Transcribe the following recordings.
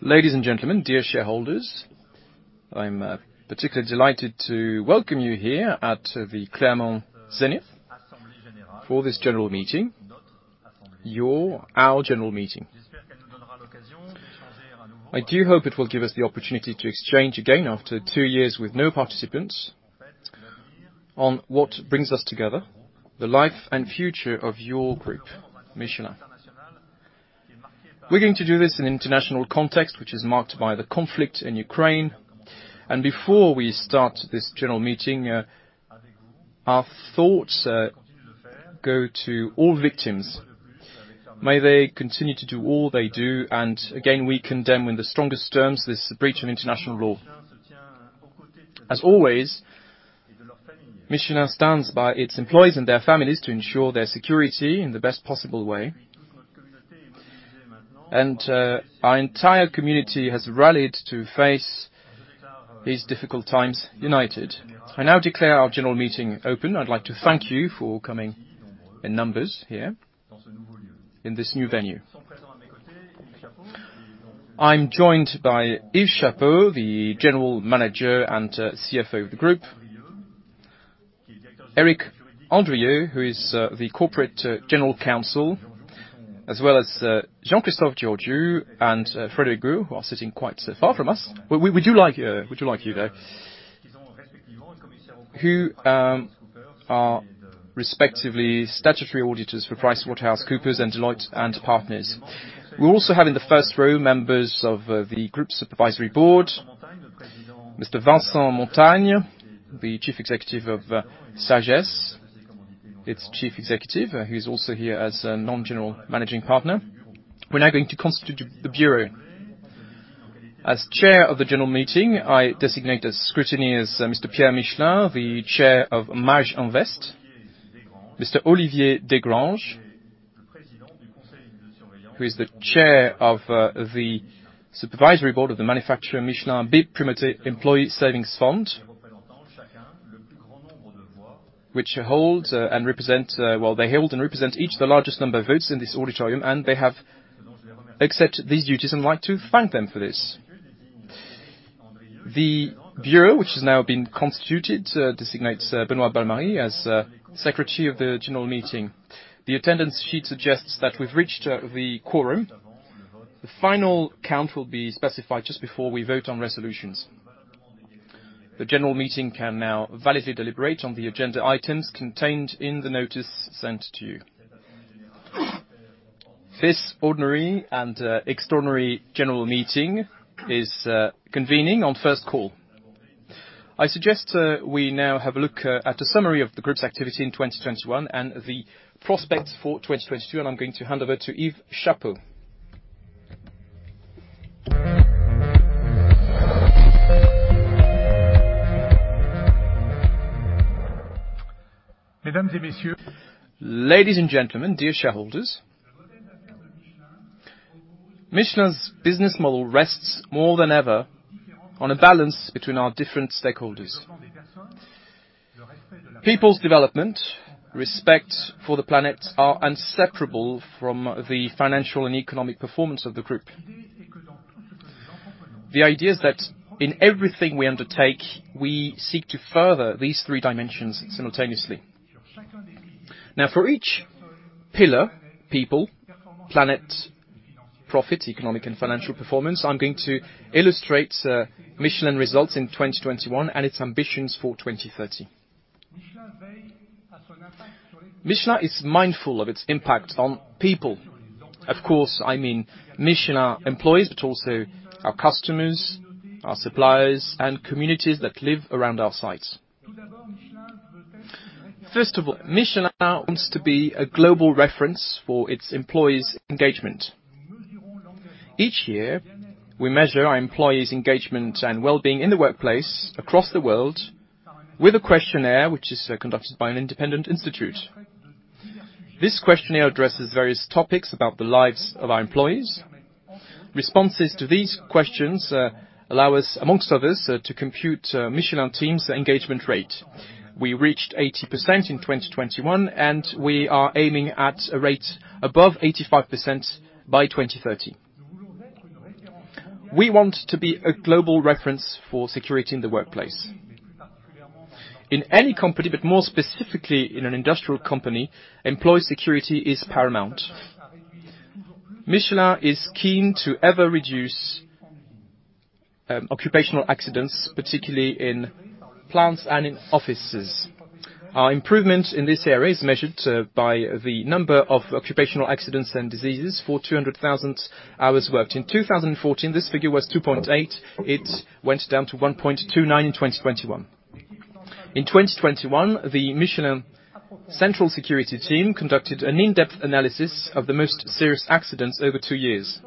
Ladies and gentlemen, dear shareholders, I'm particularly delighted to welcome you here at the Zénith d'Auvergne for this general meeting. Your, our general meeting. I do hope it will give us the opportunity to exchange again after two years with no participants on what brings us together, the life and future of your group, Michelin. We're going to do this in international context, which is marked by the conflict in Ukraine. Before we start this general meeting, our thoughts go to all victims. May they continue to do all they do, and again, we condemn in the strongest terms this breach of international law. As always, Michelin stands by its employees and their families to ensure their security in the best possible way. Our entire community has rallied to face these difficult times united. I now declare our general meeting open. I'd like to thank you for coming in numbers here in this new venue. I'm joined by Yves Chapot, the General Manager and CFO of the group. Eric Andrieu, who is the Corporate General Counsel, as well as Jean-Christophe Guérin and Frédéric Gourd, who are sitting quite so far from us. We do like you, though. Who are respectively statutory auditors for PricewaterhouseCoopers and Deloitte & Associés. We also have in the first-row members of the group supervisory board, Mr. Vincent Montagne, the Chief Executive of SAGES, its Chief Executive, who's also here as a non-general managing partner. We're now going to constitute the Bureau. As Chair of the General Meeting, I designate as scrutineers Mr. Pierre Michelin, the Chair of Mage-Invest. Mr. Olivier Desgranges, who is the Chair of the Supervisory Board of the Manufacture Michelin B Propriété Employee Savings Fund, well, they hold and represent each of the largest number of votes in this auditorium, and they have accepted these duties and like to thank them for this. The Bureau, which has now been constituted, designates Benoit Balmary as Secretary of the General Meeting. The attendance sheet suggests that we've reached the quorum. The final count will be specified just before we vote on resolutions. The general meeting can now validly deliberate on the agenda items contained in the notice sent to you. This ordinary and extraordinary general meeting is convening on first call. I suggest we now have a look at a summary of the group's activity in 2021 and the prospects for 2022, and I'm going to hand over to Yves Chapot. Ladies and gentlemen, dear shareholders. Michelin's business model rests more than ever on a balance between our different stakeholders. People's development, respect for the planet are inseparable from the financial and economic performance of the group. The idea is that in everything we undertake, we seek to further these three dimensions simultaneously. Now, for each pillar, people, planet, profit, economic and financial performance, I'm going to illustrate Michelin results in 2021 and its ambitions for 2030. Michelin is mindful of its impact on people. Of course, I mean Michelin employees, but also our customers, our suppliers and communities that live around our sites. First of all, Michelin wants to be a global reference for its employees' engagement. Each year, we measure our employees' engagement and well-being in the workplace across the world with a questionnaire, which is conducted by an independent institute. This questionnaire addresses various topics about the lives of our employees. Responses to these questions allow us, amongst others, to compute Michelin team's engagement rate. We reached 80% in 2021, and we are aiming at a rate above 85% by 2030. We want to be a global reference for security in the workplace. In any company, but more specifically in an industrial company, employee security is paramount. Michelin is keen to ever reduce occupational accidents, particularly in plants and in offices. Our improvement in this area is measured by the number of occupational accidents and diseases for 200,000 hours worked. In 2014, this figure was 2.8. It went down to 1.29 in 2021. In 2021, the Michelin Central Security Team conducted an in-depth analysis of the most serious accidents over two years.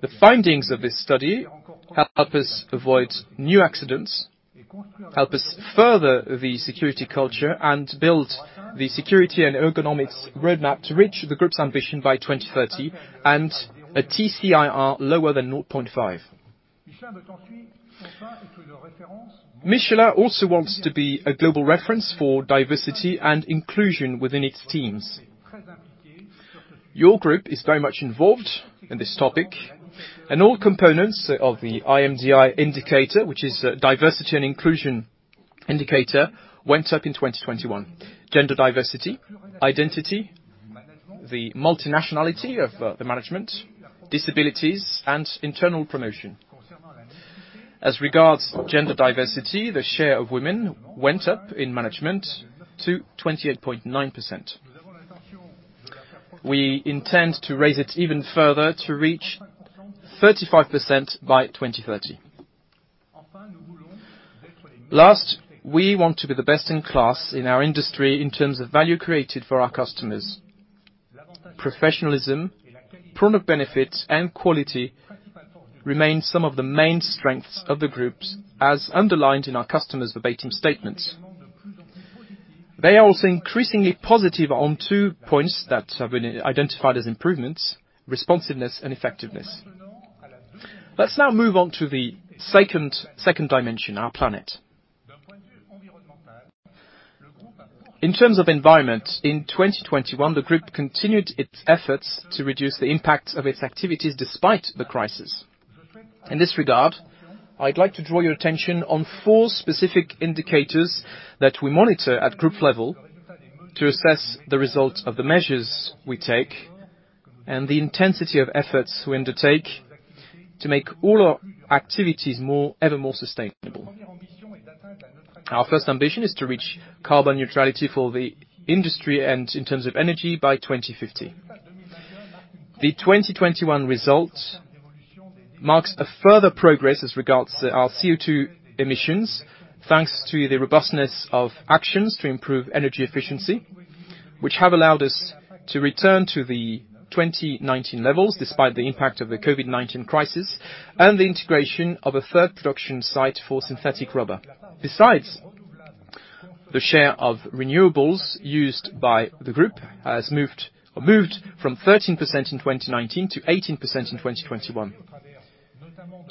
The findings of this study help us avoid new accidents, help us further the security culture, and build the security and ergonomics roadmap to reach the group's ambition by 2030, and a TCIR lower than 0.5. Michelin also wants to be a global reference for diversity and inclusion within its teams. Your group is very much involved in this topic, and all components of the IMDI indicator, which is a diversity and inclusion indicator, went up in 2021. Gender diversity, identity, the multinationality of the management, disabilities, and internal promotion. As regards gender diversity, the share of women went up in management to 28.9%. We intend to raise it even further to reach 35% by 2030. Last, we want to be the best in class in our industry in terms of value created for our customers. Professionalism, product benefits, and quality remain some of the main strengths of the Group, as underlined in our customers' verbatim statements. They are also increasingly positive on two points that have been identified as improvements, responsiveness and effectiveness. Let's now move on to the second dimension, our planet. In terms of environment, in 2021, the Group continued its efforts to reduce the impact of its activities despite the crisis. In this regard, I'd like to draw your attention on four specific indicators that we monitor at Group level to assess the result of the measures we take and the intensity of efforts we undertake to make all our activities more, ever more sustainable. Our first ambition is to reach carbon neutrality for the industry and in terms of energy by 2050. The 2021 result marks a further progress as regards our CO2 emissions, thanks to the robustness of actions to improve energy efficiency, which have allowed us to return to the 2019 levels despite the impact of the COVID-19 crisis and the integration of a third production site for synthetic rubber. Besides, the share of renewables used by the group has moved from 13% in 2019 to 18% in 2021.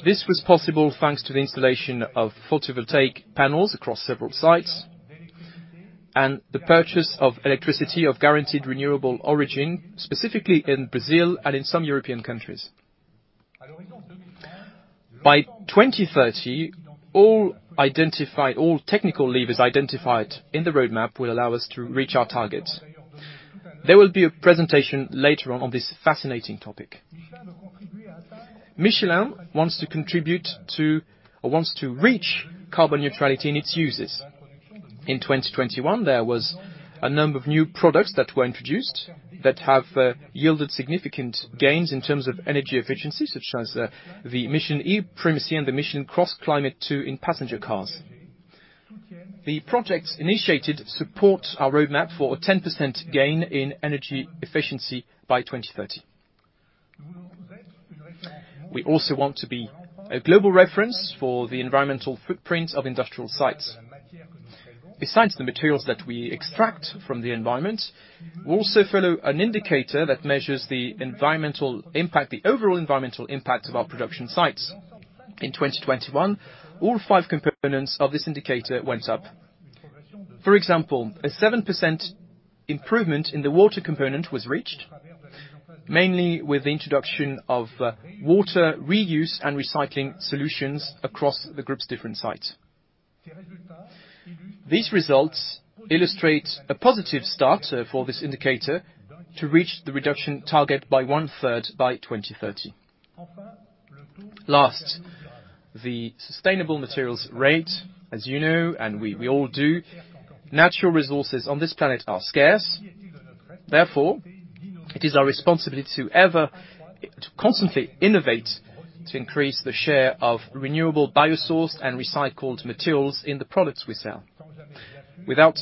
This was possible thanks to the installation of photovoltaic panels across several sites and the purchase of electricity of guaranteed renewable origin, specifically in Brazil and in some European countries. By 2030, all technical levers identified in the roadmap will allow us to reach our target. There will be a presentation later on this fascinating topic. Michelin wants to contribute to or wants to reach carbon neutrality in its uses. In 2021, there was a number of new products that were introduced that have yielded significant gains in terms of energy efficiency, such as the MICHELIN e·PRIMACY and the MICHELIN CrossClimate2 in passenger cars. The projects initiated support our roadmap for a 10% gain in energy efficiency by 2030. We also want to be a global reference for the environmental footprint of industrial sites. Besides the materials that we extract from the environment, we also follow an indicator that measures the environmental impact, the overall environmental impact of our production sites. In 2021, all five components of this indicator went up. For example, a 7% improvement in the water component was reached, mainly with the introduction of water reuse and recycling solutions across the group's different sites. These results illustrate a positive start for this indicator to reach the reduction target by one-third by 2030. Last, the sustainable materials rate, as you know, and we all do, natural resources on this planet are scarce. Therefore, it is our responsibility to constantly innovate, to increase the share of renewable bio-sourced and recycled materials in the products we sell. Without,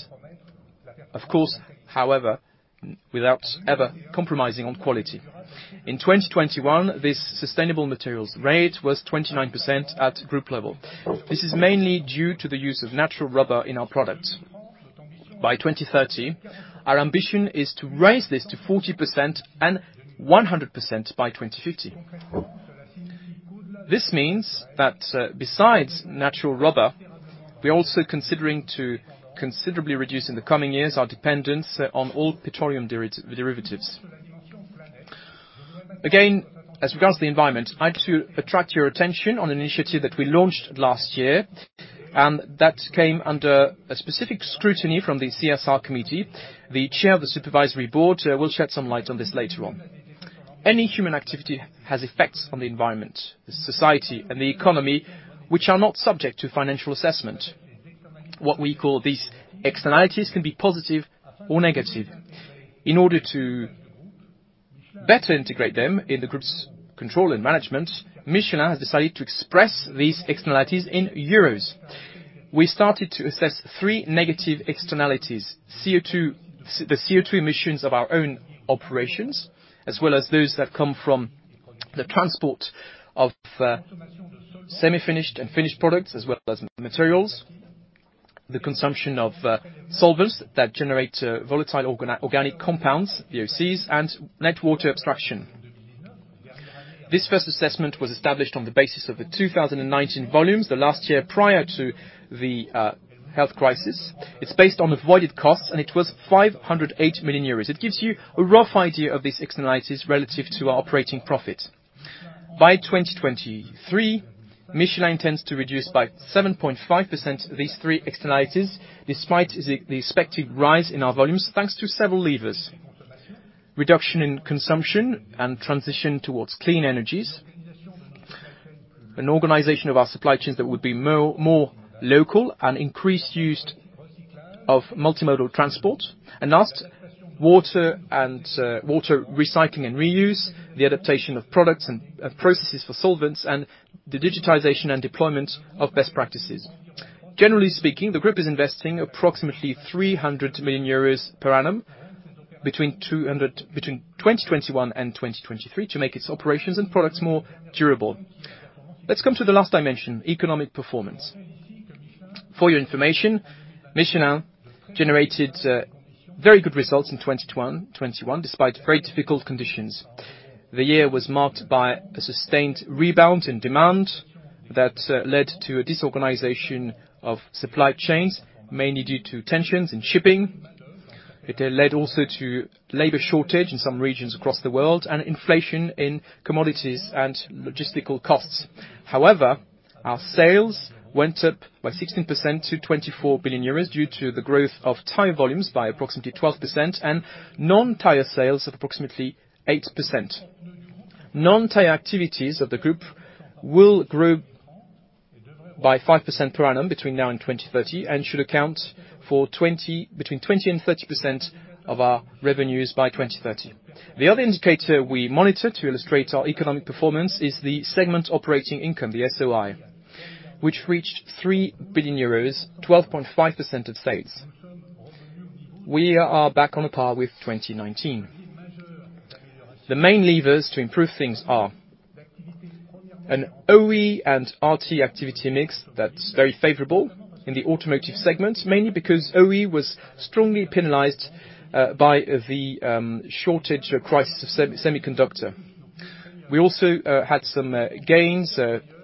of course, however, without ever compromising on quality. In 2021, this sustainable materials rate was 29% at group level. This is mainly due to the use of natural rubber in our products. By 2030, our ambition is to raise this to 40% and 100% by 2050. This means that, besides natural rubber, we're also considering to considerably reduce in the coming years our dependence on oil petroleum derivatives. Again, as regards to the environment, I'd like to attract your attention on an initiative that we launched last year, and that came under a specific scrutiny from the CSR committee. The chair of the supervisory board will shed some light on this later on. Any human activity has effects on the environment, the society, and the economy, which are not subject to financial assessment. What we call these externalities can be positive or negative. In order to better integrate them in the group's control and management, Michelin has decided to express these externalities in euros. We started to assess three negative externalities: CO2, the CO2 emissions of our own operations, as well as those that come from the transport of semi-finished and finished products, as well as materials. The consumption of solvents that generate volatile organic compounds, VOCs, and net water extraction. This first assessment was established on the basis of the 2019 volumes, the last year prior to the health crisis. It's based on avoided costs, and it was 508 million euros. It gives you a rough idea of these externalities relative to our operating profit. By 2023, Michelin tends to reduce by 7.5% these three externalities, despite the expected rise in our volumes, thanks to several levers. Reduction in consumption and transition towards clean energies. An organization of our supply chains that would be more local, and increased use of multimodal transport. Last, water recycling and reuse, the adaptation of products and processes for solvents, and the digitization and deployment of best practices. Generally speaking, the group is investing approximately 300 million euros per annum, between 2021 and 2023 to make its operations and products more durable. Let's come to the last dimension, economic performance. For your information, Michelin generated very good results in 2021, despite very difficult conditions. The year was marked by a sustained rebound in demand that led to a disorganization of supply chains, mainly due to tensions in shipping. It led also to labor shortage in some regions across the world, and inflation in commodities and logistical costs. However, our sales went up by 16% to 24 billion euros due to the growth of tire volumes by approximately 12% and non-tire sales of approximately 8%. Non-tire activities of the group will grow by 5% per annum between now and 2030, and should account for between 20% and 30% of our revenues by 2030. The other indicator we monitor to illustrate our economic performance is the segment operating income, the SOI, which reached 3 billion euros, 12.5% of sales. We are back on par with 2019. The main levers to improve things are an OE and RT activity mix that's very favorable in the automotive segment, mainly because OE was strongly penalized by the shortage crisis of semiconductors. We also had some gains,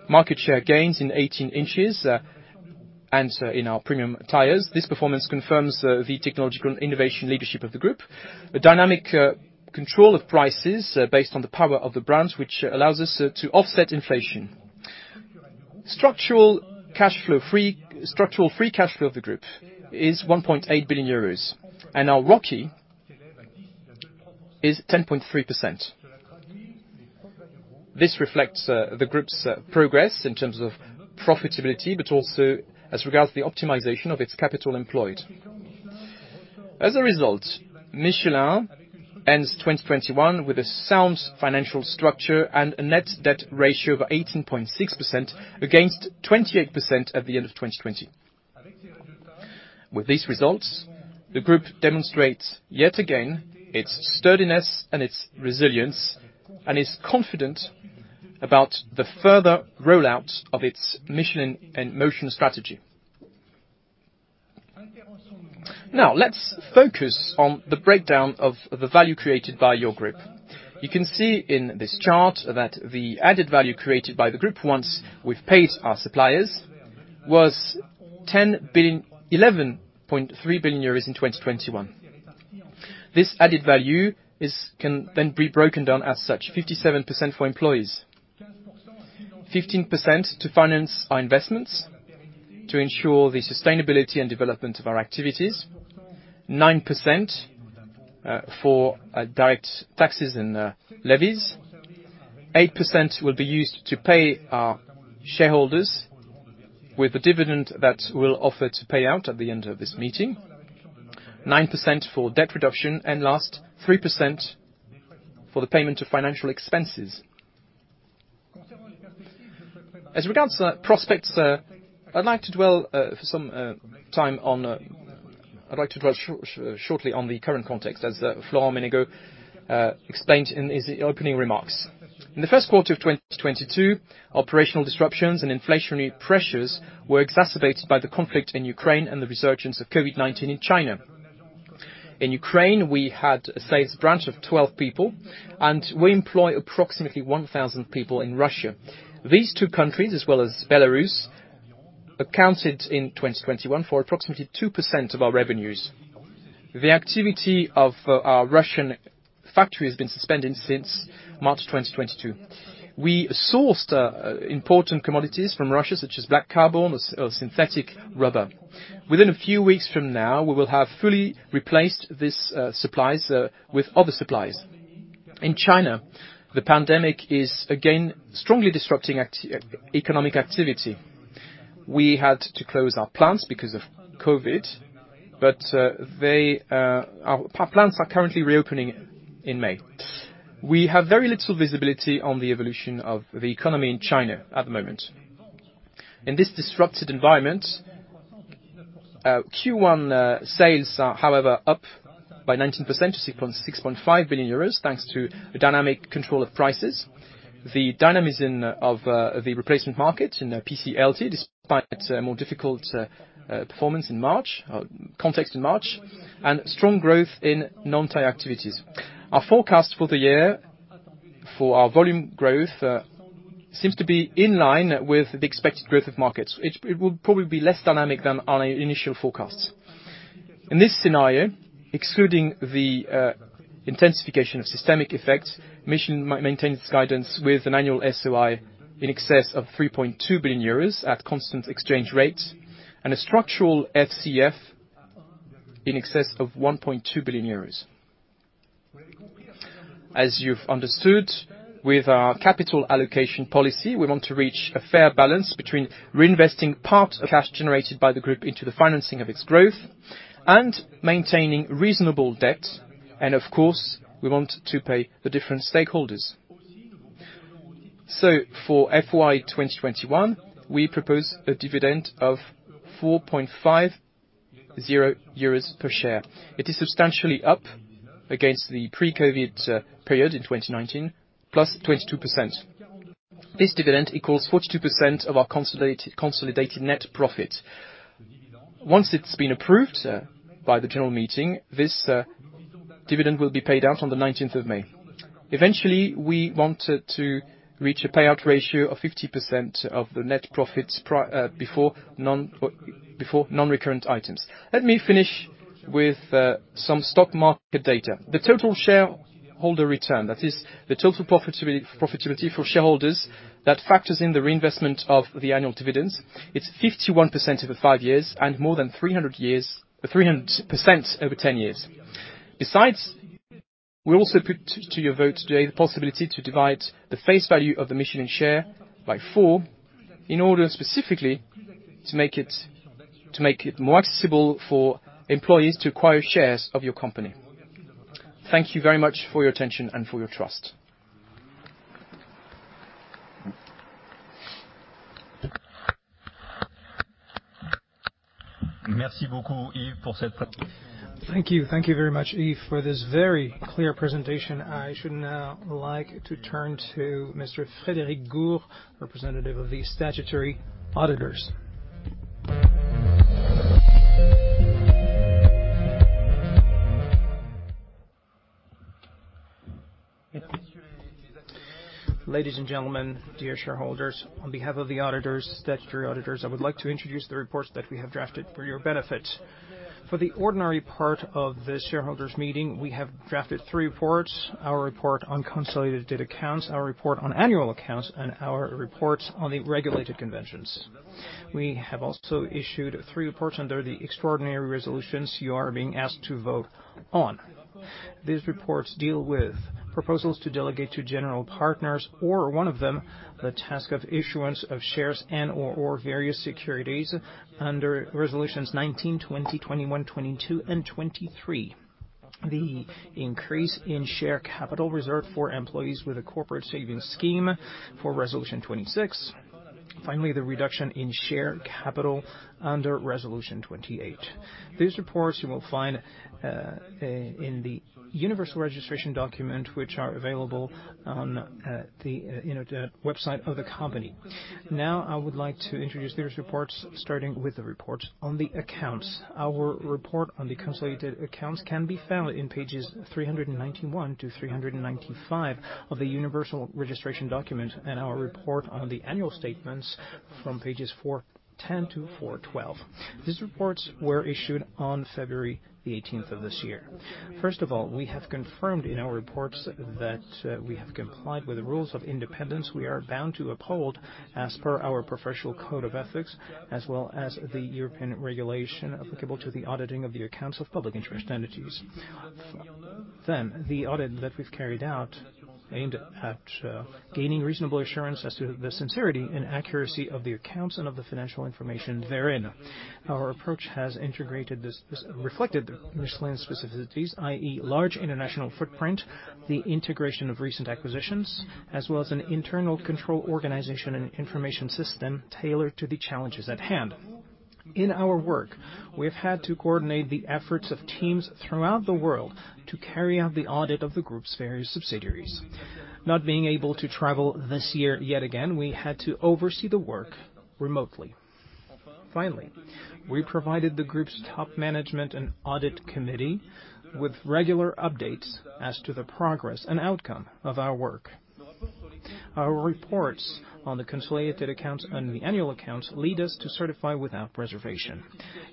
market share gains in 18 inches, and in our premium tires. This performance confirms the technological innovation leadership of the group. A dynamic control of prices based on the power of the brands, which allows us to offset inflation. Structural free cash flow of the group is 1.8 billion euros, and our ROCE is 10.3%. This reflects the group's progress in terms of profitability, but also as regards to the optimization of its capital employed. As a result, Michelin ends 2021 with a sound financial structure and a net debt ratio of 18.6% against 28% at the end of 2020. With these results, the group demonstrates, yet again, its sturdiness and its resilience, and is confident about the further rollout of its Michelin in Motion strategy. Now, let's focus on the breakdown of the value created by your group. You can see in this chart that the added value created by the group, once we've paid our suppliers, was 11.3 billion euros in 2021. This added value can then be broken down as such, 57% for employees, 15% to finance our investments to ensure the sustainability and development of our activities, 9% for direct taxes and levies, 8% will be used to pay our shareholders with the dividend that we'll offer to pay out at the end of this meeting. 9% for debt reduction, and last, 3% for the payment of financial expenses. As regards to the prospects, sir, I'd like to dwell shortly on the current context as Florent Menegaux explained in his opening remarks. In the first quarter of 2022, operational disruptions and inflationary pressures were exacerbated by the conflict in Ukraine and the resurgence of COVID-19 in China. In Ukraine, we had a sales branch of 12 people, and we employ approximately 1,000 people in Russia. These two countries, as well as Belarus, accounted in 2021 for approximately 2% of our revenues. The activity of our Russian factory has been suspended since March 2022. We sourced important commodities from Russia, such as black carbon or synthetic rubber. Within a few weeks from now, we will have fully replaced these supplies with other supplies. In China, the pandemic is again strongly disrupting economic activity. We had to close our plants because of COVID, but our plants are currently reopening in May. We have very little visibility on the evolution of the economy in China at the moment. In this disrupted environment, Q1 sales are, however, up by 19% to 6.5 billion euros, thanks to the dynamic control of prices. The dynamism of the replacement market in the PCLT, despite more difficult context in March, and strong growth in non-tire activities. Our forecast for the year for our volume growth seems to be in line with the expected growth of markets. It will probably be less dynamic than our initial forecasts. In this scenario, excluding the intensification of systemic effects, Michelin maintains guidance with an annual SOI in excess of 3.2 billion euros at constant exchange rates, and a structural FCF in excess of 1.2 billion euros. As you've understood, with our capital allocation policy, we want to reach a fair balance between reinvesting part of cash generated by the group into the financing of its growth and maintaining reasonable debt. Of course, we want to pay the different stakeholders. For FY 2021, we propose a dividend of 4.50 euros per share. It is substantially up against the pre-COVID period in 2019, plus 22%. This dividend equals 42% of our consolidated net profit. Once it's been approved by the general meeting, this dividend will be paid out on May 19. Eventually, we want it to reach a payout ratio of 50% of the net profits before non-recurrent items. Let me finish with some stock market data. The total shareholder return, that is the total profitability for shareholders that factors in the reinvestment of the annual dividends. It's 51% over five years and more than 300% over ten years. Besides, we also put to your vote today the possibility to divide the face value of the Michelin share by four in order specifically to make it more accessible for employees to acquire shares of your company. Thank you very much for your attention and for your trust. Thank you. Thank you very much, Yves, for this very clear presentation. I should now like to turn to Mr. Frédéric Gourd, representative of the statutory auditors. Ladies and gentlemen, dear shareholders. On behalf of the auditors, statutory auditors, I would like to introduce the reports that we have drafted for your benefit. For the ordinary part of the shareholders' meeting, we have drafted three reports. Our report on consolidated accounts, our report on annual accounts, and our reports on the regulated conventions. We have also issued three reports under the extraordinary resolutions you are being asked to vote on. These reports deal with proposals to delegate to general partners or one of them, the task of issuance of shares and/or various securities under Resolutions 19, 20, 21, 22, and 23. The increase in share capital reserved for employees with a corporate savings scheme for Resolution 26. Finally, the reduction in share capital under Resolution 28. These reports you will find in the universal registration document, which are available on the website of the company. Now, I would like to introduce these reports, starting with the report on the accounts. Our report on the consolidated accounts can be found on Pages 391-395 of the universal registration document, and our report on the annual statements from Pages 410-412. These reports were issued on February 18, of this year. First of all, we have confirmed in our reports that we have complied with the rules of independence we are bound to uphold as per our professional code of ethics, as well as the European regulation applicable to the auditing of the accounts of public interest entities. The audit that we've carried out aimed at gaining reasonable assurance as to the sincerity and accuracy of the accounts and of the financial information therein. Our approach has integrated and reflected Michelin's specificities, i.e., large international footprint, the integration of recent acquisitions, as well as an internal control organization and information system tailored to the challenges at hand. In our work, we have had to coordinate the efforts of teams throughout the world to carry out the audit of the group's various subsidiaries. Not being able to travel this year yet again, we had to oversee the work remotely. Finally, we provided the group's top management and audit committee with regular updates as to the progress and outcome of our work. Our reports on the consolidated accounts and the annual accounts lead us to certify without reservation.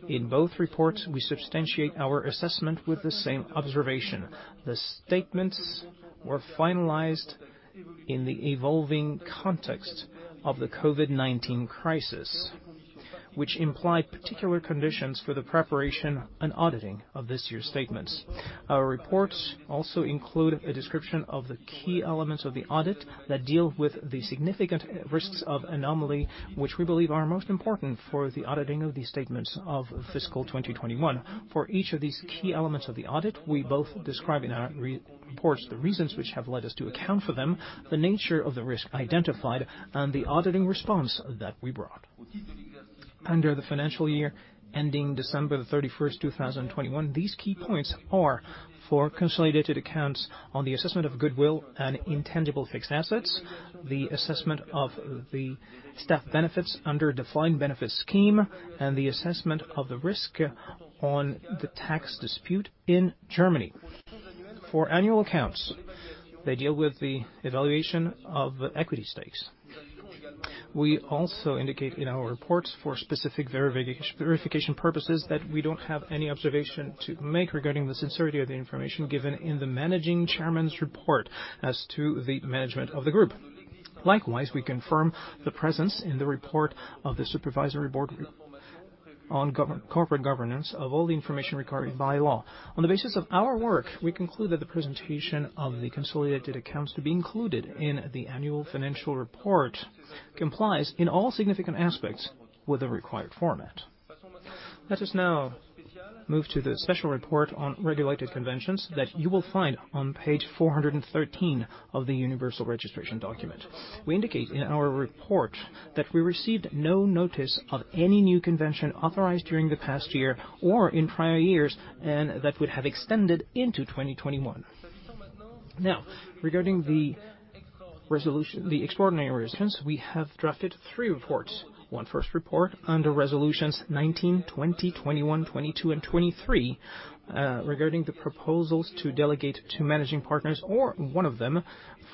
In both reports, we substantiate our assessment with the same observation. The statements were finalized in the evolving context of the COVID-19 crisis, which implied particular conditions for the preparation and auditing of this year's statements. Our reports also include a description of the key elements of the audit that deal with the significant risks of anomaly, which we believe are most important for the auditing of these statements of fiscal 2021. For each of these key elements of the audit, we both describe in our reports the reasons which have led us to account for them, the nature of the risk identified, and the auditing response that we brought. Under the financial year ending December 31, 2021, these key points are for consolidated accounts on the assessment of goodwill and intangible fixed assets, the assessment of the staff benefits under defined benefit scheme, and the assessment of the risk on the tax dispute in Germany. For annual accounts, they deal with the evaluation of equity stakes. We also indicate in our reports for specific verification purposes that we don't have any observation to make regarding the sincerity of the information given in the managing chairman's report as to the management of the group. Likewise, we confirm the presence in the report of the Supervisory Board on corporate governance of all the information required by law. On the basis of our work, we conclude that the presentation of the consolidated accounts to be included in the annual financial report complies in all significant aspects with the required format. Let us now move to the special report on regulated conventions that you will find on Page 413 of the universal registration document. We indicate in our report that we received no notice of any new convention authorized during the past year or in prior years and that would have extended into 2021. Now, regarding the resolution, the extraordinary resolutions, we have drafted three reports. Our first report under Resolutions 19, 20, 21, 22, and 23, regarding the proposals to delegate to managing partners or one of them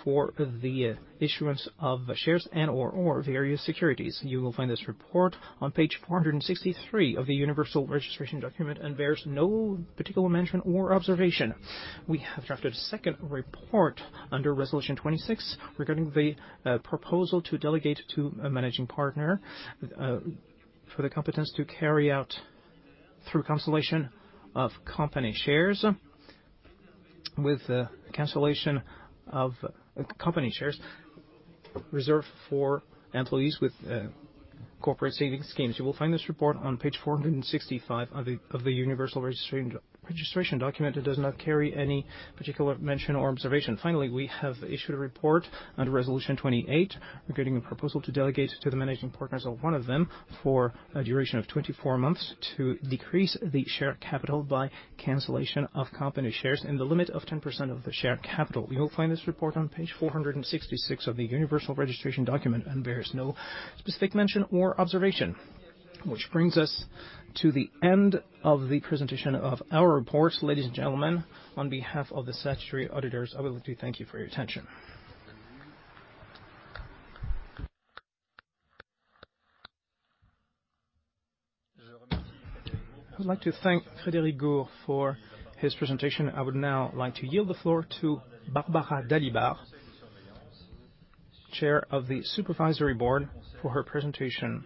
for the issuance of shares and/or various securities. You will find this report on Page 463 of the universal registration document, and there's no particular mention or observation. We have drafted a second report under Resolution 26 regarding the proposal to delegate to a managing partner for the competence to carry out through cancellation of company shares with the cancellation of company shares reserved for employees with corporate savings schemes. You will find this report on Page 465 of the universal registration document. It does not carry any particular mention or observation. Finally, we have issued a report under Resolution 28 regarding a proposal to delegate to the managing partners or one of them for a duration of 24 months to decrease the share capital by cancellation of company shares in the limit of 10% of the share capital. You will find this report on Page 466 of the universal registration document, and there's no specific mention or observation. Which brings us to the end of the presentation of our report. Ladies and gentlemen, on behalf of the statutory auditors, I would like to thank you for your attention. I would like to thank Frédéric Gourd for his presentation. I would now like to yield the floor to Barbara Dalibard, Chair of the Supervisory Board, for her presentation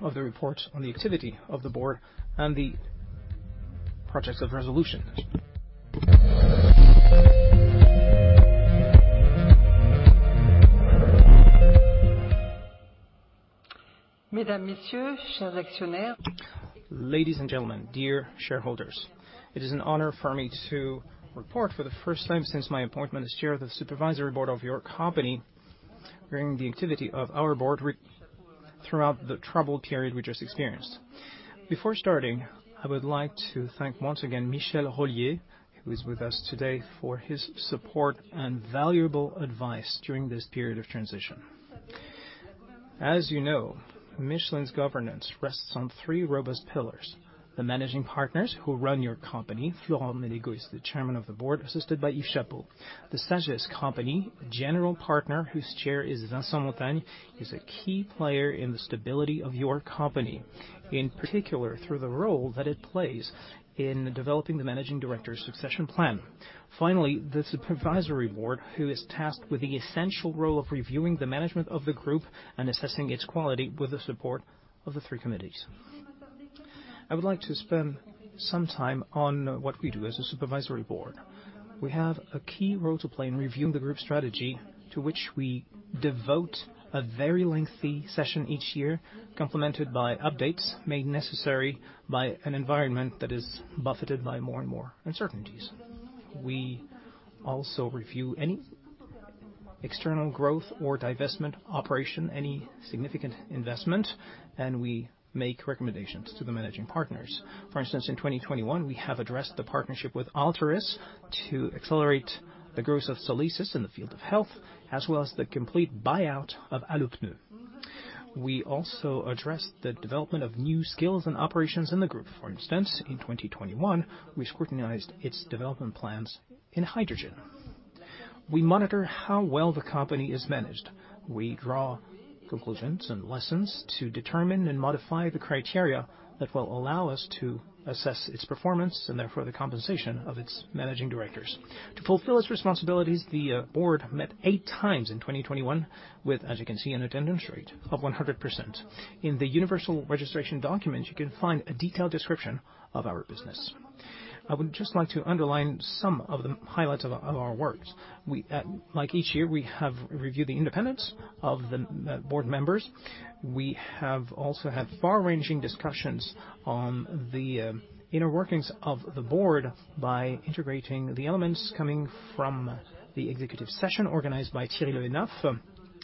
of the report on the activity of the board and the projects of resolution. Ladies and gentlemen, dear shareholders, it is an honor for me to report for the first time since my appointment as Chair of the Supervisory Board of your company during the activity of our board throughout the troubled period we just experienced. Before starting, I would like to thank once again Michel Rollier, who is with us today, for his support and valuable advice during this period of transition. As you know, Michelin's governance rests on three robust pillars. The managing partners who run your company, Florent Menegaux is the Chairman of the board, assisted by Yves Chapot. The SAGES company, general partner, whose Chair is Vincent Montagne, is a key player in the stability of your company, in particular, through the role that it plays in developing the managing director succession plan. Finally, the supervisory board, who is tasked with the essential role of reviewing the management of the group and assessing its quality with the support of the three committees. I would like to spend some time on what we do as a supervisory board. We have a key role to play in reviewing the group strategy, to which we devote a very lengthy session each year, complemented by updates made necessary by an environment that is buffeted by more and more uncertainties. We also review any external growth or divestment operation, any significant investment, and we make recommendations to the managing partners. For instance, in 2021, we have addressed the partnership with Altaris to accelerate the growth of Solesis in the field of health, as well as the complete buyout of Allopneus. We also addressed the development of new skills and operations in the group. For instance, in 2021, we scrutinized its development plans in hydrogen. We monitor how well the company is managed. We draw conclusions and lessons to determine and modify the criteria that will allow us to assess its performance and therefore the compensation of its managing directors. To fulfill its responsibilities, the board met eight times in 2021 with, as you can see, an attendance rate of 100%. In the Universal Registration Document, you can find a detailed description of our business. I would just like to underline some of the highlights of our work. Like each year, we have reviewed the independence of the board members. We have also had far-ranging discussions on the inner workings of the board by integrating the elements coming from the executive session organized by Thierry Le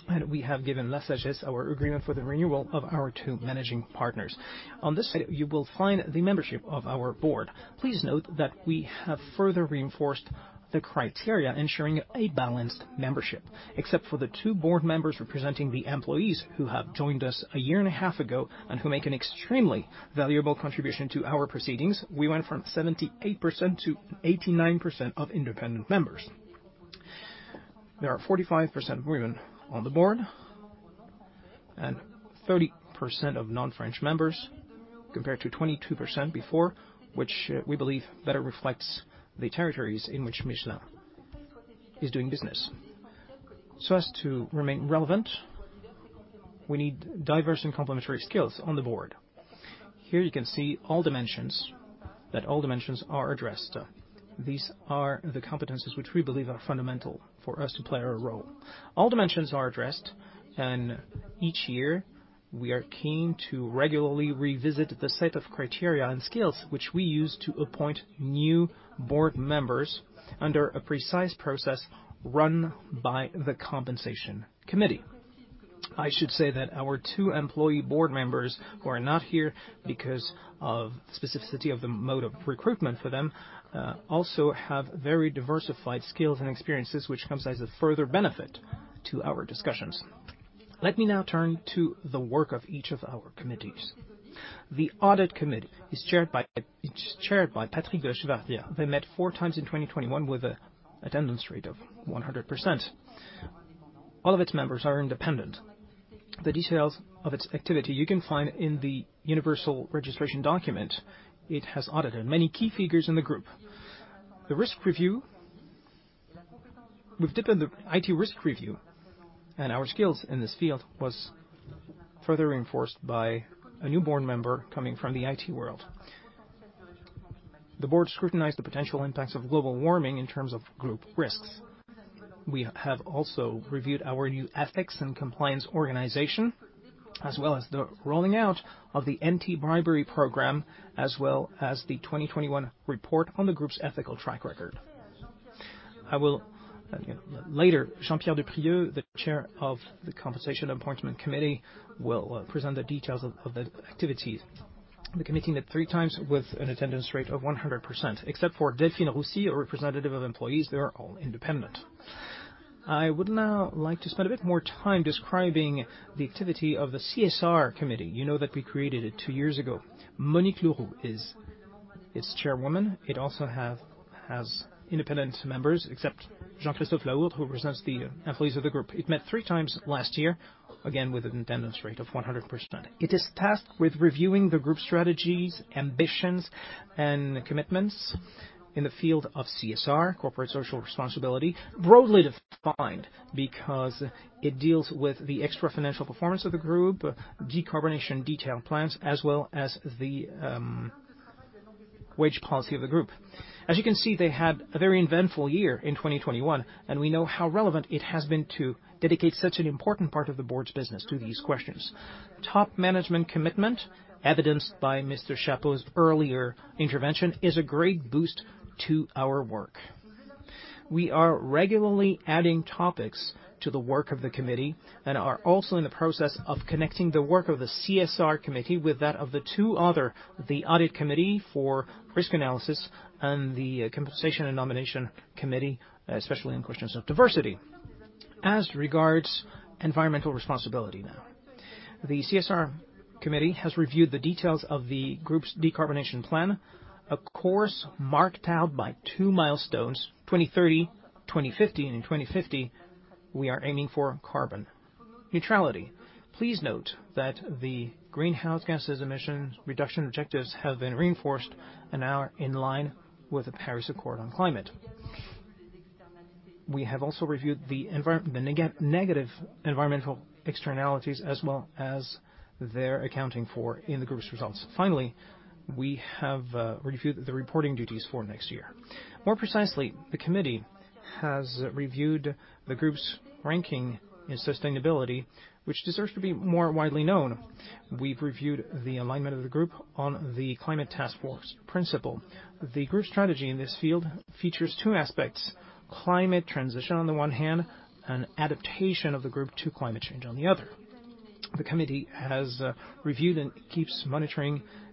Hénaff. We have given messages, our agreement for the renewal of our two managing partners. On this side, you will find the membership of our board. Please note that we have further reinforced the criteria ensuring a balanced membership. Except for the two board members representing the employees who have joined us a year and a half ago, and who make an extremely valuable contribution to our proceedings, we went from 78% to 89% of independent members. There are 45% women on the board and 30% of non-French members, compared to 22% before, which we believe better reflects the territories in which Michelin is doing business. As to remain relevant, we need diverse and complementary skills on the board. Here you can see all dimensions, that all dimensions are addressed. These are the competencies which we believe are fundamental for us to play our role. All dimensions are addressed, and each year, we are keen to regularly revisit the set of criteria and skills which we use to appoint new board members under a precise process run by the Compensation Committee. I should say that our two employee board members, who are not here because of specificity of the mode of recruitment for them, also have very diversified skills and experiences which comes as a further benefit to our discussions. Let me now turn to the work of each of our committees. The Audit Committee is chaired by Patrick de La Chevardière. They met four times in 2021 with an attendance rate of 100%. All of its members are independent. The details of its activity you can find in the Universal Registration Document. It has audited many key figures in the group. The risk review. We've deepened the IT risk review, and our skills in this field were further reinforced by a new board member coming from the IT world. The board scrutinized the potential impacts of global warming in terms of group risks. We have also reviewed our new ethics and compliance organization, as well as the rolling out of the anti-bribery program, as well as the 2021 report on the group's ethical track record. I will, later, Jean-Pierre Duprieu, the Chair of the Compensation and Appointment Committee, will present the details of the activities. The committee met three times with an attendance rate of 100%. Except for Delphine Roussy, a representative of employees, they are all independent. I would now like to spend a bit more time describing the activity of the CSR committee. You know that we created it two years ago. Monique Leroux is its chairwoman. It also has independent members, except Jean-Christophe Laourde, who represents the employees of the group. It met three times last year, again, with an attendance rate of 100%. It is tasked with reviewing the group strategies, ambitions, and commitments in the field of CSR, corporate social responsibility, broadly defined because it deals with the extra-financial performance of the group, decarbonization detailed plans, as well as the wage policy of the group. As you can see, they had a very eventful year in 2021, and we know how relevant it has been to dedicate such an important part of the board's business to these questions. Top management commitment, evidenced by Mr. Chapot's earlier intervention, is a great boost to our work. We are regularly adding topics to the work of the committee and are also in the process of connecting the work of the CSR committee with that of the two other the Audit Committee for risk analysis and the Compensation and Nomination Committee, especially on questions of diversity. As regards environmental responsibility now. The CSR committee has reviewed the details of the group's decarbonization plan, a course marked out by two milestones, 2030, 2050, and in 2050, we are aiming for carbon neutrality. Please note that the greenhouse gas emissions reduction objectives have been reinforced and are in line with the Paris Agreement on climate. We have also reviewed the environment, the negative environmental externalities as well as their accounting for in the group's results. Finally, we have reviewed the reporting duties for next year. More precisely, the committee has reviewed the group's ranking in sustainability, which deserves to be more widely known. We've reviewed the alignment of the group on the TCFD principles. The group strategy in this field features two aspects, climate transition on the one hand, and adaptation of the group to climate change on the other. The committee has reviewed and keeps monitoring the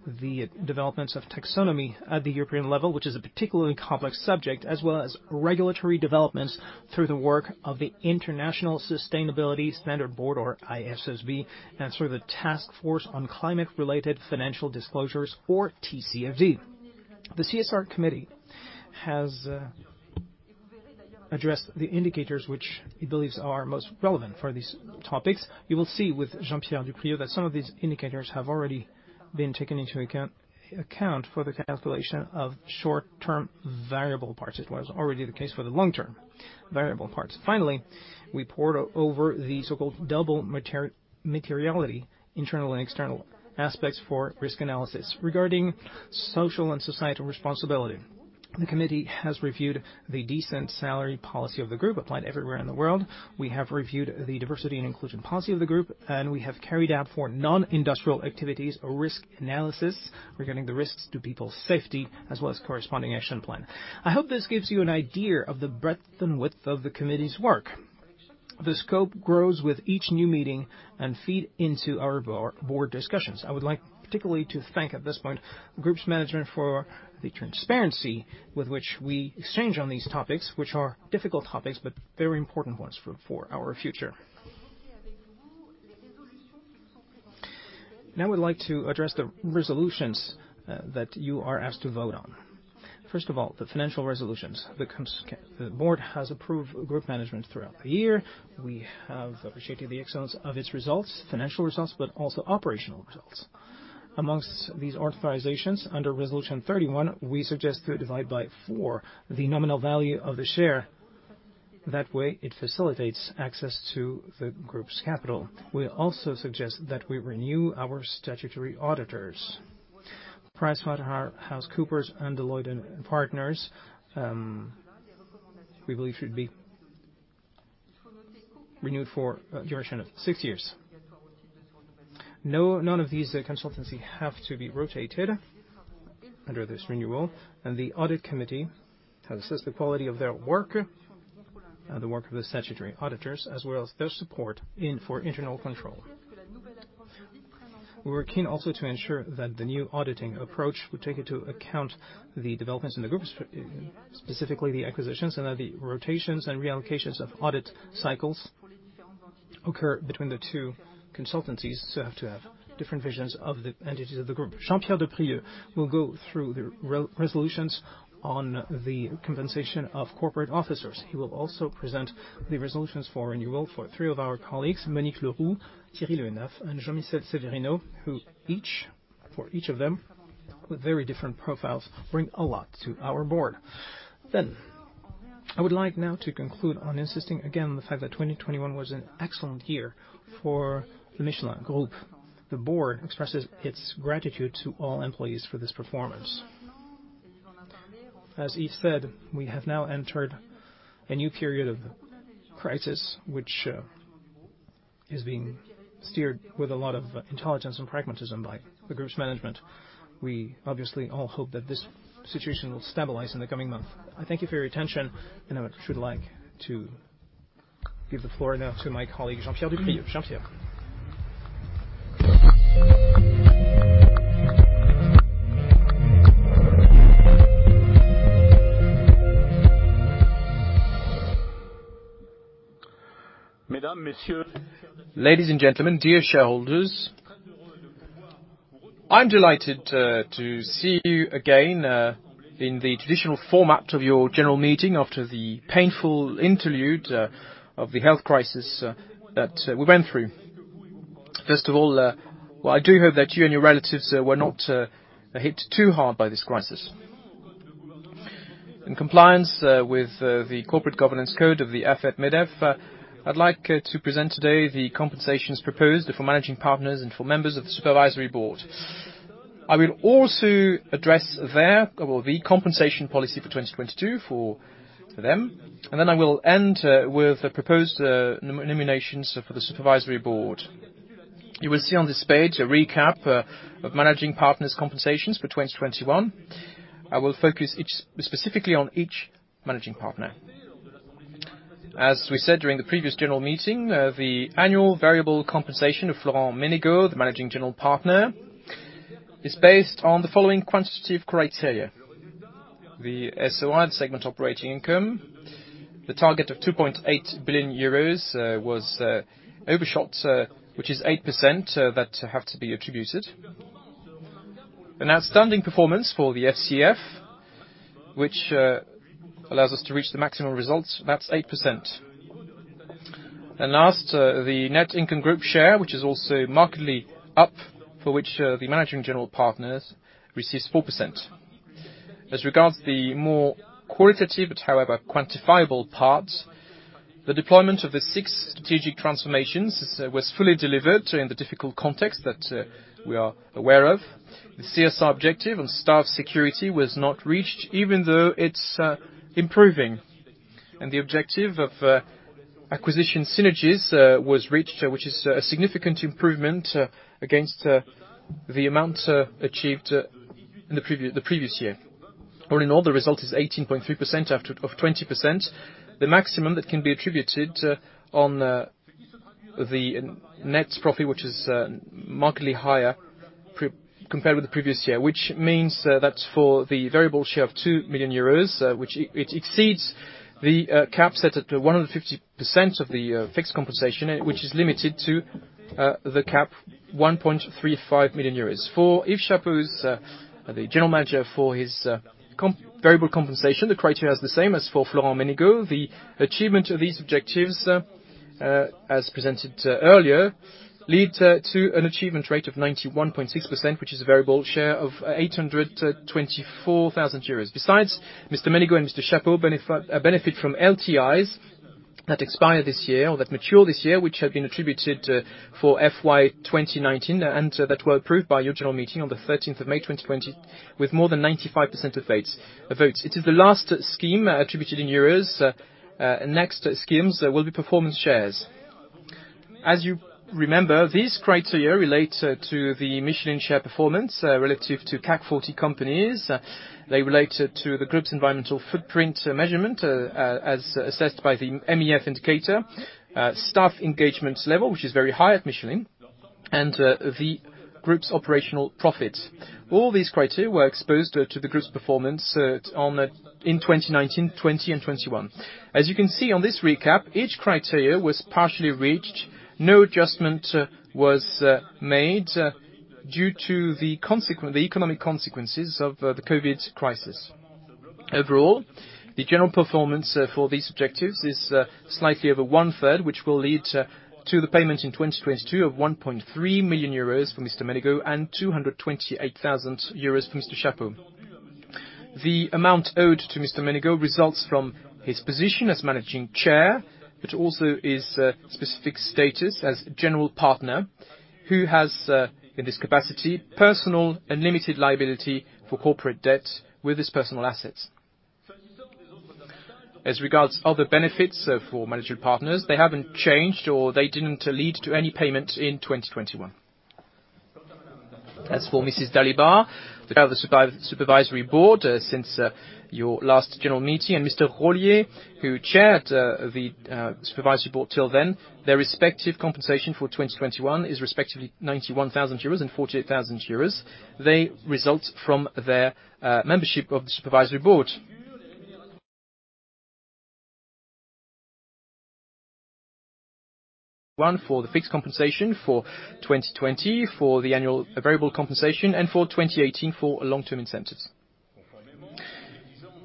developments of taxonomy at the European level, which is a particularly complex subject, as well as regulatory developments through the work of the International Sustainability Standards Board or ISSB, and sort of a Taskforce on Climate-related Financial Disclosures or TCFD. The CSR committee has addressed the indicators which it believes are most relevant for these topics. You will see with Jean-Pierre Duprieu that some of these indicators have already been taken into account for the calculation of short-term variable parts. It was already the case for the long-term variable parts. Finally, we pored over the so-called double materiality, internal and external aspects for risk analysis. Regarding social and societal responsibility, the committee has reviewed the decent salary policy of the group applied everywhere in the world. We have reviewed the diversity and inclusion policy of the group, and we have carried out for non-industrial activities a risk analysis regarding the risks to people's safety as well as corresponding action plan. I hope this gives you an idea of the breadth and width of the committee's work. The scope grows with each new meeting and feed into our board discussions. I would like particularly to thank at this point, group's management for the transparency with which we exchange on these topics, which are difficult topics, but very important ones for our future. Now I would like to address the resolutions that you are asked to vote on. First of all, the financial resolutions. The board has approved group management throughout the year. We have appreciated the excellence of its results, financial results, but also operational results. Among these authorizations, under Resolution 31, we suggest to divide by four the nominal value of the share. That way, it facilitates access to the group's capital. We also suggest that we renew our statutory auditors. PricewaterhouseCoopers and Deloitte & Associés, we believe should be renewed for a duration of six years. None of these consultancies have to be rotated under this renewal, and the audit committee has assessed the quality of their work and the work of the statutory auditors, as well as their support for internal control. We were keen also to ensure that the new auditing approach would take into account the developments in the group, specifically the acquisitions, and that the rotations and reallocations of audit cycles occur between the two consultancies to have different visions of the entities of the group. Jean-Pierre Duprieu will go through the re-resolutions on the compensation of corporate officers. He will also present the resolutions for renewal for three of our colleagues, Monique Leroux, Thierry Le Hénaff, and Jean-Michel Severino, who each, for each of them, with very different profiles, bring a lot to our board. I would like now to conclude on insisting again the fact that 2021 was an excellent year for the Michelin Group. The board expresses its gratitude to all employees for this performance. As Yves said, we have now entered a new period of crisis, which is being steered with a lot of intelligence and pragmatism by the group's management. We obviously all hope that this situation will stabilize in the coming month. I thank you for your attention, and I should like to give the floor now to my colleague, Jean-Pierre Duprieu. Jean-Pierre. Ladies and gentlemen, dear shareholders, I'm delighted to see you again in the traditional format of your general meeting after the painful interlude of the health crisis that we went through. First of all, well, I do hope that you and your relatives were not hit too hard by this crisis. In compliance with the corporate governance code of the AFEP-MEDEF, I'd like to present today the compensations proposed for managing partners and for members of the supervisory board. I will also address they're or the compensation policy for 2022 for them, and then I will end with the proposed nominations for the supervisory board. You will see on this page a recap of managing partners compensations for 2021. I will focus specifically on each managing partner. As we said during the previous general meeting, the annual variable compensation of Florent Menegaux, the Managing General Partner, is based on the following quantitative criteria. The SOI, Segment Operating Income, the target of 2.8 billion euros, was overshot, which is 8% that have to be attributed. An outstanding performance for the FCF, which allows us to reach the maximum results. That's 8%. Last, the net income group share, which is also markedly up, for which the Managing General Partners receives 4%. As regards the more qualitative, but however quantifiable part, the deployment of the six strategic transformations was fully delivered in the difficult context that we are aware of. The CSR objective on staff security was not reached, even though it's improving. The objective of acquisition synergies was reached, which is a significant improvement against the amount achieved in the previous year. All in all, the result is 18.3% out of 20%. The maximum that can be attributed on the net profit, which is markedly higher compared with the previous year, which means that for the variable share of 2 million euros, which exceeds the cap set at 150% of the fixed compensation, which is limited to the cap 1.35 million euros. For Yves Chapot, the General Manager, for his variable compensation, the criteria is the same as for Florent Menegaux. The achievement of these objectives, as presented earlier, lead to an achievement rate of 91.6%, which is a variable share of 824,000 euros. Besides, Mr. Menegaux and Mr. Chapot benefit from LTIs that expire this year or that mature this year, which have been attributed for FY 2019 and that were approved by your general meeting on May 13, 2020, with more than 95% of votes. It is the last scheme attributed in euros. Next schemes will be performance shares. As you remember, these criteria relate to the Michelin share performance relative to CAC 40 companies. They relate to the group's environmental footprint measurement, as assessed by the MEF indicator, staff engagement level, which is very high at Michelin, and the group's operational profit. All these criteria were exposed to the group's performance, in 2019, 2020, and 2021. As you can see on this recap, each criteria was partially reached. No adjustment was made due to the economic consequences of the COVID crisis. Overall, the general performance for these objectives is slightly over one-third, which will lead to the payment in 2022 of 1.3 million euros for Mr. Menegaux and 228,000 euros for Mr. Chapot. The amount owed to Mr. Menegaux results from his position as managing chairman, but also his specific status as general partner, who has, in this capacity, personal unlimited liability for corporate debt with his personal assets. As regards other benefits for managing partners, they haven't changed, or they didn't lead to any payment in 2021. As for Mrs. Dalibard, the head of the supervisory board since your last general meeting, and Mr. Rollier, who chaired the supervisory board till then, their respective compensation for 2021 is respectively 91,000 euros and 48,000 euros. They result from their membership of the supervisory board. One for the fixed compensation for 2020, for the annual variable compensation, and for 2018 for long-term incentives.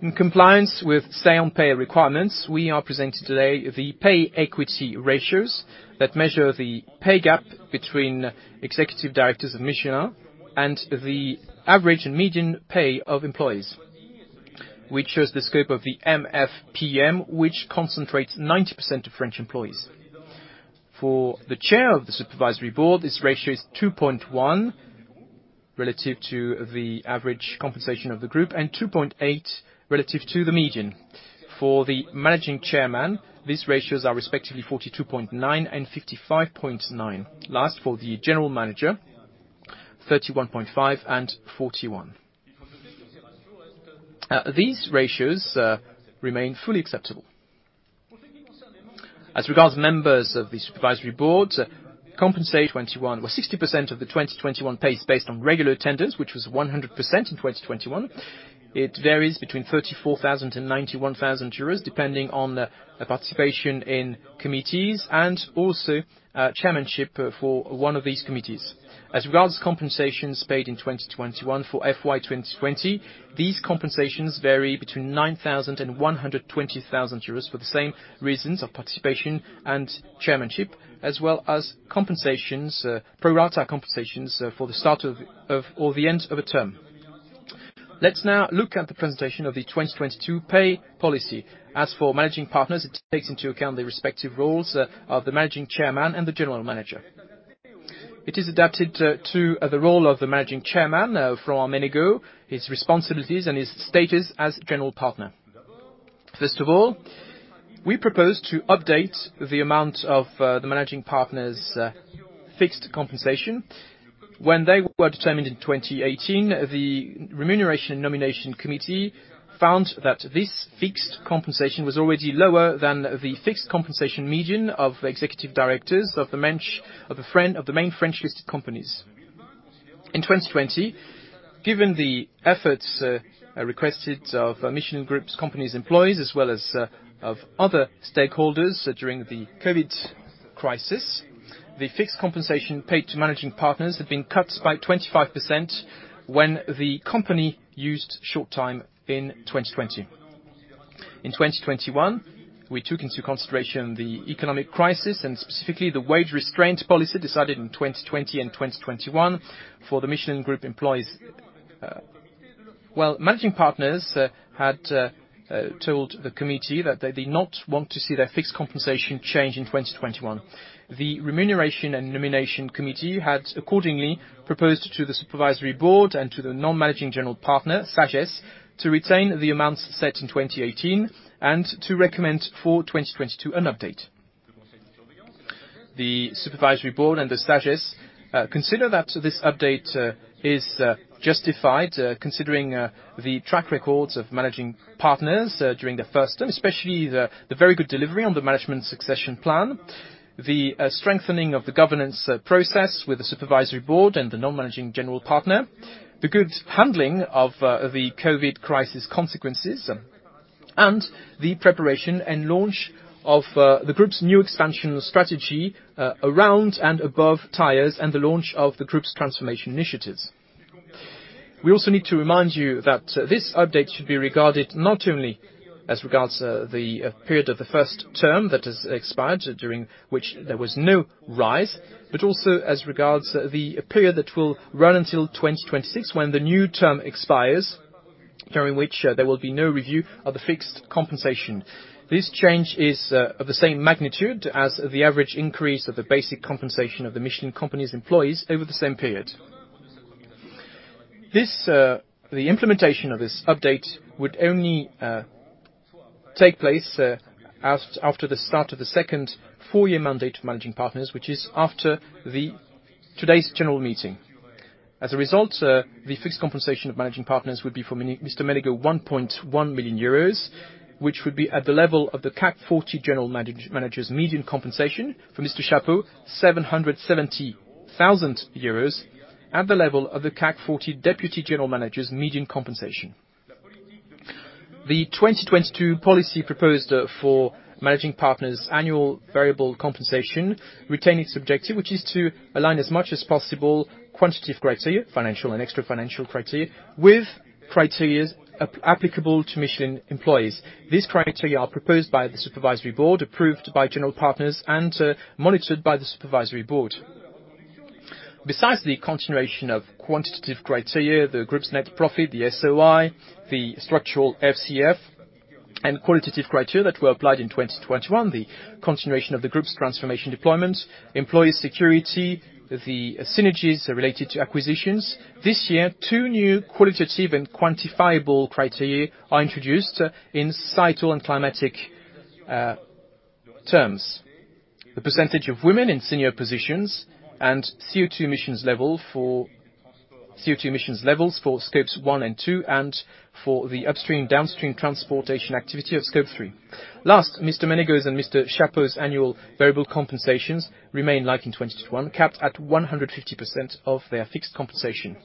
In compliance with same pay requirements, we are presenting today the pay equity ratios that measure the pay gap between executive directors of Michelin and the average and median pay of employees, which shows the scope of the MFPM, which concentrates 90% of French employees. For the chair of the supervisory board, this ratio is 2.1 relative to the average compensation of the group and 2.8 relative to the median. For the managing chairman, these ratios are respectively 42.9 and 55.9. Lastly, for the general manager, 31.5 and 41. These ratios remain fully acceptable. As regards members of the supervisory board, compensation. 21 or 60% of the 2021 pay is based on regular attendance, which was 100% in 2021. It varies between 34,000 and 91,000 euros, depending on the participation in committees and also chairmanship for one of these committees. As regards compensations paid in 2021 for FY 2020, these compensations vary between 9,000 and 120,000 euros for the same reasons of participation and chairmanship, as well as pro rata compensations for the start of or the end of a term. Let's now look at the presentation of the 2022 pay policy. As for managing partners, it takes into account the respective roles of the managing chairman and the general manager. It is adapted to the role of the managing chairman, Florent Menegaux, his responsibilities, and his status as general partner. First of all, we propose to update the amount of the managing partner's fixed compensation. When they were determined in 2018, the remuneration and nomination committee found that this fixed compensation was already lower than the fixed compensation median of executive directors of the main French listed companies. In 2020, given the efforts requested of Michelin Group's employees as well as of other stakeholders during the COVID crisis, the fixed compensation paid to managing partners had been cut by 25% when the company used short time in 2020. In 2021, we took into consideration the economic crisis, and specifically the wage restraint policy decided in 2020 and 2021 for the Michelin Group employees. Managing partners had told the committee that they did not want to see their fixed compensation change in 2021. The remuneration and nomination committee had accordingly proposed to the supervisory board and to the non-managing general partner, SAGES, to retain the amounts set in 2018 and to recommend for 2022 an update. The supervisory board and the SAGES consider that this update is justified considering the track records of managing partners during the first term, especially the very good delivery on the management succession plan, the strengthening of the governance process with the supervisory board and the non-managing general partner, the good handling of the COVID crisis consequences, and the preparation and launch of the group's new expansion strategy around and above tires, and the launch of the group's transformation initiatives. We also need to remind you that this update should be regarded not only as regards the period of the first term that has expired, during which there was no rise, but also as regards the period that will run until 2026 when the new term expires, during which there will be no review of the fixed compensation. This change is of the same magnitude as the average increase of the basic compensation of the Michelin company's employees over the same period. The implementation of this update would only take place after the start of the second four-year mandate managing partners, which is after today's general meeting. As a result, the fixed compensation of managing partners would be for Mr. Menegaux 1.1 million euros, which would be at the level of the CAC 40 general managers' median compensation. For Mr. Yves Chapot, 770,000 euros at the level of the CAC 40 deputy general managers' median compensation. The 2022 policy proposed for managing partners' annual variable compensation retain its objective, which is to align as much as possible quantitative criteria, financial and extra-financial criteria, with criteria applicable to Michelin employees. These criteria are proposed by the supervisory board, approved by general partners, and monitored by the supervisory board. Besides the continuation of quantitative criteria, the group's net profit, the SOI, the structural FCF, and qualitative criteria that were applied in 2021, the continuation of the group's transformation deployment, employee security, the synergies related to acquisitions. This year, two new qualitative and quantifiable criteria are introduced in societal and climatic terms. The percentage of women in senior positions and CO2 emissions levels for Scope 1 and 2, and for the upstream, downstream transportation activity of Scope 3. Last, Mr. Menegaux's and Mr. Chapot's annual variable compensations remain like in 2021, capped at 150% of their fixed compensation.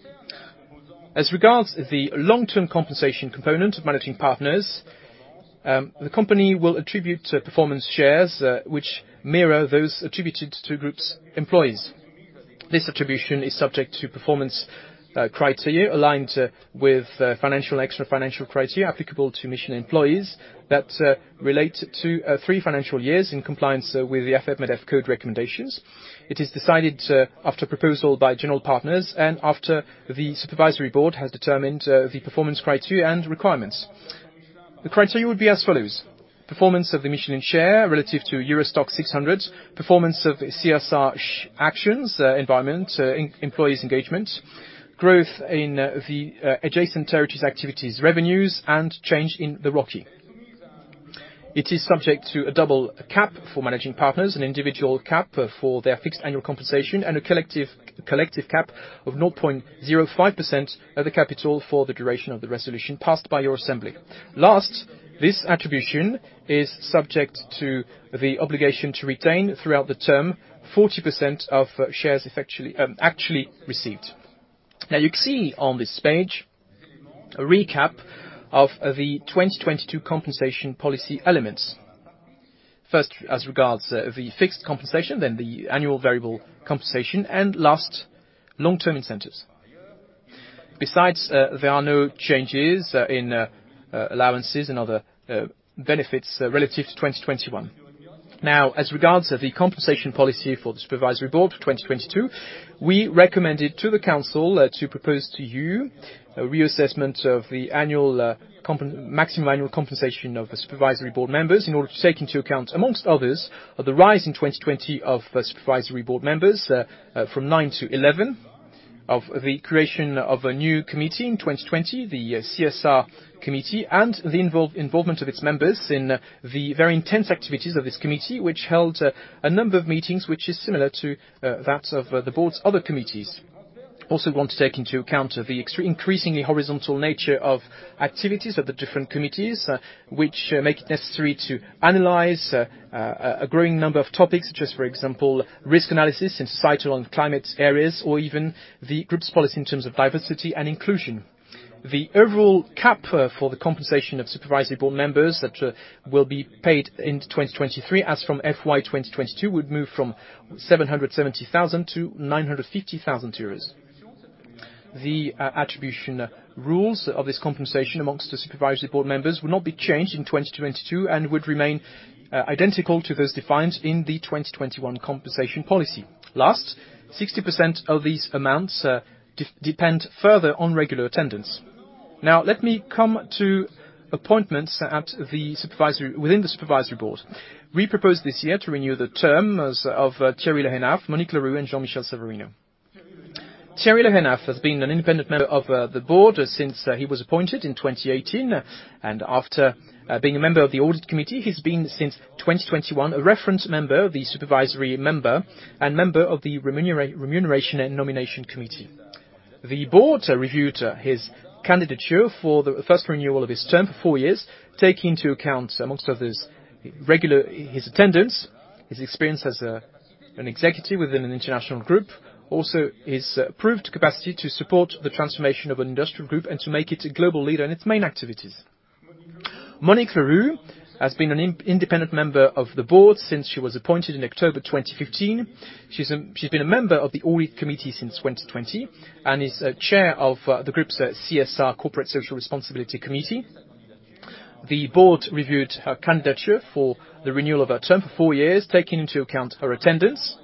As regards the long-term compensation component of managing partners, the company will attribute performance shares, which mirror those attributed to group's employees. This attribution is subject to performance criteria aligned with financial, extra-financial criteria applicable to Michelin employees that relate to three financial years in compliance with the AFEP-MEDEF Code recommendations. It is decided after proposal by general partners and after the supervisory board has determined the performance criteria and requirements. The criteria would be as follows: Performance of the Michelin share relative to STOXX Europe 600, performance of CSR actions, environment, employees' engagement, growth in the adjacent territories activities revenues, and change in the ROCE. It is subject to a double cap for managing partners and individual cap for their fixed annual compensation and a collective cap of 0.05% of the capital for the duration of the resolution passed by your assembly. Last, this attribution is subject to the obligation to retain throughout the term 40% of shares effectually actually received. Now you can see on this page a recap of the 2022 compensation policy elements. First, as regards the fixed compensation, then the annual variable compensation, and last, long-term incentives. Besides, there are no changes in allowances and other benefits relative to 2021. Now, as regards to the compensation policy for the supervisory board for 2022, we recommended to the council to propose to you a reassessment of the maximum annual compensation of the supervisory board members in order to take into account, amongst others, the rise in 2020 of the supervisory board members from 9 to 11, of the creation of a new committee in 2020, the CSR committee, and the involvement of its members in the very intense activities of this committee, which held a number of meetings which is similar to that of the board's other committees. Want to take into account the increasingly horizontal nature of activities of the different committees, which make it necessary to analyze a growing number of topics, such as, for example, risk analysis in societal and climate areas, or even the group's policy in terms of diversity and inclusion. The overall cap for the compensation of Supervisory Board members that will be paid into 2023 as from FY 2022, would move from 770,000 to 950,000 euros. The attribution rules of this compensation amongst the Supervisory Board members will not be changed in 2022 and would remain identical to those defined in the 2021 compensation policy. Last, 60% of these amounts depend further on regular attendance. Now let me come to appointments within the Supervisory Board. We propose this year to renew the terms of Thierry Le Hénaff, Monique Leroux, and Jean-Michel Severino. Thierry Le Hénaff has been an independent member of the board since he was appointed in 2018. After being a member of the audit committee, he's been since 2021 a reference member, the supervisory member, and member of the remuneration and nomination committee. The board reviewed his candidature for the first renewal of his term for four years, taking into account, amongst others, regular his attendance, his experience as an executive within an international group. Also, his proved capacity to support the transformation of an industrial group and to make it a global leader in its main activities. Monique Leroux has been an independent member of the board since she was appointed in October 2015. She's been a member of the audit committee since 2020 and is Chair of the group's CSR Corporate Social Responsibility Committee. The board reviewed her candidature for the renewal of her term for four years, taking into account her attendance,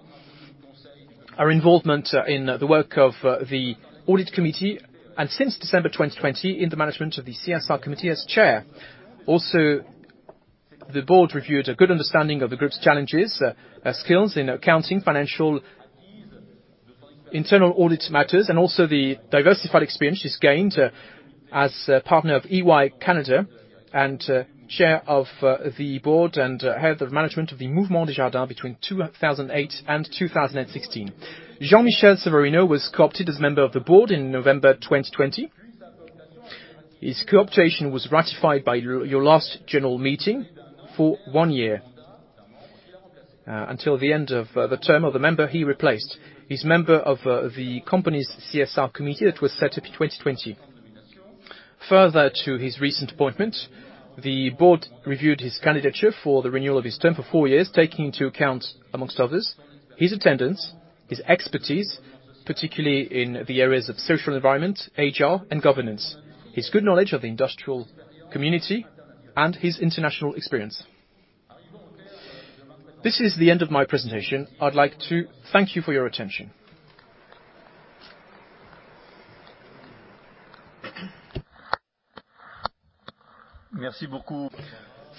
her involvement in the work of the audit committee, and since December 2020, in the management of the CSR committee as Chair. The board reviewed a good understanding of the group's challenges, skills in accounting, financial, internal audit matters, and also the diversified experience she's gained as a partner of EY Canada and chair of the board and head of management of the Mouvement Desjardins between 2008 and 2016. Jean-Michel Severino was co-opted as a member of the board in November 2020. His co-optation was ratified by your last general meeting for one year, until the end of the term of the member he replaced. He's member of the company's CSR committee that was set up in 2020. Further to his recent appointment, the board reviewed his candidature for the renewal of his term for four years, taking into account, among others, his attendance, his expertise, particularly in the areas of social environment, HR, and governance, his good knowledge of the industrial community, and his international experience. This is the end of my presentation. I'd like to thank you for your attention.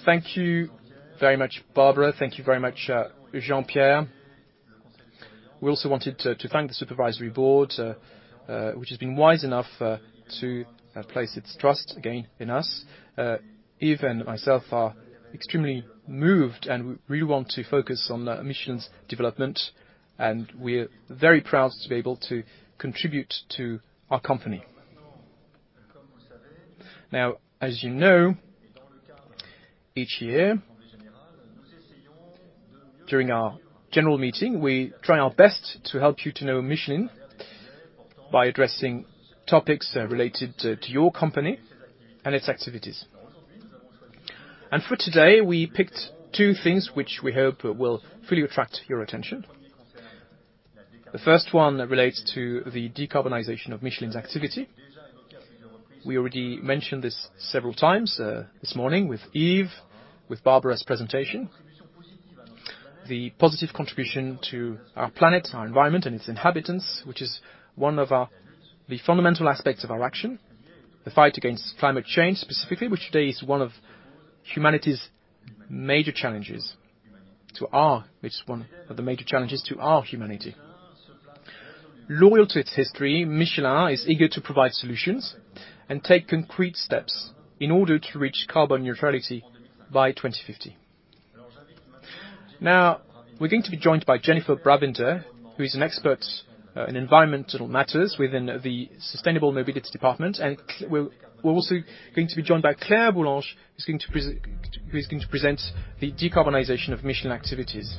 Thank you very much, Barbara. Thank you very much, Jean-Pierre. We also wanted to thank the supervisory board, which has been wise enough to place its trust again in us. Yves and myself are extremely moved, and we want to focus on Michelin's development, and we're very proud to be able to contribute to our company. Now, as you know, each year during our general meeting, we try our best to help you to know Michelin by addressing topics related to your company and its activities. For today, we picked two things which we hope will fully attract your attention. The first one relates to the decarbonization of Michelin's activity. We already mentioned this several times this morning with Yves, with Barbara's presentation. The positive contribution to our planet, our environment, and its inhabitants, which is one of the fundamental aspects of our action, the fight against climate change specifically, which today is one of humanity's major challenges. It's one of the major challenges to our humanity. Loyal to its history, Michelin is eager to provide solutions and take concrete steps in order to reach carbon neutrality by 2050. Now, we're going to be joined by Jennifer Bravinder, who is an expert in environmental matters within the Sustainable Mobility Department. We're also going to be joined by Claire Boulangé, who's going to present the decarbonization of Michelin activities.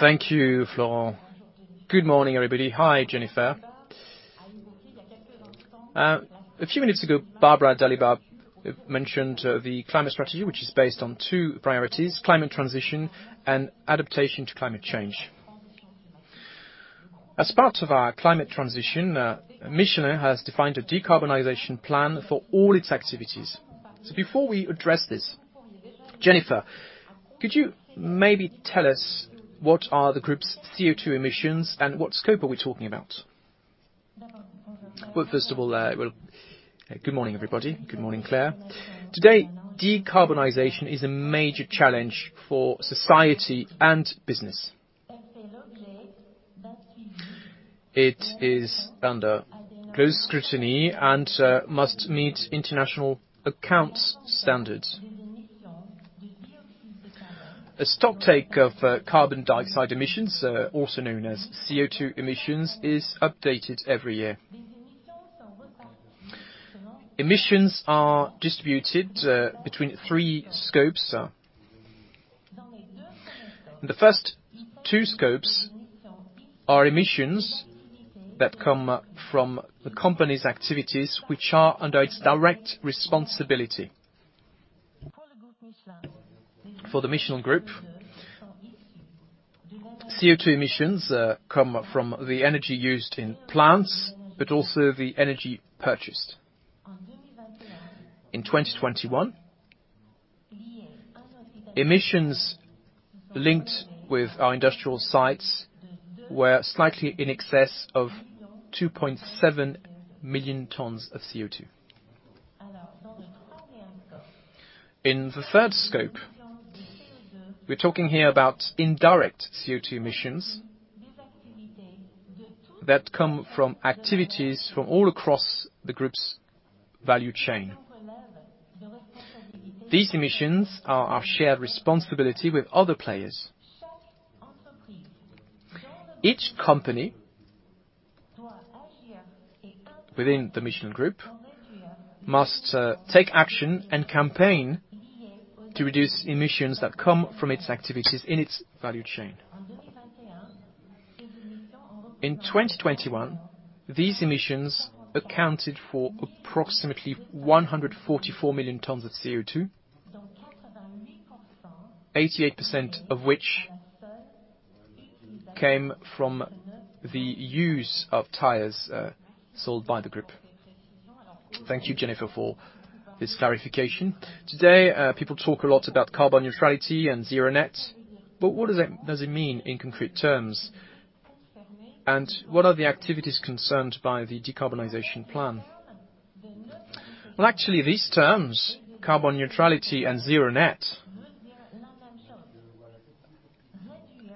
Thank you, Florent. Good morning, everybody. Hi, Jennifer. A few minutes ago, Barbara Dalibard mentioned the climate strategy, which is based on two priorities, climate transition and adaptation to climate change. As part of our climate transition, Michelin has defined a decarbonization plan for all its activities. Before we address this, Jennifer, could you maybe tell us what are the group's CO2 emissions and what scope are we talking about? Well, first of all, well, good morning, everybody. Good morning, Claire. Today, decarbonization is a major challenge for society and business. It is under close scrutiny and must meet international accounting standards. A stocktake of carbon dioxide emissions, also known as CO2 emissions, is updated every year. Emissions are distributed between three scopes. The first two scopes are emissions that come from the company's activities which are under its direct responsibility. For the Michelin Group, CO2 emissions come from the energy used in plants, but also the energy purchased. In 2021, emissions linked with our industrial sites were slightly in excess of 2.7 million tons of CO2. In the third scope, we're talking here about indirect CO2 emissions that come from activities from all across the group's value chain. These emissions are our shared responsibility with other players. Each company within the Michelin Group must take action and campaign to reduce emissions that come from its activities in its value chain. In 2021, these emissions accounted for approximately 144 million tons of CO2, 88% of which came from the use of tires sold by the group. Thank you, Jennifer Bravinder, for this clarification. Today, people talk a lot about carbon neutrality and zero net, but what does it mean in concrete terms? And what are the activities concerned by the decarbonization plan? Well, actually, these terms, carbon neutrality and zero net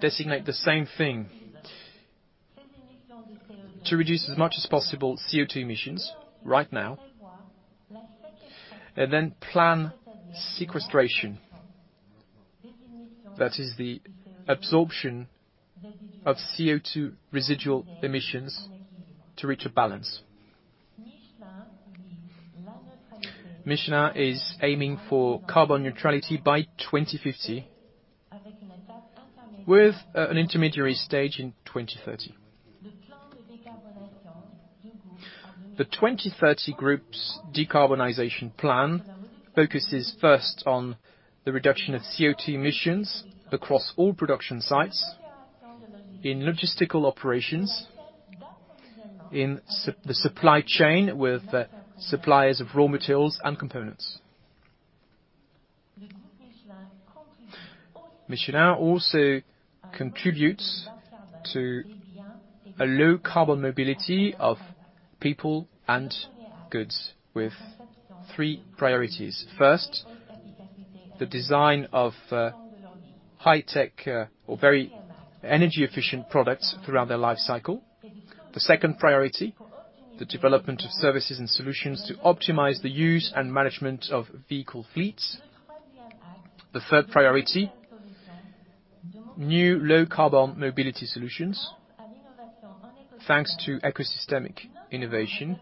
designate the same thing. To reduce as much as possible CO2 emissions right now and then plan sequestration. That is the absorption of CO2 residual emissions to reach a balance. Michelin is aiming for carbon neutrality by 2050, with an intermediary stage in 2030. The 2030 Group's decarbonization plan focuses first on the reduction of CO2 emissions across all production sites, in logistical operations, in the supply chain with the suppliers of raw materials and components. Michelin also contributes to a low carbon mobility of people and goods with three priorities. First, the design of high-tech or very energy efficient products throughout their life cycle. The second priority, the development of services and solutions to optimize the use and management of vehicle fleets. The third priority, new low carbon mobility solutions, thanks to ecosystemic innovation,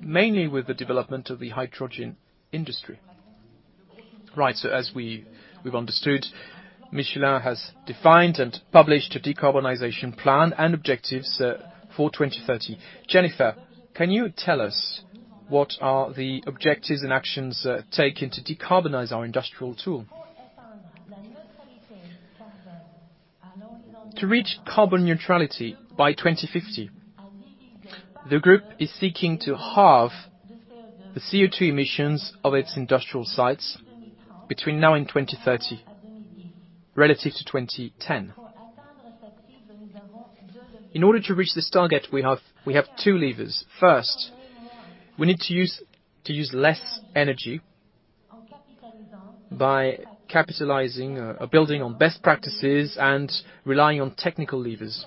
mainly with the development of the hydrogen industry. We've understood, Michelin has defined and published a decarbonization plan and objectives for 2030. Jennifer, can you tell us what are the objectives and actions taken to decarbonize our industrial tool? To reach carbon neutrality by 2050, the group is seeking to halve the CO2 emissions of its industrial sites between now and 2030, relative to 2010. In order to reach this target, we have two levers. First, we need to use less energy by capitalizing or building on best practices and relying on technical levers.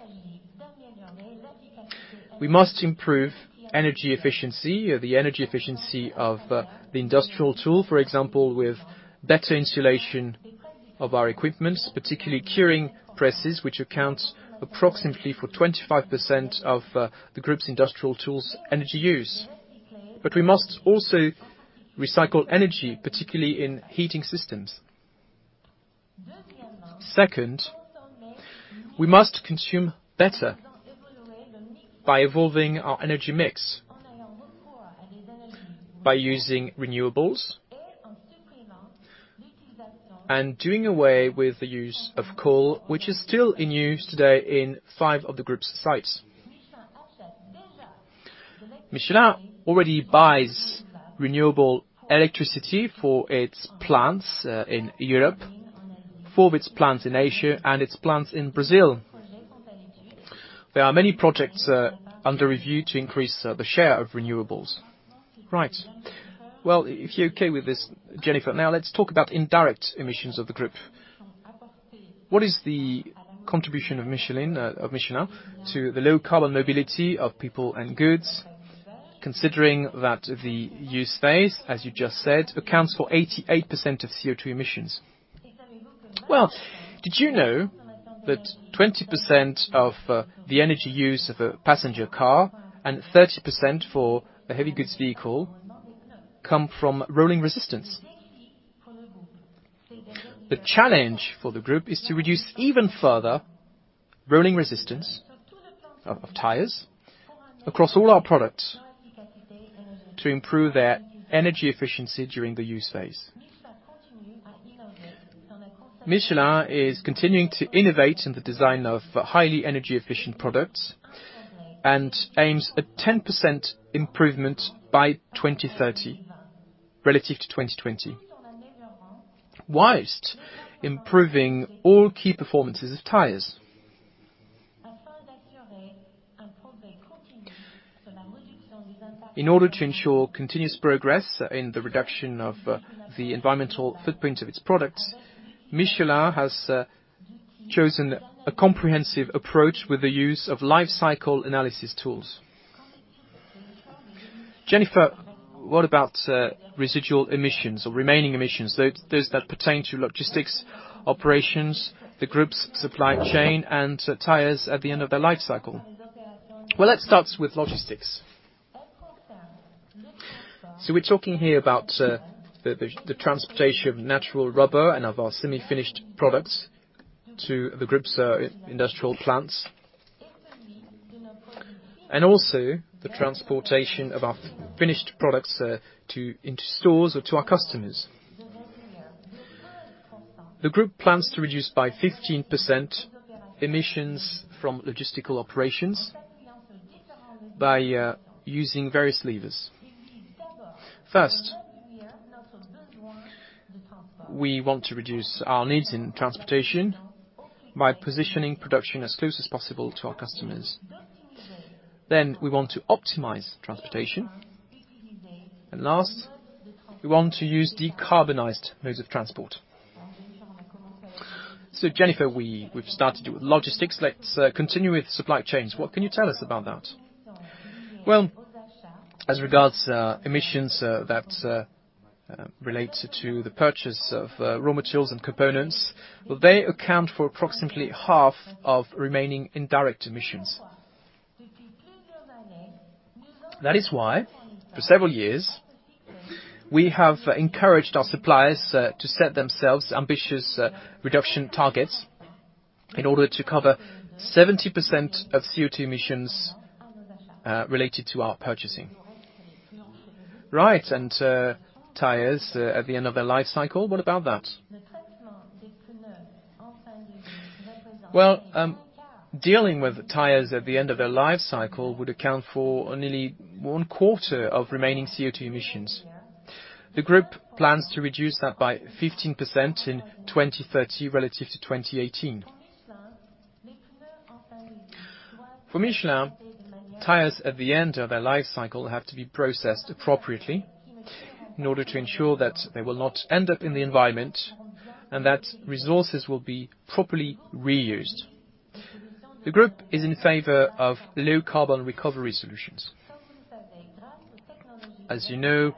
We must improve energy efficiency of the industrial tool, for example, with better insulation of our equipment, particularly curing presses, which accounts approximately for 25% of the group's industrial tools energy use. We must also recycle energy, particularly in heating systems. Second, we must consume better by evolving our energy mix, by using renewables and doing away with the use of coal, which is still in use today in five of the group's sites. Michelin already buys renewable electricity for its plants in Europe, for its plants in Asia and its plants in Brazil. There are many projects under review to increase the share of renewables. Right. Well, if you're okay with this, Jennifer, now let's talk about indirect emissions of the group. What is the contribution of Michelin of Michelin to the low carbon mobility of people and goods, considering that the use phase, as you just said, accounts for 88% of CO2 emissions? Well, did you know that 20% of the energy use of a passenger car and 30% for a heavy goods vehicle come from rolling resistance? The challenge for the group is to reduce even further rolling resistance of tires across all our products to improve their energy efficiency during the use phase. Michelin is continuing to innovate in the design of highly energy efficient products and aims at 10% improvement by 2030, relative to 2020, while improving all key performances of tires. In order to ensure continuous progress in the reduction of the environmental footprint of its products, Michelin has chosen a comprehensive approach with the use of life cycle analysis tools. Jennifer, what about residual emissions or remaining emissions, those that pertain to logistics operations, the group's supply chain, and tires at the end of their life cycle? Well, let's start with logistics. We're talking here about the transportation of natural rubber and of our semi-finished products to the group's industrial plants. Also, the transportation of our finished products into stores or to our customers. The group plans to reduce by 15% emissions from logistical operations by using various levers. First, we want to reduce our needs in transportation by positioning production as close as possible to our customers. Then we want to optimize transportation. Last, we want to use decarbonized modes of transport. Jennifer, we've started with logistics. Let's continue with supply chains. What can you tell us about that? Well, as regards emissions that relate to the purchase of raw materials and components, well, they account for approximately half of remaining indirect emissions. That is why, for several years, we have encouraged our suppliers to set themselves ambitious reduction targets in order to cover 70% of CO2 emissions related to our purchasing. Right. Tires at the end of their life cycle, what about that? Dealing with tires at the end of their life cycle would account for nearly one quarter of remaining CO2 emissions. The group plans to reduce that by 15% in 2030 relative to 2018. For Michelin, tires at the end of their life cycle have to be processed appropriately in order to ensure that they will not end up in the environment and that resources will be properly reused. The group is in favor of low carbon recovery solutions. As you know,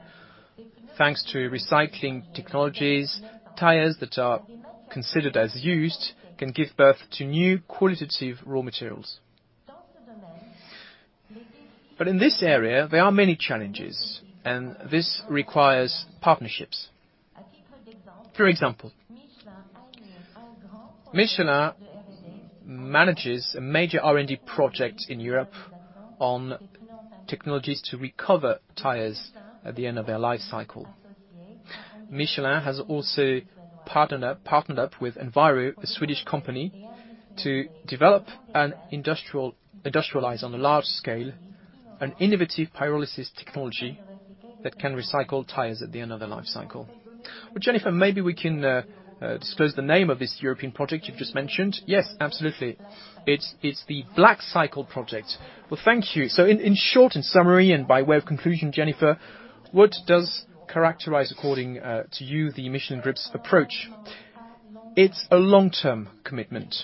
thanks to recycling technologies, tires that are considered as used can give birth to new qualitative raw materials. But in this area, there are many challenges, and this requires partnerships. For example, Michelin manages a major R&D project in Europe on technologies to recover tires at the end of their life cycle. Michelin has also partnered up with Enviro, a Swedish company, to develop and industrialize on a large scale an innovative pyrolysis technology that can recycle tires at the end of their life cycle. Well, Jennifer, maybe we can disclose the name of this European project you've just mentioned. Yes, absolutely. It's the BlackCycle project. Well, thank you. In short, in summary, and by way of conclusion, Jennifer, what does characterize, according to you, the Michelin Group's approach? It's a long-term commitment.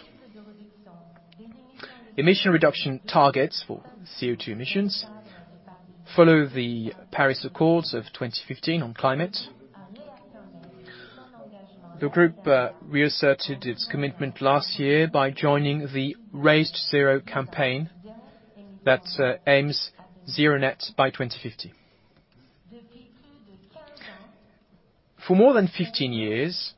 Emission reduction targets for CO2 emissions follow the Paris Accords of 2015 on climate. The group reasserted its commitment last year by joining the Race to Zero campaign that aims net zero by 2050. For more than 15 years,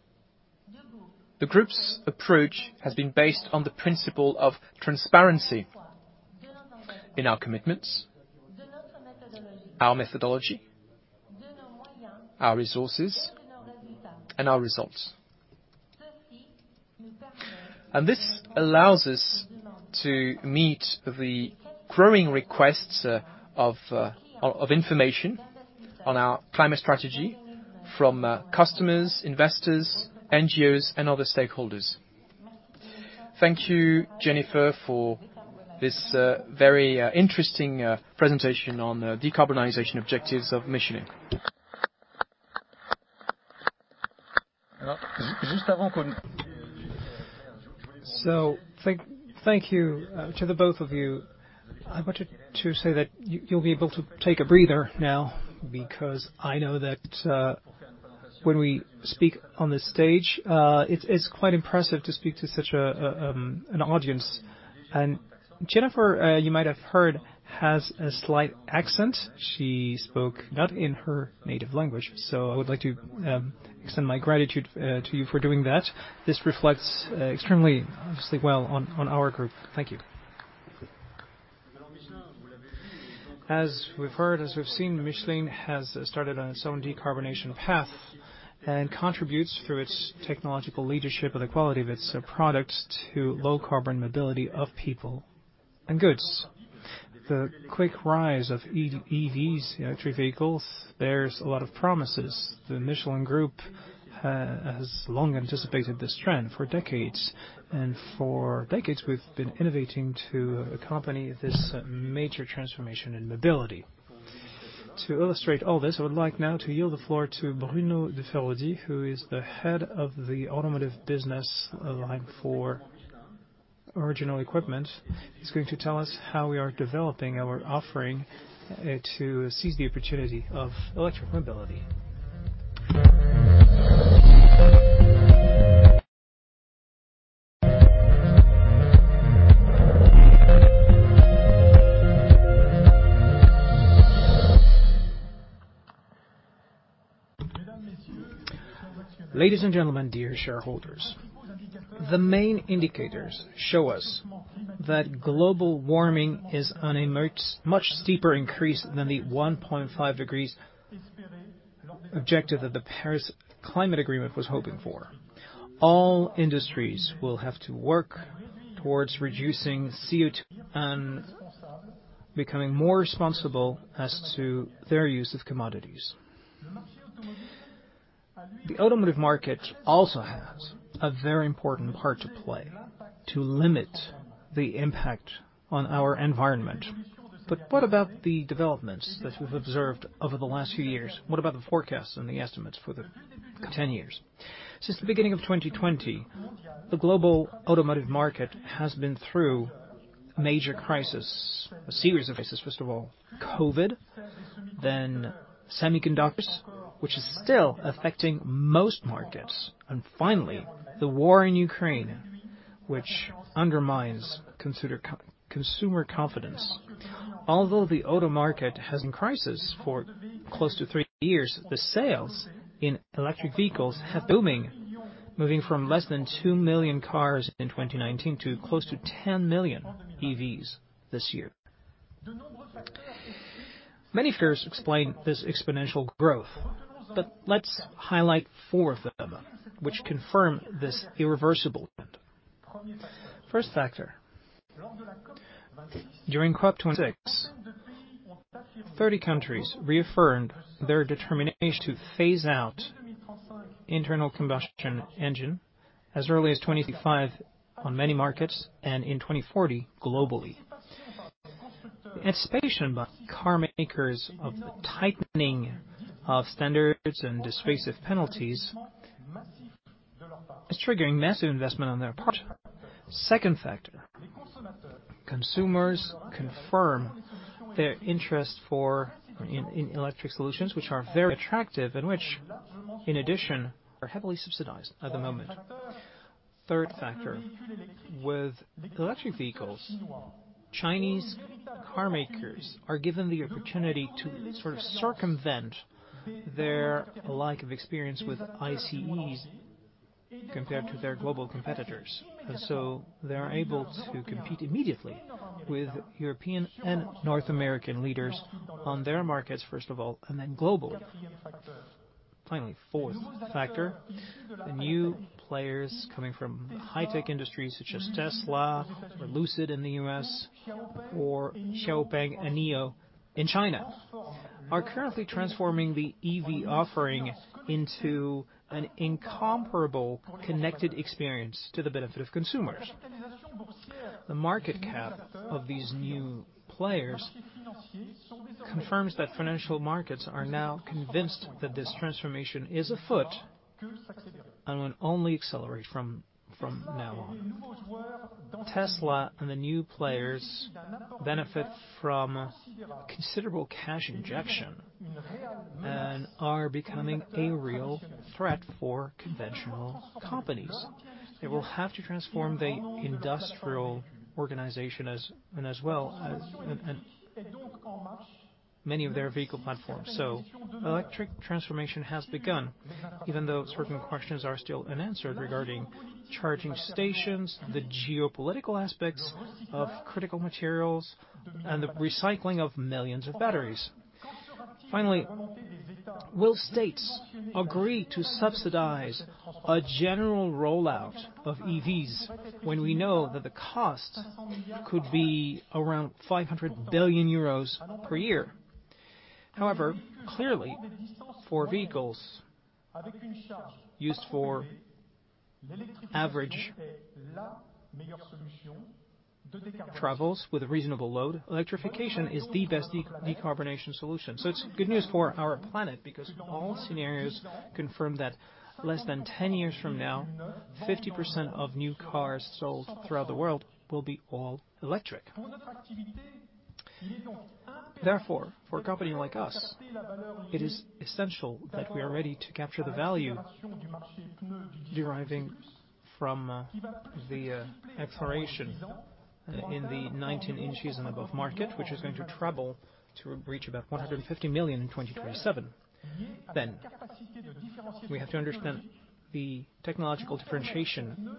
the group's approach has been based on the principle of transparency in our commitments, our methodology, our resources, and our results. This allows us to meet the growing requests of information on our climate strategy from customers, investors, NGOs, and other stakeholders. Thank you, Jennifer, for this very interesting presentation on the decarbonization objectives of Michelin. Thank you to both of you. I wanted to say that you'll be able to take a breather now, because I know that when we speak on the stage, it's quite impressive to speak to such an audience. Jennifer, you might have heard, has a slight accent. She spoke not in her native language, so I would like to extend my gratitude to you for doing that. This reflects extremely, obviously, well on our group. Thank you. As we've heard, as we've seen, Michelin has started on its own decarbonization path and contributes through its technological leadership and the quality of its products to low carbon mobility of people and goods. The quick rise of EVs, electric vehicles, there's a lot of promises. The Michelin Group has long anticipated this trend for decades, and for decades we've been innovating to accompany this major transformation in mobility. To illustrate all this, I would like now to yield the floor to Bruno de Feraudy, who is the head of the automotive business line for original equipment. He's going to tell us how we are developing our offering, to seize the opportunity of electric mobility. Ladies and gentlemen, dear shareholders, the main indicators show us that global warming is on a much, much steeper increase than the 1.5 degrees objective that the Paris Agreement was hoping for. All industries will have to work towards reducing CO2 and becoming more responsible as to their use of commodities. The automotive market also has a very important part to play to limit the impact on our environment. What about the developments that we've observed over the last few years? What about the forecasts and the estimates for the 10 years? Since the beginning of 2020, the global automotive market has been through major crisis, a series of crises. First of all, COVID-19, then semiconductors, which is still affecting most markets, and finally, the war in Ukraine, which undermines consumer confidence. Although the auto market has been in crisis for close to three years, the sales in electric vehicles have booming, moving from less than 2 million cars in 2019 to close to 10 million EVs this year. Many factors explain this exponential growth, but let's highlight four of them which confirm this irreversible trend. First factor. During COP26, 30 countries reaffirmed their determination to phase out internal combustion engine as early as 2035 on many markets and in 2040 globally. Anticipation by car makers of the tightening of standards and dismissive penalties is triggering massive investment on their part. Second factor, consumers confirm their interest in electric solutions which are very attractive and which in addition are heavily subsidized at the moment. Third factor. With electric vehicles, Chinese car makers are given the opportunity to sort of circumvent their lack of experience with ICE compared to their global competitors. They're able to compete immediately with European and North American leaders on their markets, first of all, and then globally. Finally, fourth factor. The new players coming from high-tech industries such as Tesla or Lucid in the U.S. or XPeng and NIO in China are currently transforming the EV offering into an incomparable connected experience to the benefit of consumers. The market cap of these new players confirms that financial markets are now convinced that this transformation is afoot and will only accelerate from now on. Tesla and the new players benefit from considerable cash injection and are becoming a real threat for conventional companies. They will have to transform the industrial organization as well as many of their vehicle platforms. Electric transformation has begun, even though certain questions are still unanswered regarding charging stations, the geopolitical aspects of critical materials and the recycling of millions of batteries. Finally, will states agree to subsidize a general rollout of EVs when we know that the cost could be around 500 billion euros per year? However, clearly for vehicles used for average travels with a reasonable load, electrification is the best decarbonization solution. It's good news for our planet because all scenarios confirm that less than 10 years from now, 50% of new cars sold throughout the world will be all electric. Therefore, for a company like us, it is essential that we are ready to capture the value deriving from the exploration in the 19 inches and above market, which is going to treble to reach about 150 million in 2037. We have to understand the technological differentiation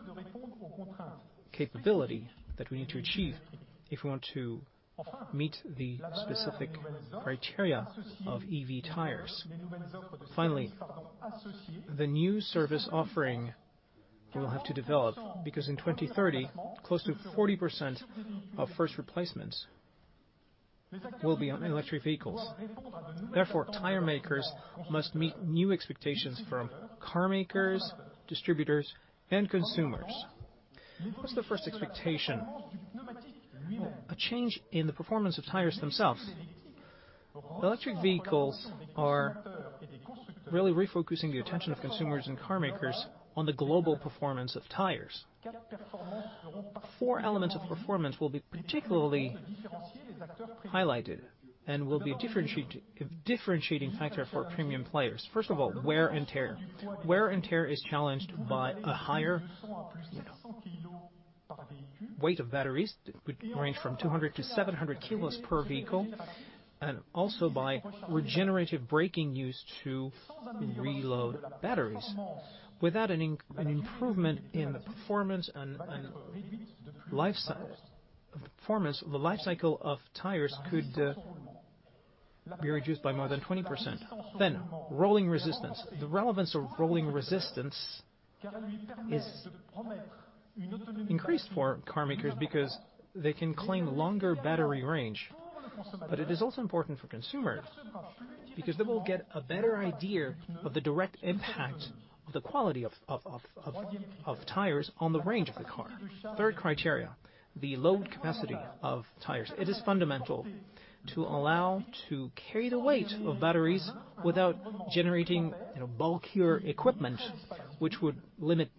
capability that we need to achieve if we want to meet the specific criteria of EV tires. Finally, the new service offering we will have to develop, because in 2030 close to 40% of first replacements will be on electric vehicles. Therefore, tire makers must meet new expectations from car makers, distributors, and consumers. What's the first expectation? A change in the performance of tires themselves. Electric vehicles are really refocusing the attention of consumers and car makers on the global performance of tires. Four elements of performance will be particularly highlighted and will be a differentiating factor for premium players. First of all, wear and tear. Wear and tear is challenged by a higher, you know, weight of batteries would range from 200 to 700 kilos per vehicle, and also by regenerative braking used to recharge batteries. Without an improvement in the performance, the life cycle of tires could be reduced by more than 20%. Rolling resistance. The relevance of rolling resistance is increased for car makers because they can claim longer battery range. It is also important for consumers because they will get a better idea of the direct impact of the quality of tires on the range of the car. Third criteria, the load capacity of tires. It is fundamental to allow to carry the weight of batteries without generating, you know, bulkier equipment, which would limit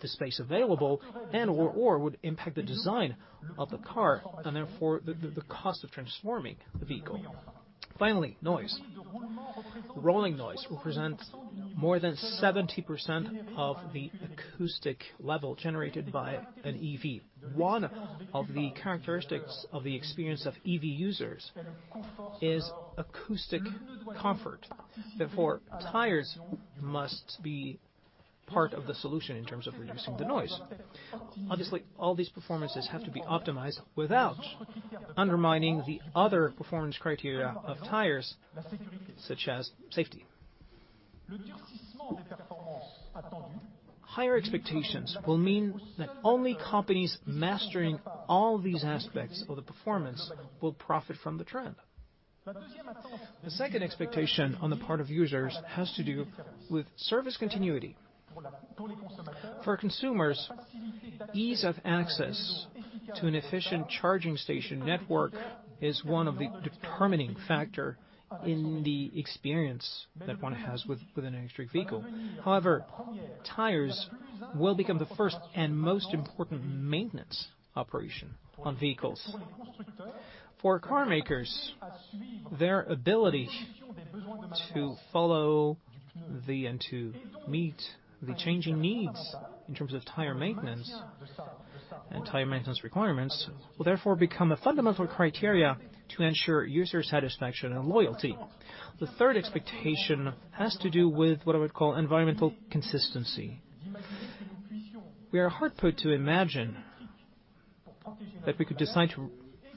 the space available and/or would impact the design of the car, and therefore, the cost of transforming the vehicle. Finally, noise. Rolling noise represents more than 70% of the acoustic level generated by an EV. One of the characteristics of the experience of EV users is acoustic comfort. Therefore, tires must be part of the solution in terms of reducing the noise. Obviously, all these performances have to be optimized without undermining the other performance criteria of tires, such as safety. Higher expectations will mean that only companies mastering all these aspects of the performance will profit from the trend. The second expectation on the part of users has to do with service continuity. For consumers, ease of access to an efficient charging station network is one of the determining factor in the experience that one has with an electric vehicle. However, tires will become the first and most important maintenance operation on vehicles. For car makers, their ability to follow and to meet the changing needs in terms of tire maintenance and requirements will therefore become a fundamental criteria to ensure user satisfaction and loyalty. The third expectation has to do with what I would call environmental consistency. We are hard put to imagine that we could decide to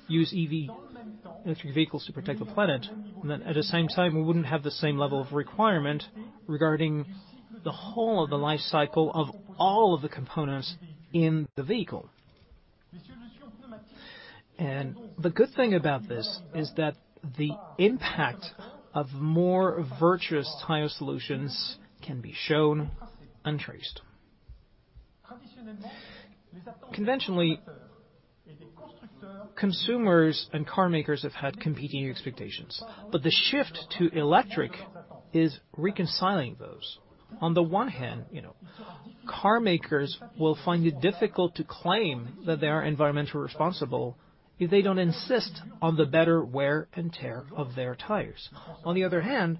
use EV, electric vehicles to protect the planet, and then at the same time, we wouldn't have the same level of requirement regarding the whole of the life cycle of all of the components in the vehicle. The good thing about this is that the impact of more virtuous tire solutions can be shown and traced. Conventionally, consumers and car makers have had competing expectations, but the shift to electric is reconciling those. On the one hand, you know, car makers will find it difficult to claim that they are environmentally responsible if they don't insist on the better wear and tear of their tires. On the other hand,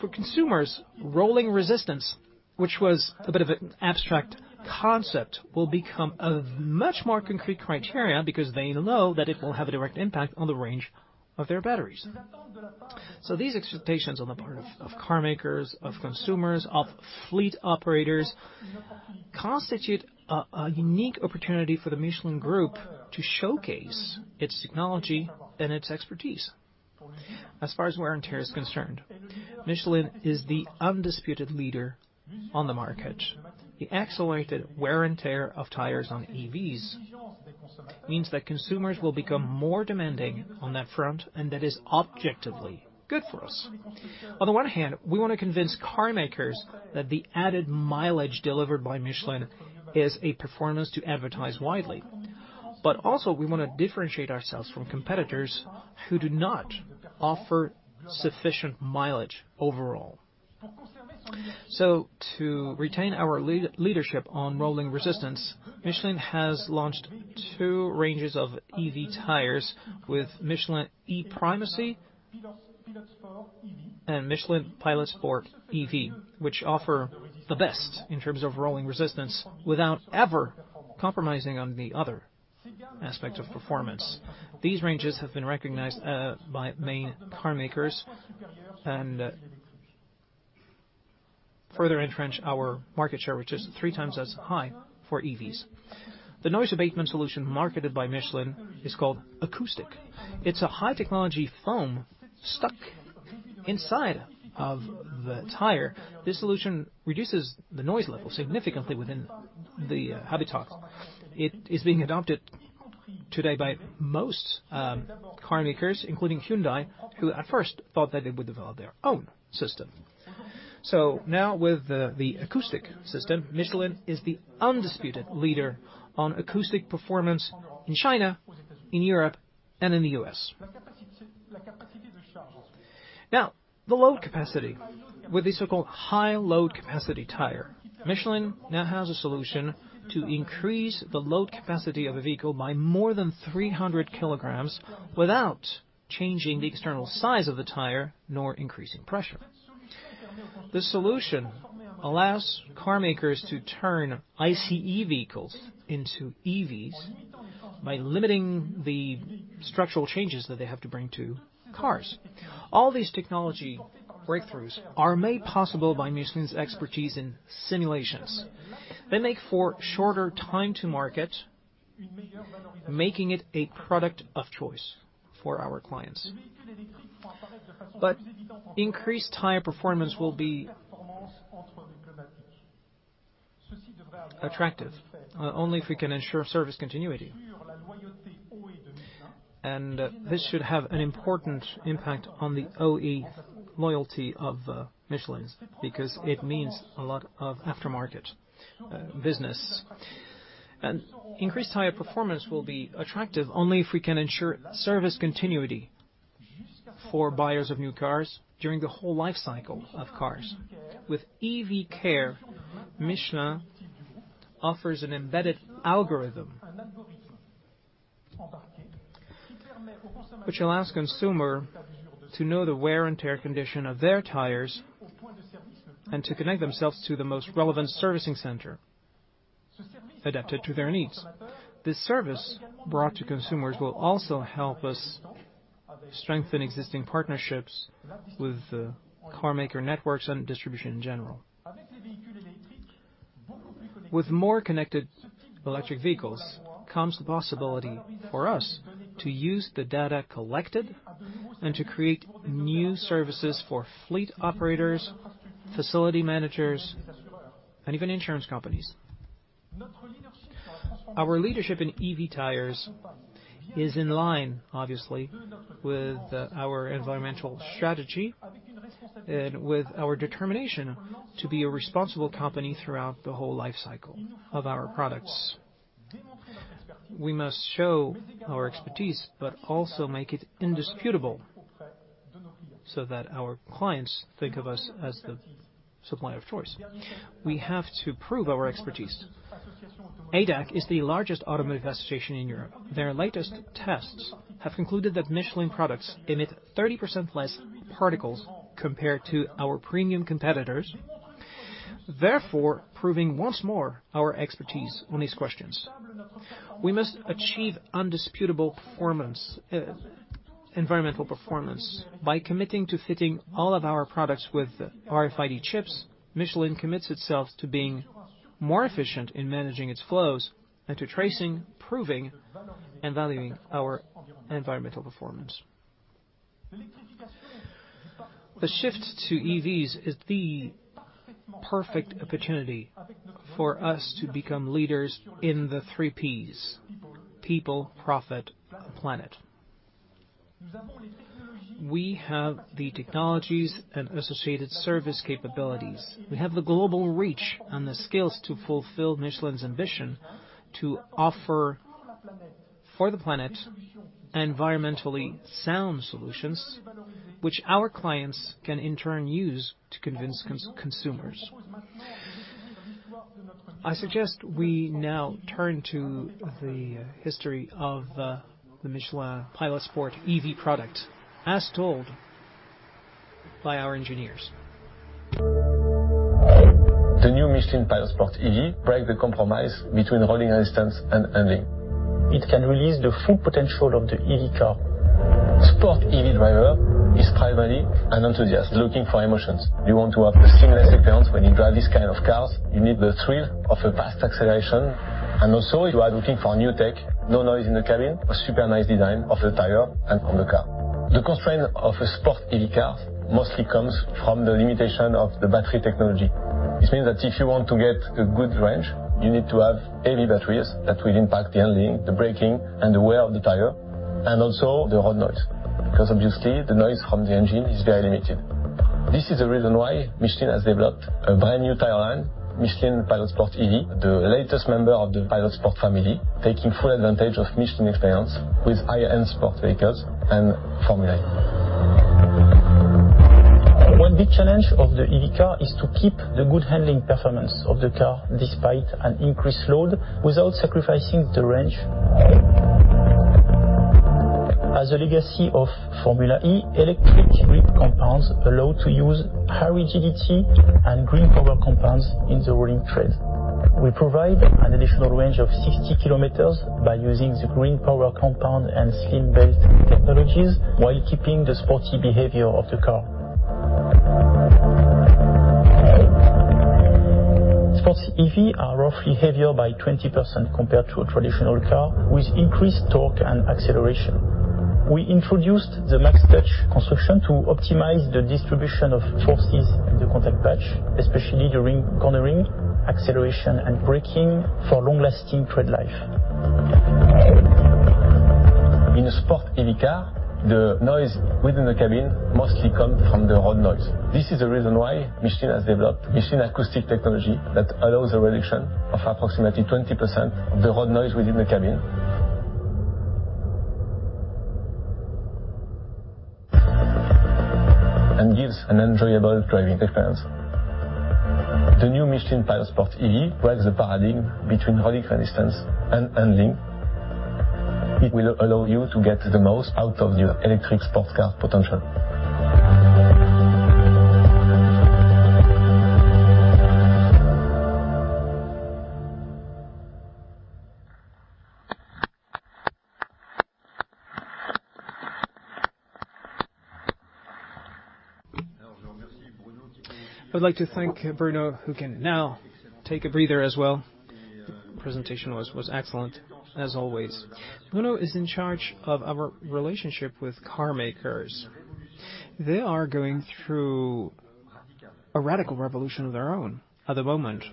for consumers, rolling resistance, which was a bit of an abstract concept, will become a much more concrete criterion because they know that it will have a direct impact on the range of their batteries. These expectations on the part of car makers, of consumers, of fleet operators, constitute a unique opportunity for the Michelin Group to showcase its technology and its expertise. As far as wear and tear is concerned, Michelin is the undisputed leader on the market. The accelerated wear and tear of tires on EVs means that consumers will become more demanding on that front, and that is objectively good for us. On the one hand, we want to convince car makers that the added mileage delivered by Michelin is a performance to advertise widely. Also, we want to differentiate ourselves from competitors who do not offer sufficient mileage overall. To retain our leadership on rolling resistance, Michelin has launched two ranges of EV tires with MICHELIN e.PRIMACY and Michelin Pilot Sport EV, which offer the best in terms of rolling resistance without ever compromising on the other aspect of performance. These ranges have been recognized by main car makers and further entrench our market share, which is three times as high for EVs. The noise abatement solution marketed by Michelin is called Acoustic. It's a high-technology foam stuck inside of the tire. This solution reduces the noise level significantly within the habitats. It is being adopted today by most car makers, including Hyundai, who at first thought that they would develop their own system. Now with the Acoustic system, Michelin is the undisputed leader on acoustic performance in China, in Europe, and in the U.S. Now, the load capacity. With the so-called high load capacity tire, Michelin now has a solution to increase the load capacity of a vehicle by more than 300 kilograms without changing the external size of the tire nor increasing pressure. The solution allows carmakers to turn ICE vehicles into EVs by limiting the structural changes that they have to bring to cars. All these technology breakthroughs are made possible by Michelin's expertise in simulations. They make for shorter time to market, making it a product of choice for our clients. Increased tire performance will be attractive only if we can ensure service continuity. This should have an important impact on the OE loyalty of Michelin, because it means a lot of aftermarket business. Increased tire performance will be attractive only if we can ensure service continuity for buyers of new cars during the whole life cycle of cars. With EV Care, Michelin offers an embedded algorithm which allows consumer to know the wear and tear condition of their tires and to connect themselves to the most relevant servicing center adapted to their needs. This service brought to consumers will also help us strengthen existing partnerships with carmaker networks and distribution in general. With more connected electric vehicles comes the possibility for us to use the data collected and to create new services for fleet operators, facility managers, and even insurance companies. Our leadership in EV tires is in line, obviously, with our environmental strategy and with our determination to be a responsible company throughout the whole life cycle of our products. We must show our expertise but also make it indisputable so that our clients think of us as the supplier of choice. We have to prove our expertise. ADAC is the largest automotive association in Europe. Their latest tests have concluded that Michelin products emit 30% less particles compared to our premium competitors, therefore, proving once more our expertise on these questions. We must achieve undisputable environmental performance. By committing to fitting all of our products with RFID chips, Michelin commits itself to being more efficient in managing its flows and to tracing, proving, and valuing our environmental performance. The shift to EVs is the perfect opportunity for us to become leaders in the three Ps: people, profit, planet. We have the technologies and associated service capabilities. We have the global reach and the skills to fulfill Michelin's ambition to offer, for the planet, environmentally sound solutions which our clients can in turn use to convince consumers. I suggest we now turn to the history of the Michelin Pilot Sport EV product, as told by our engineers. The new Michelin Pilot Sport EV breaks the compromise between rolling resistance and handling. It can release the full potential of the EV car. Sport EV driver is primarily an enthusiast looking for emotions. You want to have a seamless experience when you drive these kinds of cars. You need the thrill of a fast acceleration and also you are looking for new tech, no noise in the cabin, a super nice design of the tire and on the car. The constraint of a sport EV car mostly comes from the limitation of the battery technology, which means that if you want to get a good range, you need to have EV batteries that will impact the handling, the braking, and the wear of the tire, and also the road noise, because obviously the noise from the engine is very limited. This is the reason why Michelin has developed a brand-new tire line, Michelin Pilot Sport EV, the latest member of the Pilot Sport family, taking full advantage of Michelin experience with high-end sport vehicles and Formula E. One big challenge of the EV car is to keep the good handling performance of the car despite an increased load without sacrificing the range. As a legacy of Formula E, electric grip compounds allow to use high rigidity and GreenPower Compound in the rolling tread. We provide an additional range of 60 km by using the GreenPower Compound and slim-based technologies while keeping the sporty behavior of the car. Sports EV are roughly heavier by 20% compared to a traditional car with increased torque and acceleration. We introduced the MaxTouch Construction to optimize the distribution of forces in the contact patch, especially during cornering, acceleration, and braking for long-lasting tread life. In a sport EV car, the noise within the cabin mostly come from the road noise. This is the reason why Michelin has developed Michelin Acoustic Technology that allows a reduction of approximately 20% of the road noise within the cabin. It gives an enjoyable driving experience. The new Michelin Pilot Sport EV breaks the paradigm between rolling resistance and handling. It will allow you to get the most out of your electric sports car potential. I'd like to thank Bruno, who can now take a breather as well. The presentation was excellent as always. Bruno is in charge of our relationship with car makers. They are going through a radical revolution of their own at the moment,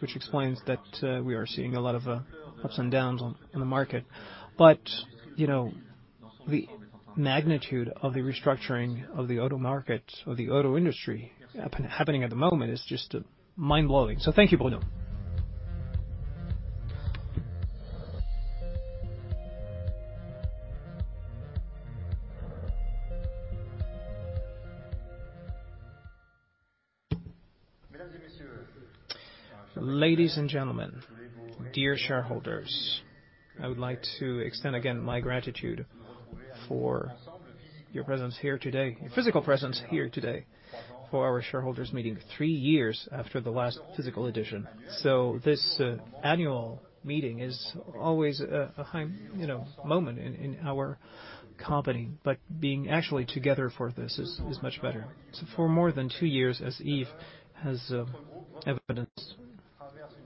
which explains that we are seeing a lot of ups and downs in the market. You know, the magnitude of the restructuring of the auto market, of the auto industry happening at the moment is just mind-blowing. Thank you, Bruno. Ladies and gentlemen, dear shareholders, I would like to extend again my gratitude for your presence here today, your physical presence here today for our shareholders meeting, three years after the last physical edition. This annual meeting is always a high, you know, moment in our company. Being actually together for this is much better. For more than two years, as Yves has evidenced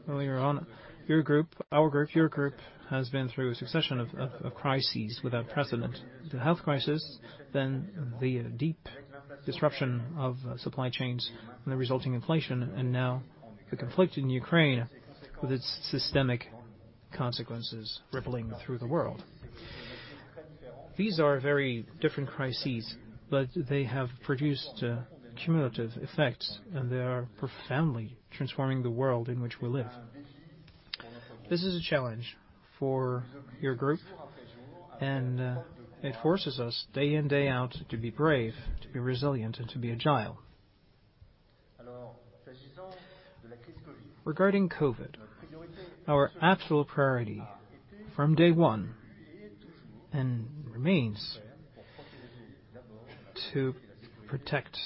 earlier on, your group, our group, your group, has been through a succession of crises without precedent. The health crisis, then the deep disruption of supply chains and the resulting inflation, and now the conflict in Ukraine with its systemic consequences rippling through the world. These are very different crises, but they have produced cumulative effects, and they are profoundly transforming the world in which we live. This is a challenge for your group, and it forces us day in, day out to be brave, to be resilient, and to be agile. Regarding COVID, our absolute priority from day one and remains to protect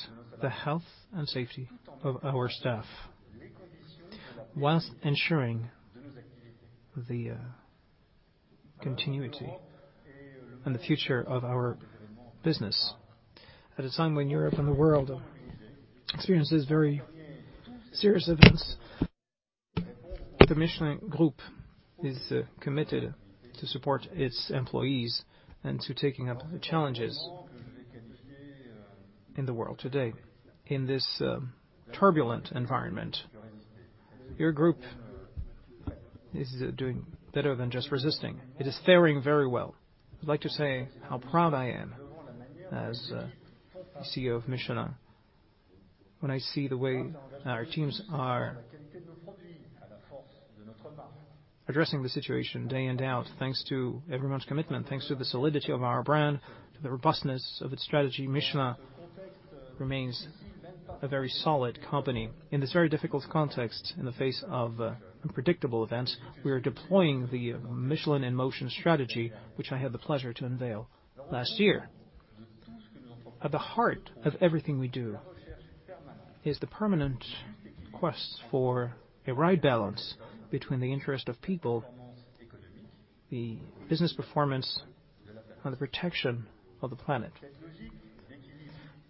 the health and safety of our staff while ensuring the continuity and the future of our business. At a time when Europe and the world experiences very serious events, the Michelin Group is committed to support its employees and to taking up the challenges in the world today. In this turbulent environment, your group is doing better than just resisting. It is faring very well. I'd like to say how proud I am as CEO of Michelin when I see the way our teams are addressing the situation day in, day out. Thanks to everyone's commitment, thanks to the solidity of our brand, the robustness of its strategy, Michelin remains a very solid company. In this very difficult context, in the face of unpredictable events, we are deploying the Michelin in Motion strategy, which I had the pleasure to unveil last year. At the heart of everything we do is the permanent quest for a right balance between the interest of people, the business performance, and the protection of the planet.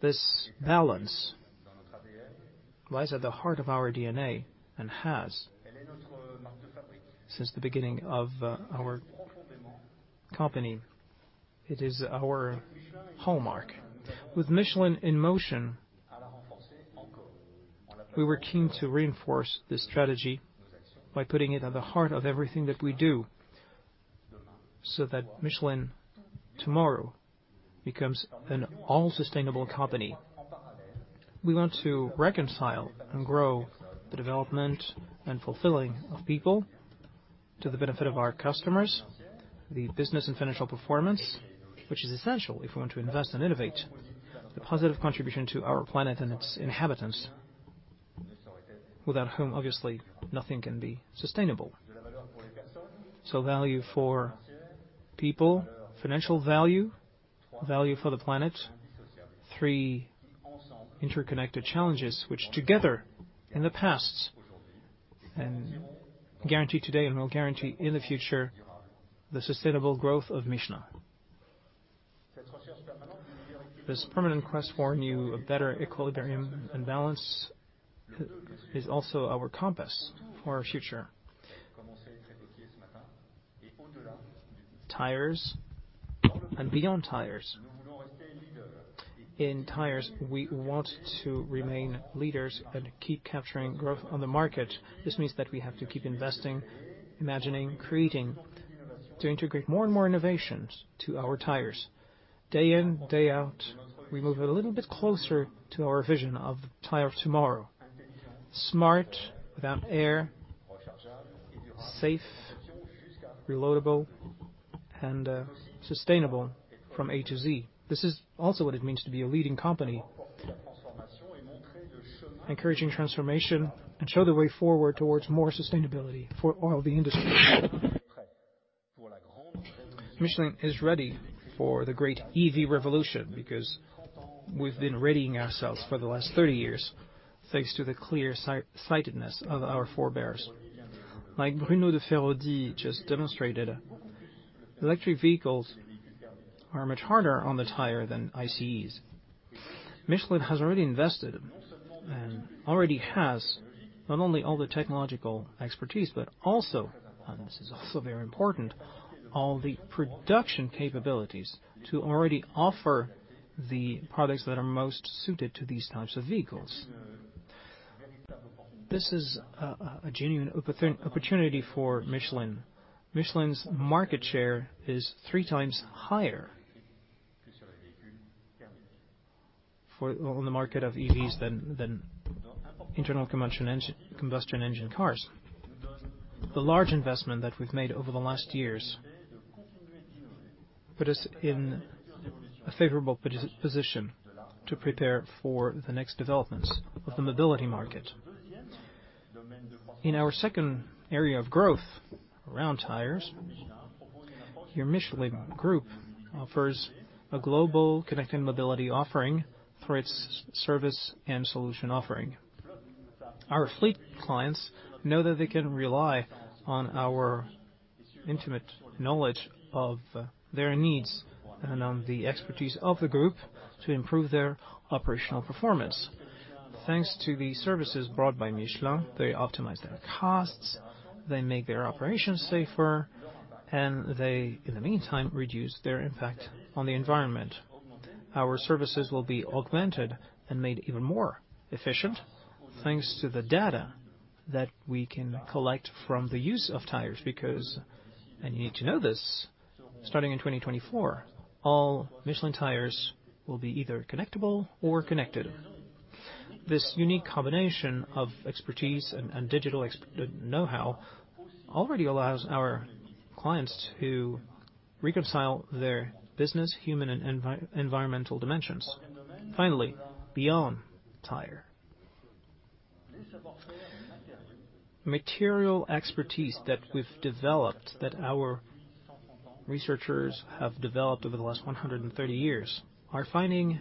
This balance lies at the heart of our DNA and has since the beginning of our company. It is our hallmark. With Michelin in Motion, we were keen to reinforce this strategy by putting it at the heart of everything that we do, so that Michelin tomorrow becomes an all-sustainable company. We want to reconcile and grow the development and fulfilling of people to the benefit of our customers, the business and financial performance, which is essential if we want to invest and innovate, the positive contribution to our planet and its inhabitants, without whom obviously nothing can be sustainable. Value for people, financial value for the planet, three interconnected challenges which together in the past and guarantee today and will guarantee in the future the sustainable growth of Michelin. This permanent quest for new, a better equilibrium and balance is also our compass for our future. Tires and beyond tires. In tires, we want to remain leaders and keep capturing growth on the market. This means that we have to keep investing, imagining, creating, to integrate more and more innovations to our tires. Day in, day out, we move a little bit closer to our vision of the tire of tomorrow, smart, without air, safe, rechargeable and sustainable from A to Z. This is also what it means to be a leading company. Encouraging transformation and showing the way forward towards more sustainability for all the industry. Michelin is ready for the great EV revolution because we've been readying ourselves for the last 30 years, thanks to the clear-sightedness of our forebears. Like Bruno de Feraudy just demonstrated, electric vehicles are much harder on the tire than ICEs. Michelin has already invested and already has not only all the technological expertise, but also, and this is also very important, all the production capabilities to already offer the products that are most suited to these types of vehicles. This is a genuine opportunity for Michelin. Michelin's market share is three times higher on the market of EVs than internal combustion engine cars. The large investment that we've made over the last years put us in a favorable position to prepare for the next developments of the mobility market. In our second area of growth, around tires, your Michelin group offers a global connected mobility offering through its service and solution offering. Our fleet clients know that they can rely on our intimate knowledge of their needs and on the expertise of the group to improve their operational performance. Thanks to the services brought by Michelin, they optimize their costs, they make their operations safer, and they, in the meantime, reduce their impact on the environment. Our services will be augmented and made even more efficient, thanks to the data that we can collect from the use of tires because, and you need to know this, starting in 2024, all Michelin tires will be either connectable or connected. This unique combination of expertise and digital know-how already allows our clients to reconcile their business, human, and environmental dimensions. Finally, beyond tire. Material expertise that we've developed, that our researchers have developed over the last 130 years, are finding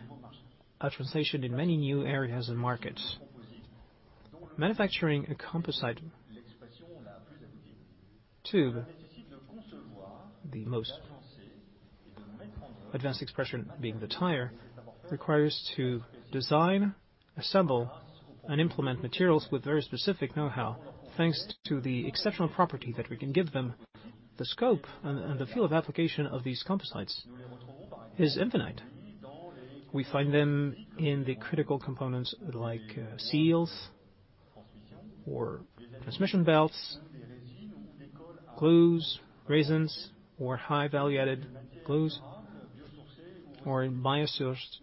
a translation in many new areas and markets. Manufacturing a composite tube, the most advanced expression being the tire, requires to design, assemble, and implement materials with very specific know-how, thanks to the exceptional property that we can give them. The scope and the field of application of these composites is infinite. We find them in the critical components like seals or transmission belts, glues, resins, or high value-added glues, or in bio-sourced,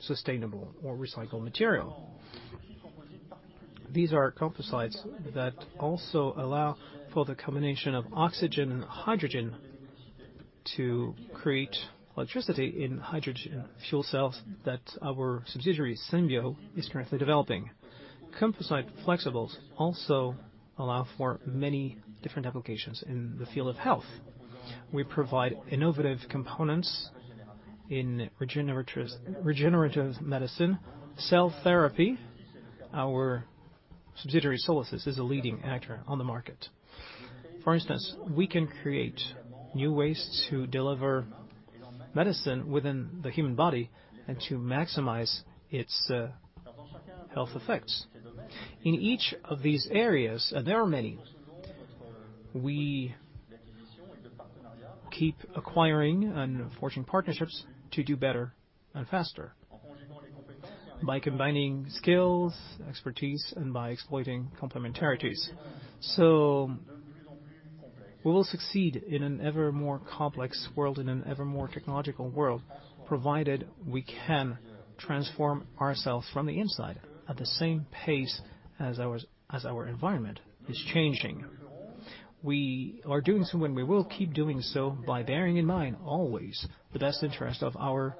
sustainable, or recycled material. These are composites that also allow for the combination of oxygen and hydrogen to create electricity in hydrogen fuel cells that our subsidiary, Symbio, is currently developing. Composite flexibles also allow for many different applications in the field of health. We provide innovative components in regenerative medicine, cell therapy. Our subsidiary, Solesis, is a leading actor on the market. For instance, we can create new ways to deliver medicine within the human body and to maximize its health effects. In each of these areas, and there are many, we keep acquiring and forging partnerships to do better and faster by combining skills, expertise, and by exploiting complementarities. So, we will succeed in an ever more complex world, in an ever more technological world, provided we can transform ourselves from the inside at the same pace as our environment is changing. We are doing so, and we will keep doing so by bearing in mind always the best interest of our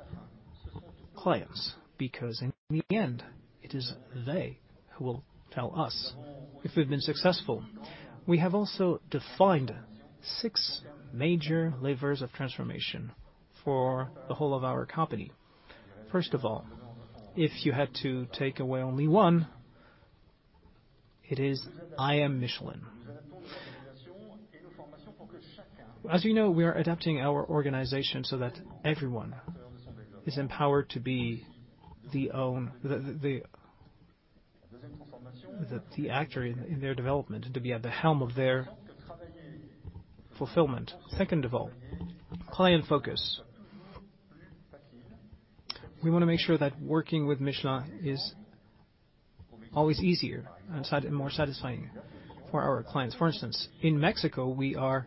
clients, because in the end, it is they who will tell us if we've been successful. We have also defined six major levers of transformation for the whole of our company. First of all, if you had to take away only one, it is I am Michelin. As you know, we are adapting our organization so that everyone is empowered to be their own actor in their development, to be at the helm of their fulfillment. Second of all, client focus. We wanna make sure that working with Michelin is always easier and more satisfying for our clients. For instance, in Mexico, we are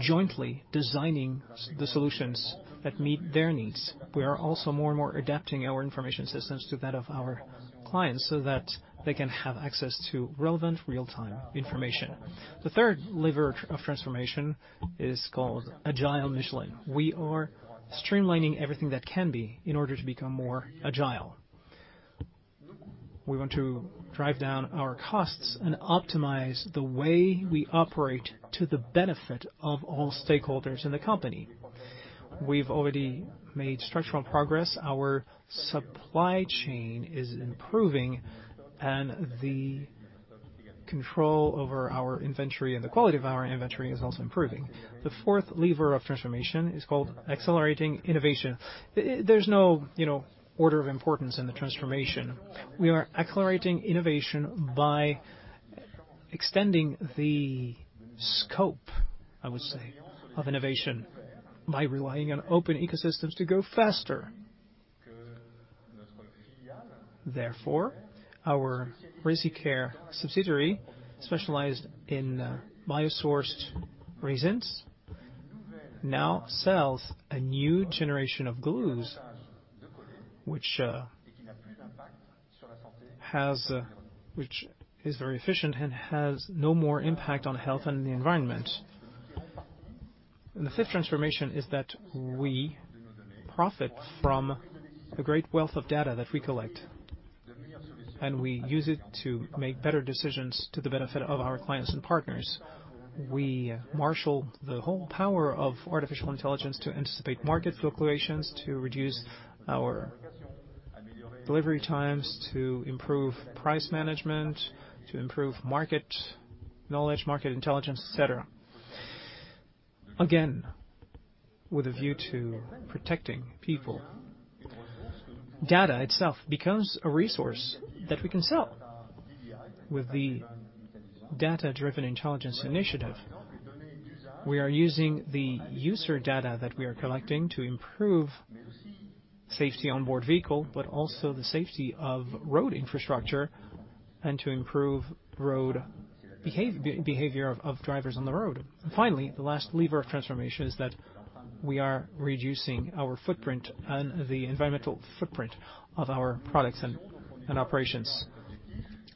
jointly designing the solutions that meet their needs. We are also more and more adapting our information systems to that of our clients, so that they can have access to relevant real-time information. The third lever of transformation is called Agile Michelin. We are streamlining everything that can be in order to become more agile. We want to drive down our costs and optimize the way we operate to the benefit of all stakeholders in the company. We've already made structural progress. Our supply chain is improving and the control over our inventory and the quality of our inventory is also improving. The fourth lever of transformation is called accelerating innovation. There's no, you know, order of importance in the transformation. We are accelerating innovation by extending the scope, I would say, of innovation by relying on open ecosystems to go faster. Therefore, our ResiCare subsidiary specialized in biosourced resins now sells a new generation of glues which is very efficient and has no more impact on health and the environment. The fifth transformation is that we profit from the great wealth of data that we collect, and we use it to make better decisions to the benefit of our clients and partners. We marshal the whole power of artificial intelligence to anticipate market fluctuations, to reduce our delivery times, to improve price management, to improve market knowledge, market intelligence, et cetera. Again, with a view to protecting people. Data itself becomes a resource that we can sell. With the data-driven intelligence initiative, we are using the user data that we are collecting to improve safety onboard vehicle, but also the safety of road infrastructure and to improve road behavior of drivers on the road. Finally, the last lever of transformation is that we are reducing our footprint and the environmental footprint of our products and operations.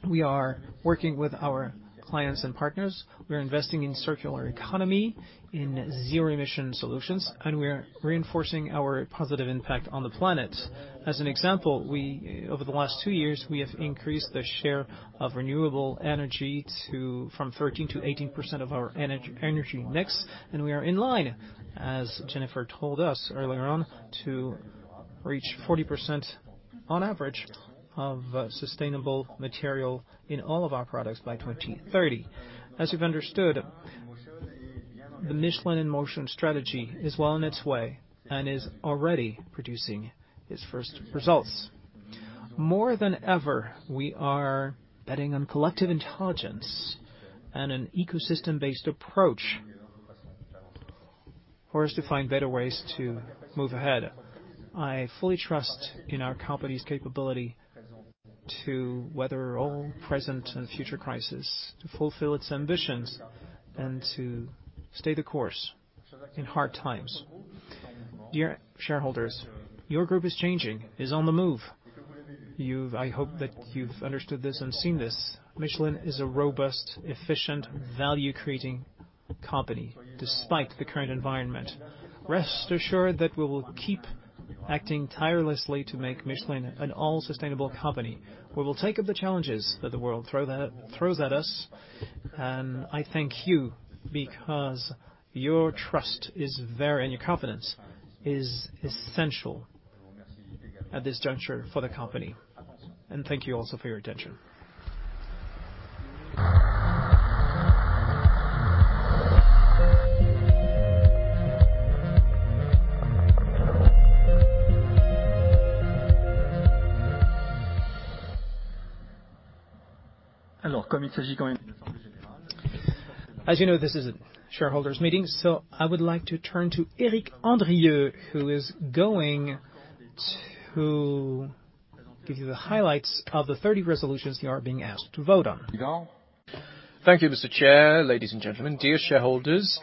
We are working with our clients and partners. We are investing in circular economy, in zero emission solutions, and we are reinforcing our positive impact on the planet. As an example, we, over the last two years, we have increased the share of renewable energy to, from 13%-18% of our energy mix, and we are in line, as Jennifer told us earlier on, to reach 40% on average of sustainable material in all of our products by 2030. As you've understood, the Michelin in Motion strategy is well on its way and is already producing its first results. More than ever, we are betting on collective intelligence and an ecosystem-based approach for us to find better ways to move ahead. I fully trust in our company's capability to weather all present and future crisis, to fulfill its ambitions, and to stay the course in hard times. Dear shareholders, your group is changing, is on the move. I hope that you've understood this and seen this. Michelin is a robust, efficient, value-creating company, despite the current environment. Rest assured that we will keep acting tirelessly to make Michelin an all sustainable company. We will take up the challenges that the world throws at us, and I thank you because your trust is very, and your confidence is essential at this juncture for the company. Thank you also for your attention. As you know, this is a shareholders meeting, so I would like to turn to Eric Andrieu, who is going to give you the highlights of the 30 resolutions you are being asked to vote on. Thank you, Mr. Chair. Ladies and gentlemen, dear shareholders,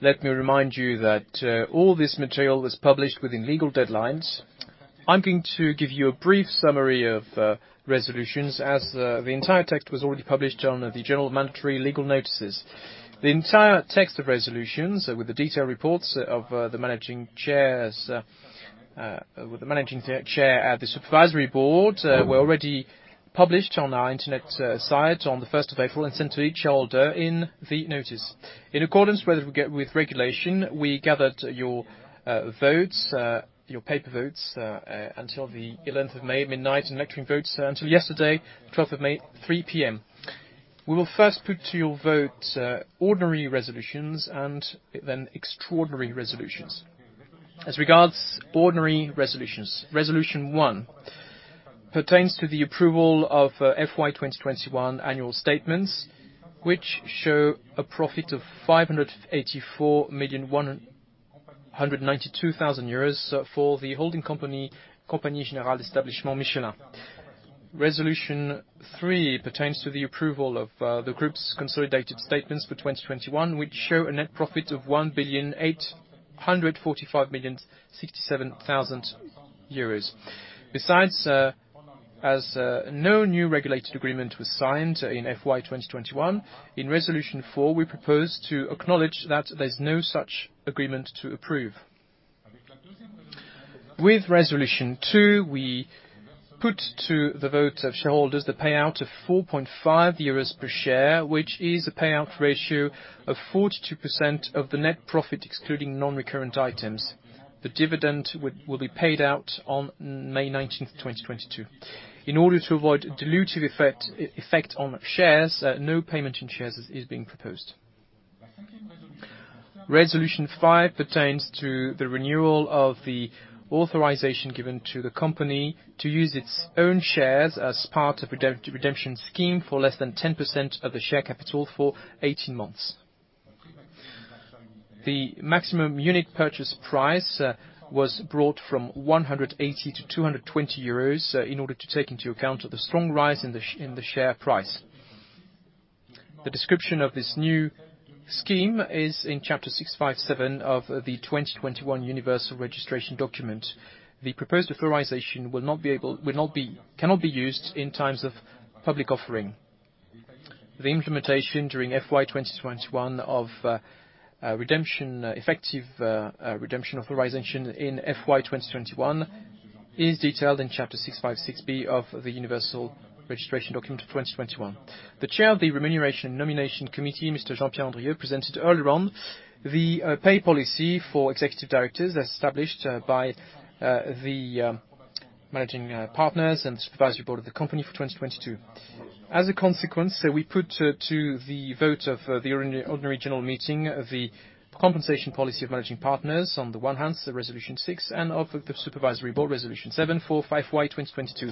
let me remind you that all this material was published within legal deadlines. I'm going to give you a brief summary of resolutions as the entire text was already published on the general mandatory legal notices. The entire text of resolutions, with the detailed reports of the managing chairs, with the managing chair at the supervisory board, were already published on our internet site on the first of April, and sent to each shareholder in the notice. In accordance with regulation, we gathered your votes, your paper votes, until the eleventh of May, midnight, and electronic votes until yesterday, May 12, 3 P.M. We will first put to your vote ordinary resolutions and then extraordinary resolutions. As regards ordinary resolutions, resolution one pertains to the approval of FY 2021 annual statements, which show a profit of EUR 584,192,000 for the holding company, Compagnie Générale des Établissements Michelin. Resolution three pertains to the approval of the group's consolidated statements for 2021, which show a net profit of 1,845,067,000 euros. Besides, as no new regulated agreement was signed in FY 2021, in resolution four, we propose to acknowledge that there's no such agreement to approve. With resolution two, we put to the vote of shareholders the payout of 4.5 euros per share, which is a payout ratio of 42% of the net profit, excluding non-recurrent items. The dividend will be paid out on May 19, 2022. In order to avoid dilutive effect on shares, no payment in shares is being proposed. Resolution 5 pertains to the renewal of the authorization given to the company to use its own shares as part of redemption scheme for less than 10% of the share capital for 18 months. The maximum unit purchase price was brought from 180 to 220 euros in order to take into account the strong rise in the share price. The description of this new scheme is in chapter 657 of the 2021 universal registration document. The proposed authorization cannot be used in times of public offering. The implementation during FY 2021 of effective redemption authorization in FY 2021 is detailed in chapter 6.5.6 B of the universal registration document of 2021. The chair of the Remuneration and Nomination Committee, Mr. Jean-Pierre Duprieu, presented earlier on the pay policy for executive directors as established by the managing partners and Supervisory Board of the company for 2022. As a consequence, we put to the vote of the Ordinary General Meeting, the compensation policy of managing partners, on the one hand, so Resolution 6, and of the Supervisory Board, Resolution 7 for FY 2022.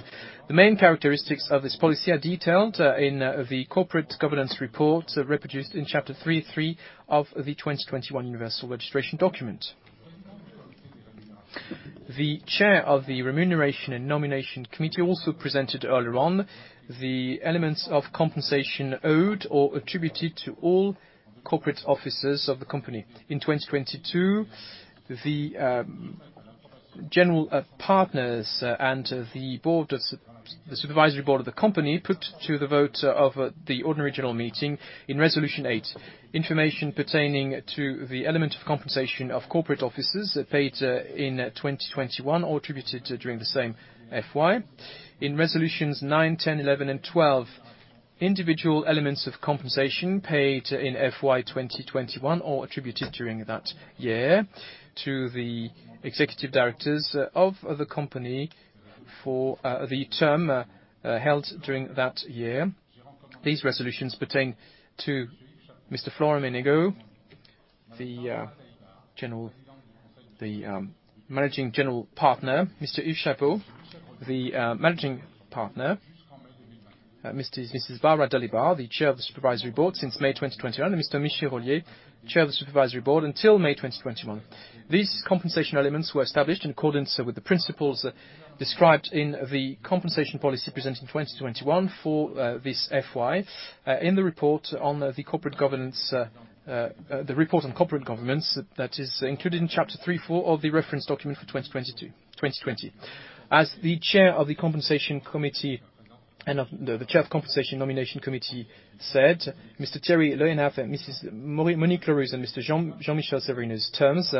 The main characteristics of this policy are detailed in the corporate governance report, reproduced in Chapter 3.3 of the 2021 universal registration document. The chair of the Remuneration and Nomination Committee also presented earlier on the elements of compensation owed or attributed to all corporate officers of the company. In 2022, the general partners and the Supervisory Board of the company put to the vote of the Ordinary General Meeting in Resolution 8, information pertaining to the element of compensation of corporate officers paid in 2021 or attributed during the same FY. In Resolutions 9, 10, 11, and 12, individual elements of compensation paid in FY 2021 or attributed during that year to the executive directors of the company for the term held during that year. These resolutions pertain to Mr. Florent Menegaux, the Managing General Partner, Mr. Yves Chapot, the Managing Partner, Mrs. Barbara Dalibard, the Chair of the Supervisory Board since May 2021, and Mr. Michel Rollier, Chair of the Supervisory Board until May 2021. These compensation elements were established in accordance with the principles described in the compensation policy presented in 2021 for this FY. In the report on corporate governance that is included in Chapter 3, 4 of the reference documents for 2022. 2020. As the Chair of the Compensation Committee and of the Chair of the Compensation and Nomination Committee said, Mr. Thierry Le Hénaff and Mrs. Monique Leroux and Mr. Jean-Michel Severino's terms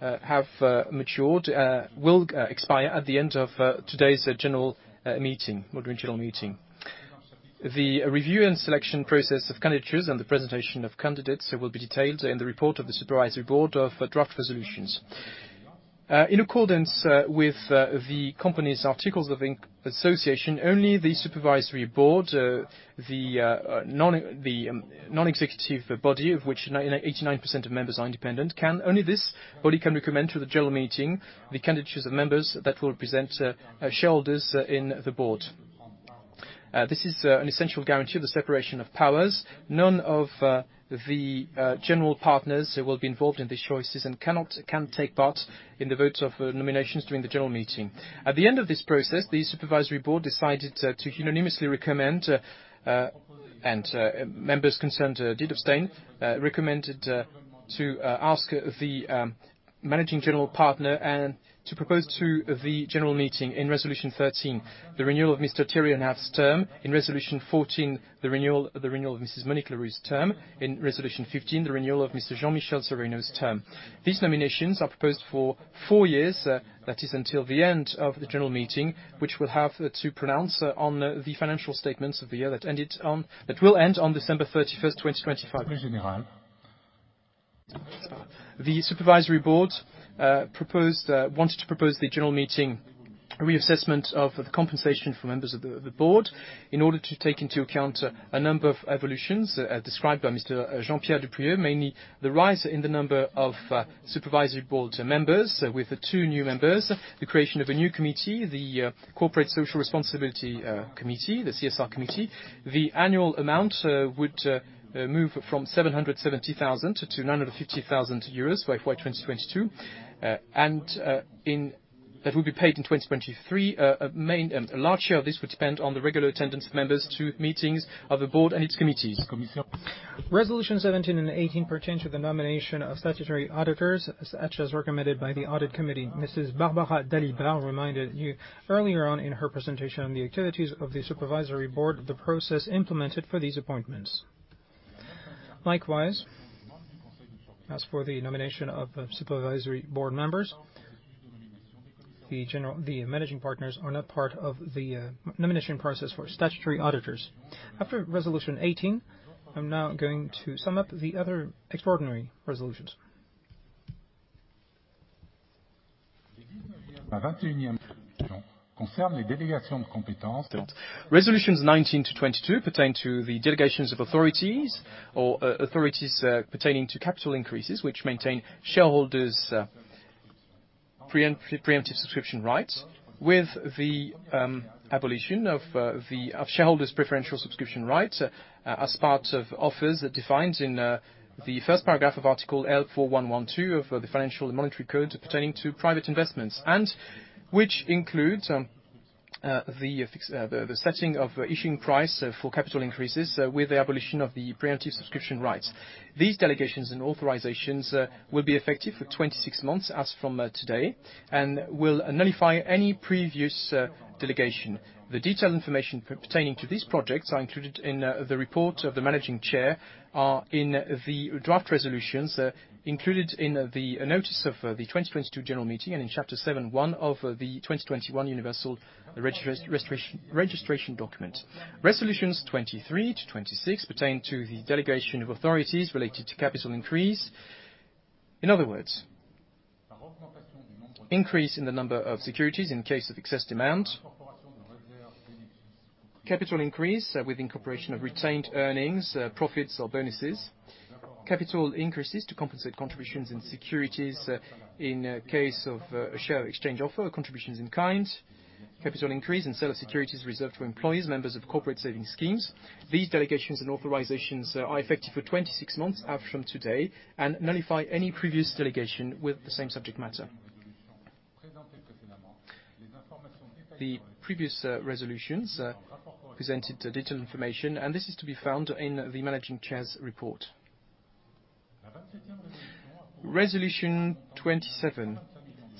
have matured, will expire at the end of today's general meeting, Ordinary General Meeting. The review and selection process of candidatures and the presentation of candidates will be detailed in the report of the Supervisory Board of draft resolutions. In accordance with the company's articles of Association, only the Supervisory Board, the non-executive body, of which 89% of members are independent, can. Only this body can recommend to the General Meeting the candidatures of members that will represent shareholders in the board. This is an essential guarantee of the separation of powers. None of the general partners will be involved in these choices and can take part in the votes of nominations during the General Meeting. At the end of this process, the Supervisory Board decided to unanimously recommend, and members concerned did abstain, recommended to ask the Managing General Partner and to propose to the General Meeting in Resolution 13, the renewal of Mr. Thierry Le Hénaff's term. In Resolution 14, the renewal of Mrs. Monique Leroux's term. In Resolution 15, the renewal of Mr. Jean-Michel Severino's term. These nominations are proposed for four years, that is, until the end of the General Meeting, which will have to pronounce on the financial statements of the year that will end on December 31, 2025. The Supervisory Board wanted to propose the General Meeting a reassessment of the compensation for members of the board in order to take into account a number of evolutions, described by Mr. Jean-Pierre Duprieu, mainly the rise in the number of Supervisory Board members with two new members, the creation of a new committee, the Corporate Social Responsibility Committee, the CSR Committee. The annual amount would move from 770 thousand to 950 thousand euros for FY 2022. That will be paid in 2023. A large share of this would be spent on the regular attendance of members to meetings of the board and its committees. Resolution 17 and 18 pertain to the nomination of statutory auditors, as recommended by the audit committee. Mrs. Barbara Dalibard reminded you earlier on in her presentation on the activities of the supervisory board, the process implemented for these appointments. Likewise, as for the nomination of supervisory board members, the general... The managing partners are not part of the nomination process for statutory auditors. After Resolution 18, I'm now going to sum up the other extraordinary resolutions. Resolutions 19 to 22 pertain to the delegations of authorities pertaining to capital increases, which maintain shareholders preemptive subscription rights with the abolition of shareholders preferential subscription rights, as part of offers defined in the first paragraph of Article L.411-2 of the Monetary and Financial Code pertaining to private investments, and which includes the setting of issuing price for capital increases with the abolition of the preemptive subscription rights. These delegations and authorizations will be effective for 26 months as from today and will nullify any previous delegation. The detailed information pertaining to these projects are included in the report of the Managing Chairman, are in the draft resolutions, included in the notice of the 2022 general meeting, and in Chapter 7.1 of the 2021 universal registration document. Resolutions 23-26 pertain to the delegation of authorities related to capital increase. In other words, increase in the number of securities in case of excess demand. Capital increase with incorporation of retained earnings, profits or bonuses. Capital increases to compensate contributions in securities, in case of a share exchange offer contributions in kind. Capital increase in sale of securities reserved for employees, members of corporate savings schemes. These delegations and authorizations are effective for 26 months as from today and nullify any previous delegation with the same subject matter. The previous resolutions presented detailed information, and this is to be found in the managing chair's report. Resolution 27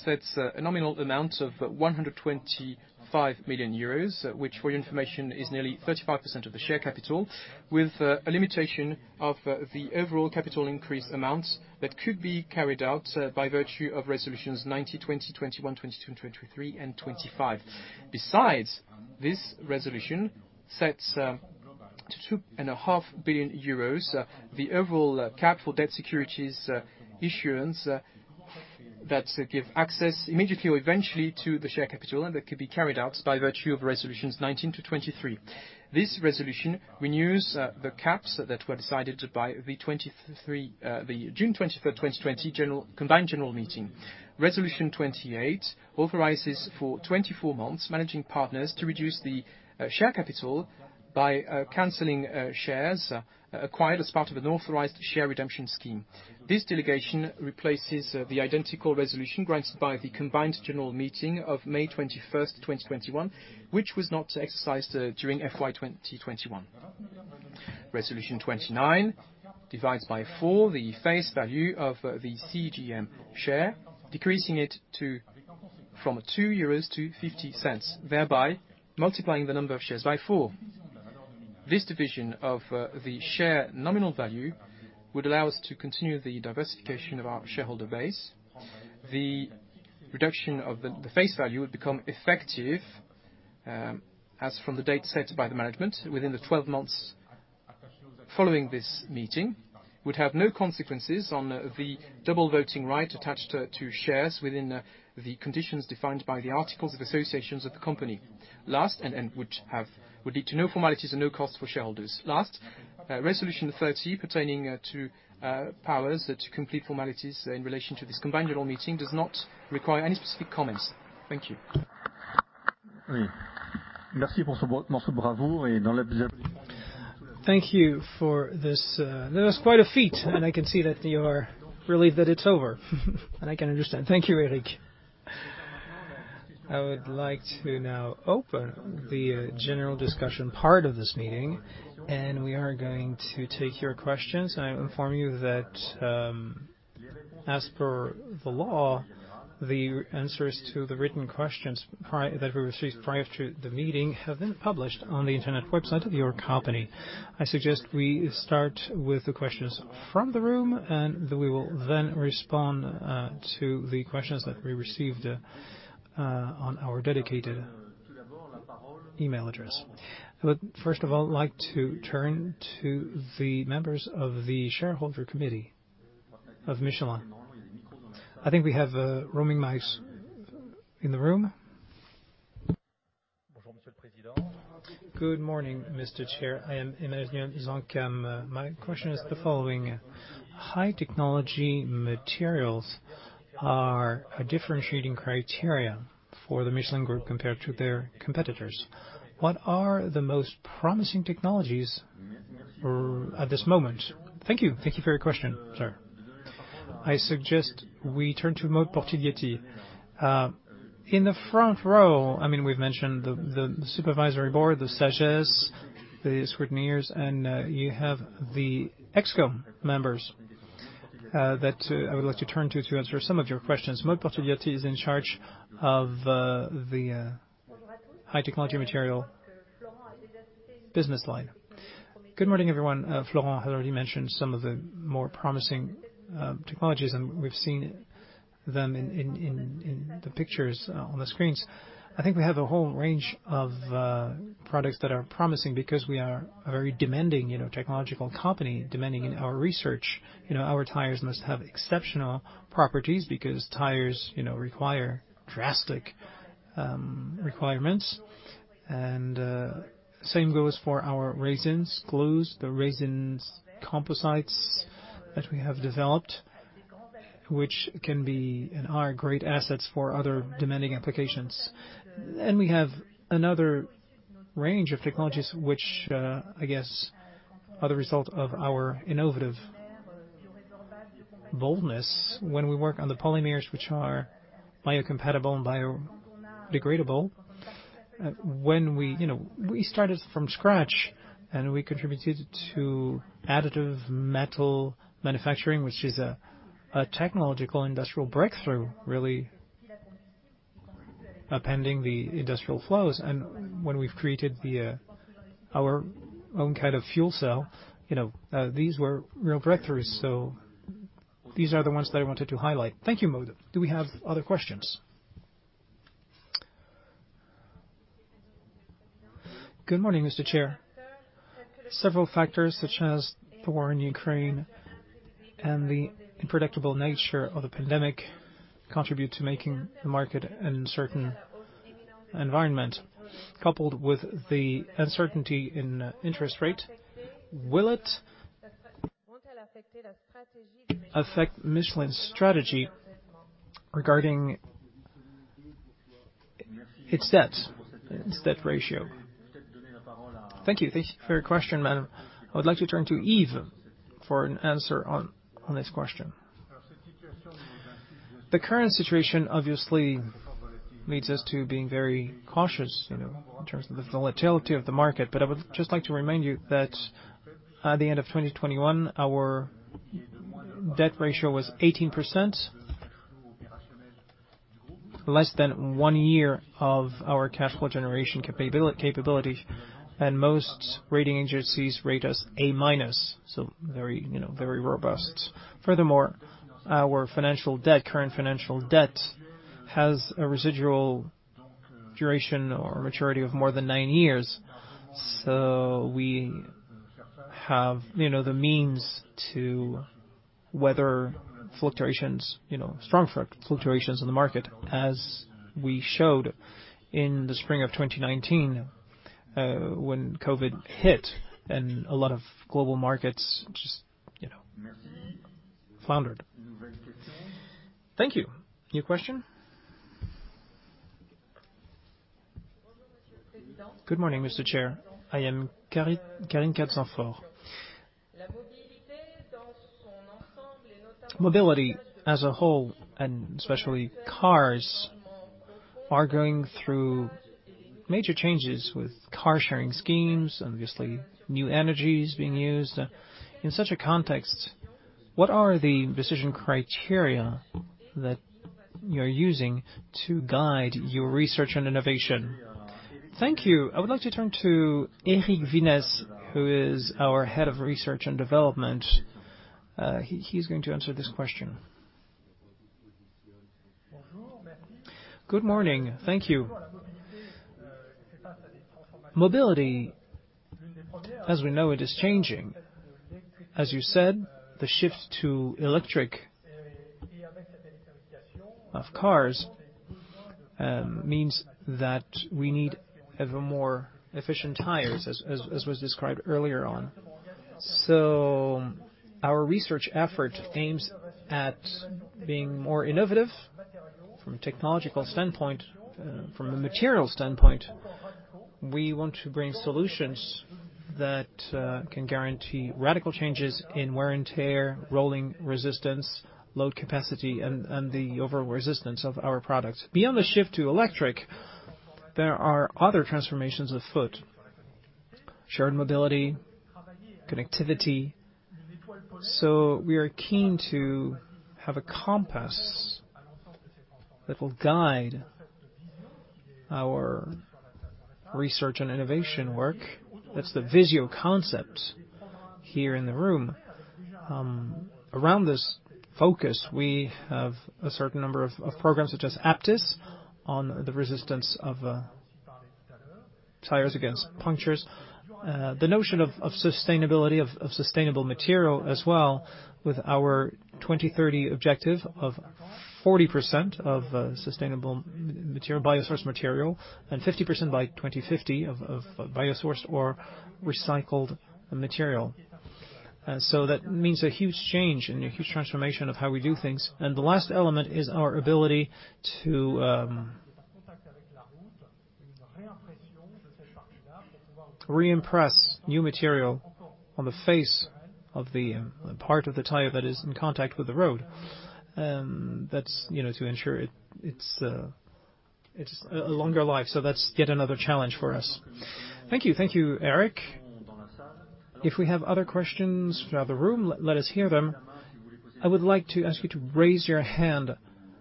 sets a nominal amount of 125 million euros, which for your information, is nearly 35% of the share capital, with a limitation of the overall capital increase amounts that could be carried out by virtue of Resolutions 19, 20, 21, 22, 23 and 25. Besides, this resolution sets to 2.5 billion euros the overall cap for debt securities issuance that give access immediately or eventually to the share capital and that could be carried out by virtue of Resolutions 19 to 23. This resolution renews the caps that were decided by the June 23, 2020 Combined General Meeting. Resolution 28 authorizes for 24 months managing partners to reduce the share capital by canceling shares acquired as part of an authorized share redemption scheme. This delegation replaces the identical resolution granted by the combined general meeting of May 21, 2021, which was not exercised during FY 2021. Resolution 29 divides by four the face value of the CGEM share, decreasing it from 2 euros to 0.50, thereby multiplying the number of shares by four. This division of the share nominal value would allow us to continue the diversification of our shareholder base. The reduction of the face value would become effective as from the date set by the management within the 12 months following this meeting, would have no consequences on the double voting right attached to shares within the conditions defined by the articles of association of the company. Last, which would lead to no formalities and no cost for shareholders. Last, Resolution 30 pertaining to powers to complete formalities in relation to this combined general meeting does not require any specific comments. Thank you. Thank you for this. That was quite a feat, and I can see that you are relieved that it's over. I can understand. Thank you, Eric. I would like to now open the general discussion part of this meeting, and we are going to take your questions. I inform you that, as per the law, the answers to the written questions that we received prior to the meeting have been published on the internet website of your company. I suggest we start with the questions from the room, and we will then respond to the questions that we received on our dedicated email address. I would first of all like to turn to the members of the shareholder committee of Michelin. I think we have roaming mics in the room. Good morning, Mr. Chair. I am Emmanuel Zancan. My question is the following. High technology materials are a differentiating criteria for the Michelin Group compared to their competitors. What are the most promising technologies? At this moment. Thank you. Thank you for your question, sir. I suggest we turn to Maude Portigliatti. In the front row, I mean, we've mentioned the supervisory board, the SAGES, the scrutineers, and you have the ExCo members that I would like to turn to to answer some of your questions. Maude Portigliatti is in charge of the high-tech materials business line. Good morning, everyone. Florent has already mentioned some of the more promising technologies, and we've seen them in the pictures on the screens. I think we have a whole range of products that are promising because we are a very demanding, you know, technological company, demanding in our research. You know, our tires must have exceptional properties because tires require drastic requirements. Same goes for our resins, glues, the resins composites that we have developed, which can be and are great assets for other demanding applications. We have another range of technologies which, I guess are the result of our innovative boldness when we work on the polymers which are biocompatible and biodegradable. You know, we started from scratch, and we contributed to additive metal manufacturing, which is a technological industrial breakthrough, really upending the industrial flows. When we've created our own kind of fuel cell, you know, these were real breakthroughs. These are the ones that I wanted to highlight. Thank you, Maude. Do we have other questions? Good morning, Mr. Chair. Several factors, such as the war in Ukraine and the unpredictable nature of the pandemic, contribute to making the market an uncertain environment. Coupled with the uncertainty in interest rate, will it affect Michelin's strategy regarding its debt, its debt ratio? Thank you. Thank you for your question, madam. I would like to turn to Yves for an answer on this question. The current situation obviously leads us to being very cautious, you know, in terms of the volatility of the market. I would just like to remind you that at the end of 2021, our debt ratio was 18%, less than one year of our cash flow generation capability, and most rating agencies rate us A minus, so very, you know, very robust. Furthermore, our financial debt, current financial debt, has a residual duration or maturity of more than nine years, so we have, you know, the means to weather fluctuations, you know, strong fluctuations in the market, as we showed in the spring of 2019, when COVID hit and a lot of global markets just, you know, floundered. Thank you. New question? Good morning, Mr. Chair. I am Karine Cattenot. Mobility as a whole, and especially cars, are going through major changes with car-sharing schemes and obviously new energies being used. In such a context, what are the decision criteria that you're using to guide your research and innovation? Thank you. I would like to turn to Eric Vinesse, who is our Head of Research and Development. He's going to answer this question. Good morning. Thank you. Mobility, as we know it, is changing. As you said, the shift to electric of cars means that we need even more efficient tires, as was described earlier on. Our research effort aims at being more innovative from a technological standpoint. From a material standpoint, we want to bring solutions that can guarantee radical changes in wear and tear, rolling resistance, load capacity, and the overall resistance of our products. Beyond the shift to electric, there are other transformations afoot, shared mobility, connectivity. We are keen to have a compass that will guide our research and innovation work. That's the VISION concept here in the room. Around this focus, we have a certain number of programs such as UPTIS on the resistance of tires against punctures. The notion of sustainability, of sustainable material as well, with our 2030 objective of 40% of sustainable material, biosourced material, and 50% by 2050 of biosourced or recycled material. That means a huge change and a huge transformation of how we do things. The last element is our ability to reimpress new material on the face of the part of the tire that is in contact with the road. That's, you know, to ensure it's a longer life. That's yet another challenge for us. Thank you. Thank you, Eric. If we have other questions throughout the room, let us hear them. I would like to ask you to raise your hand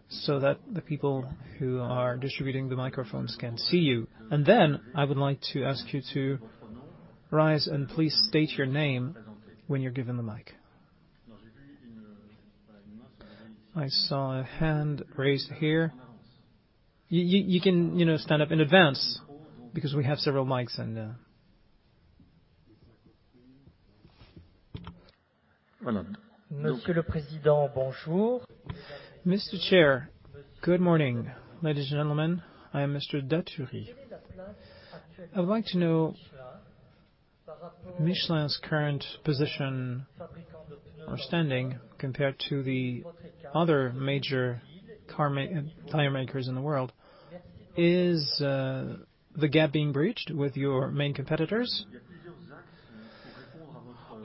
so that the people who are distributing the microphones can see you. Then I would like to ask you to rise, and please state your name when you're given the mic. I saw a hand raised here. You can, you know, stand up in advance because we have several mics and. Mr. Chair, good morning. Ladies and gentlemen, I am Mr. Daturi. I would like to know Michelin's current position or standing compared to the other major tire makers in the world. Is the gap being bridged with your main competitors?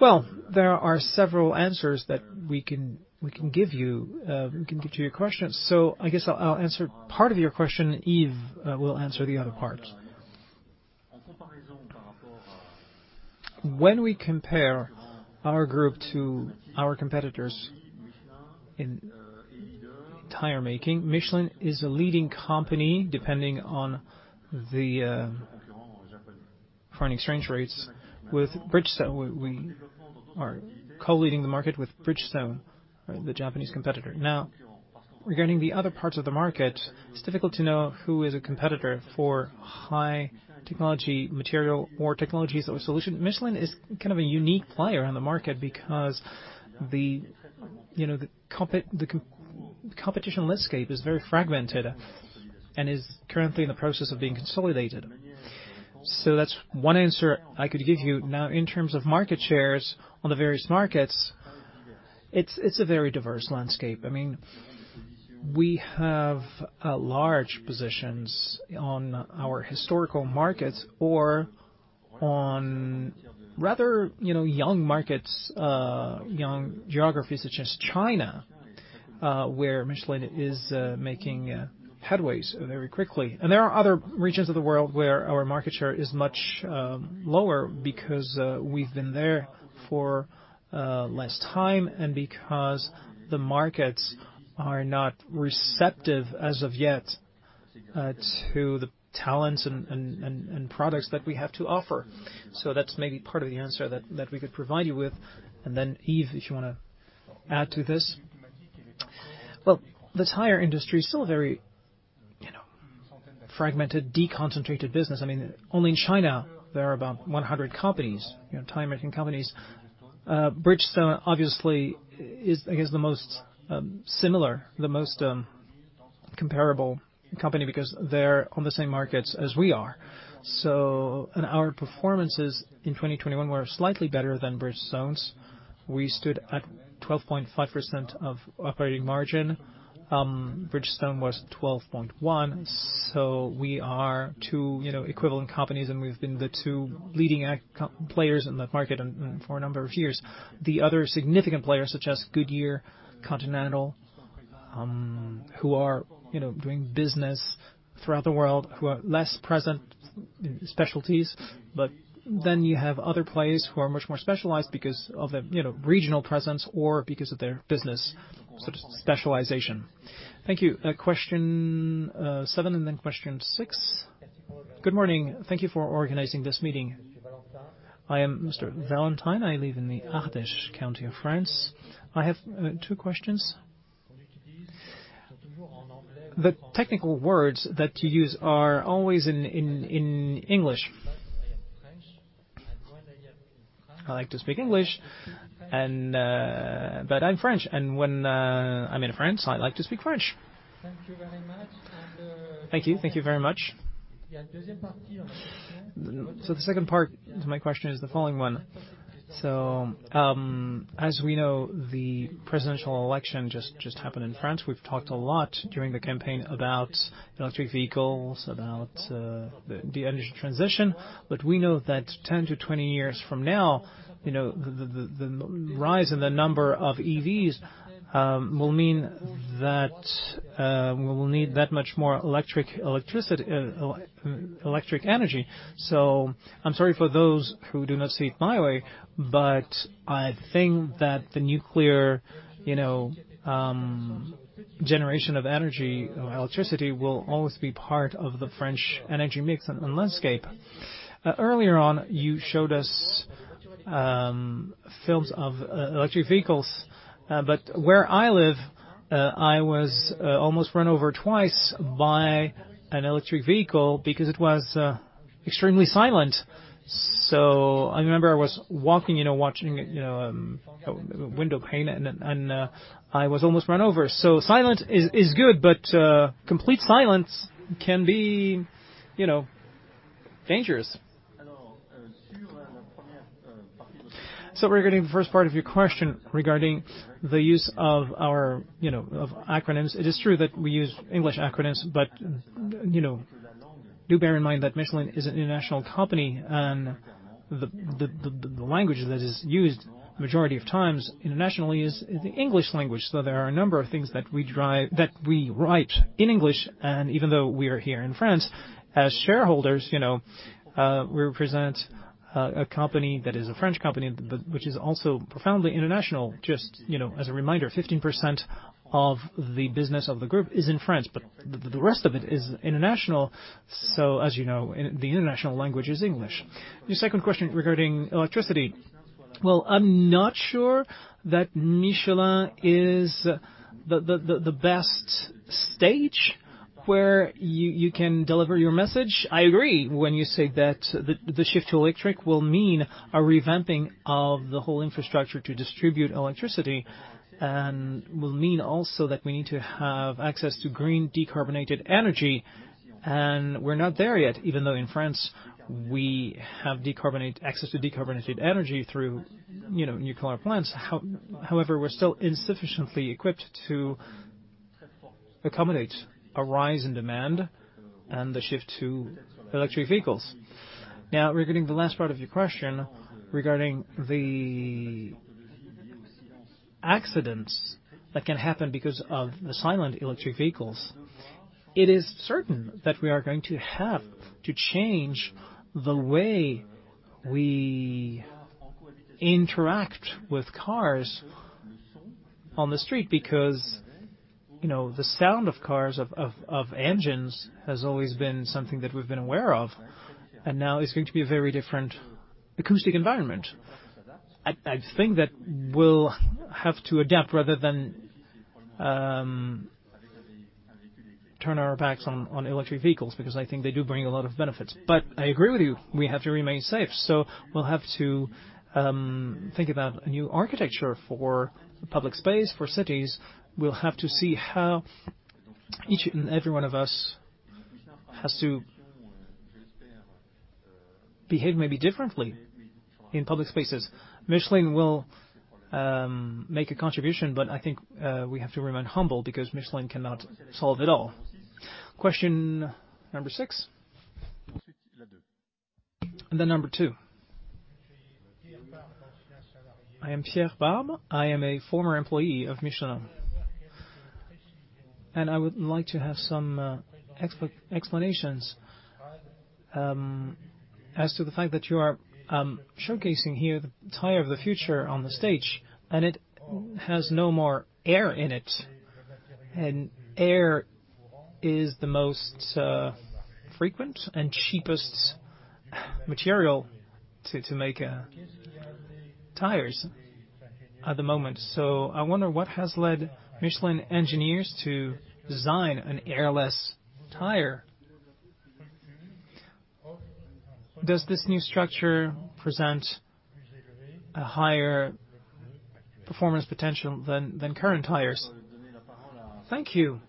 Well, there are several answers that we can give to your question. I guess I'll answer part of your question, Yves will answer the other part. When we compare our group to our competitors in tire making, Michelin is a leading company, depending on the foreign exchange rates. With Bridgestone, we are co-leading the market with Bridgestone, the Japanese competitor. Now, regarding the other parts of the market, it's difficult to know who a competitor for high technology material or technologies or solution is. Michelin is kind of a unique player on the market because you know, the competition landscape is very fragmented and is currently in the process of being consolidated. That's one answer I could give you. Now, in terms of market shares on the various markets, it's a very diverse landscape. I mean, we have large positions on our historical markets or on rather, you know, young markets, young geographies such as China, where Michelin is making headway very quickly. There are other regions of the world where our market share is much lower because we've been there for less time and because the markets are not receptive as of yet to the talents and products that we have to offer. So, that's maybe part of the answer that we could provide you with. Yves, if you wanna add to this. Well, the tire industry is still a very, you know, fragmented, deconcentrated business. I mean, only in China, there are about 100 companies, you know, tire-making companies. Bridgestone obviously is, I guess, the most similar, the most comparable company because they're on the same markets as we are. So, our performances in 2021 were slightly better than Bridgestone's. We stood at 12.5% of operating margin. Bridgestone was 12.1%. We are two, you know, equivalent companies, and we've been the two leading players in the market for a number of years. The other significant players such as Goodyear, Continental, who are, you know, doing business throughout the world, who are less present in specialties. You have other players who are much more specialized because of a, you know, regional presence or because of their business sort of specialization. Thank you. Question seven and then question six. Good morning. Thank you for organizing this meeting. I am Mr. Valentine. I live in the Ardèche County of France. I have two questions. The technical words that you use are always in English. I like to speak English and, but I'm French. When I'm in France, I like to speak French. Thank you. Thank you very much. The second part to my question is the following one. As we know, the presidential election just happened in France. We've talked a lot during the campaign about electric vehicles, about the energy transition. We know that 10-20 years from now, you know, the rise in the number of EVs will mean that we will need that much more electric energy. I'm sorry for those who do not see it my way, but I think that the nuclear generation of energy or electricity will always be part of the French energy mix and landscape. Earlier on, you showed us films of electric vehicles. Where I live, I was almost run over twice by an electric vehicle because it was extremely silent. I remember I was walking, you know, watching, you know, a windowpane, and I was almost run over. Silent is good, but complete silence can be, you know, dangerous. Regarding the first part of your question, regarding the use of our, you know, of acronyms, it is true that we use English acronyms, but, you know, do bear in mind that Michelin is an international company and the language that is used majority of times internationally is the English language. There are a number of things that we write in English, and even though we are here in France, as shareholders, you know, we represent a company that is a French company, but which is also profoundly international. Just, you know, as a reminder, 15% of the business of the group is in France, but the rest of it is international. As you know, the international language is English. Your second question regarding electricity. Well, I'm not sure that Michelin is the best stage where you can deliver your message. I agree when you say that the shift to electric will mean a revamping of the whole infrastructure to distribute electricity and will mean also that we need to have access to green decarbonated energy, and we're not there yet, even though in France we have access to decarbonated energy through, you know, nuclear plants. However, we're still insufficiently equipped to accommodate a rise in demand and the shift to electric vehicles. Now, regarding the last part of your question, regarding the accidents that can happen because of the silent electric vehicles, it is certain that we are going to have to change the way we interact with cars on the street because, you know, the sound of cars of engines has always been something that we've been aware of, and now it's going to be a very different acoustic environment. I think that we'll have to adapt rather than turn our backs on electric vehicles, because I think they do bring a lot of benefits. I agree with you, we have to remain safe. We'll have to think about a new architecture for public space, for cities. We'll have to see how each and every one of us has to behave maybe differently in public spaces. Michelin will make a contribution, but I think we have to remain humble because Michelin cannot solve it all. Question 6. 2. I am Pierre Barbe. I am a former employee of Michelin. I would like to have some explanations as to the fact that you are showcasing here the tire of the future on the stage, and it has no more air in it, and air is the most frequent and cheapest material to make tires at the moment. I wonder what has led Michelin engineers to design an airless tire. Does this new structure present a higher performance potential than current tires? Thank you.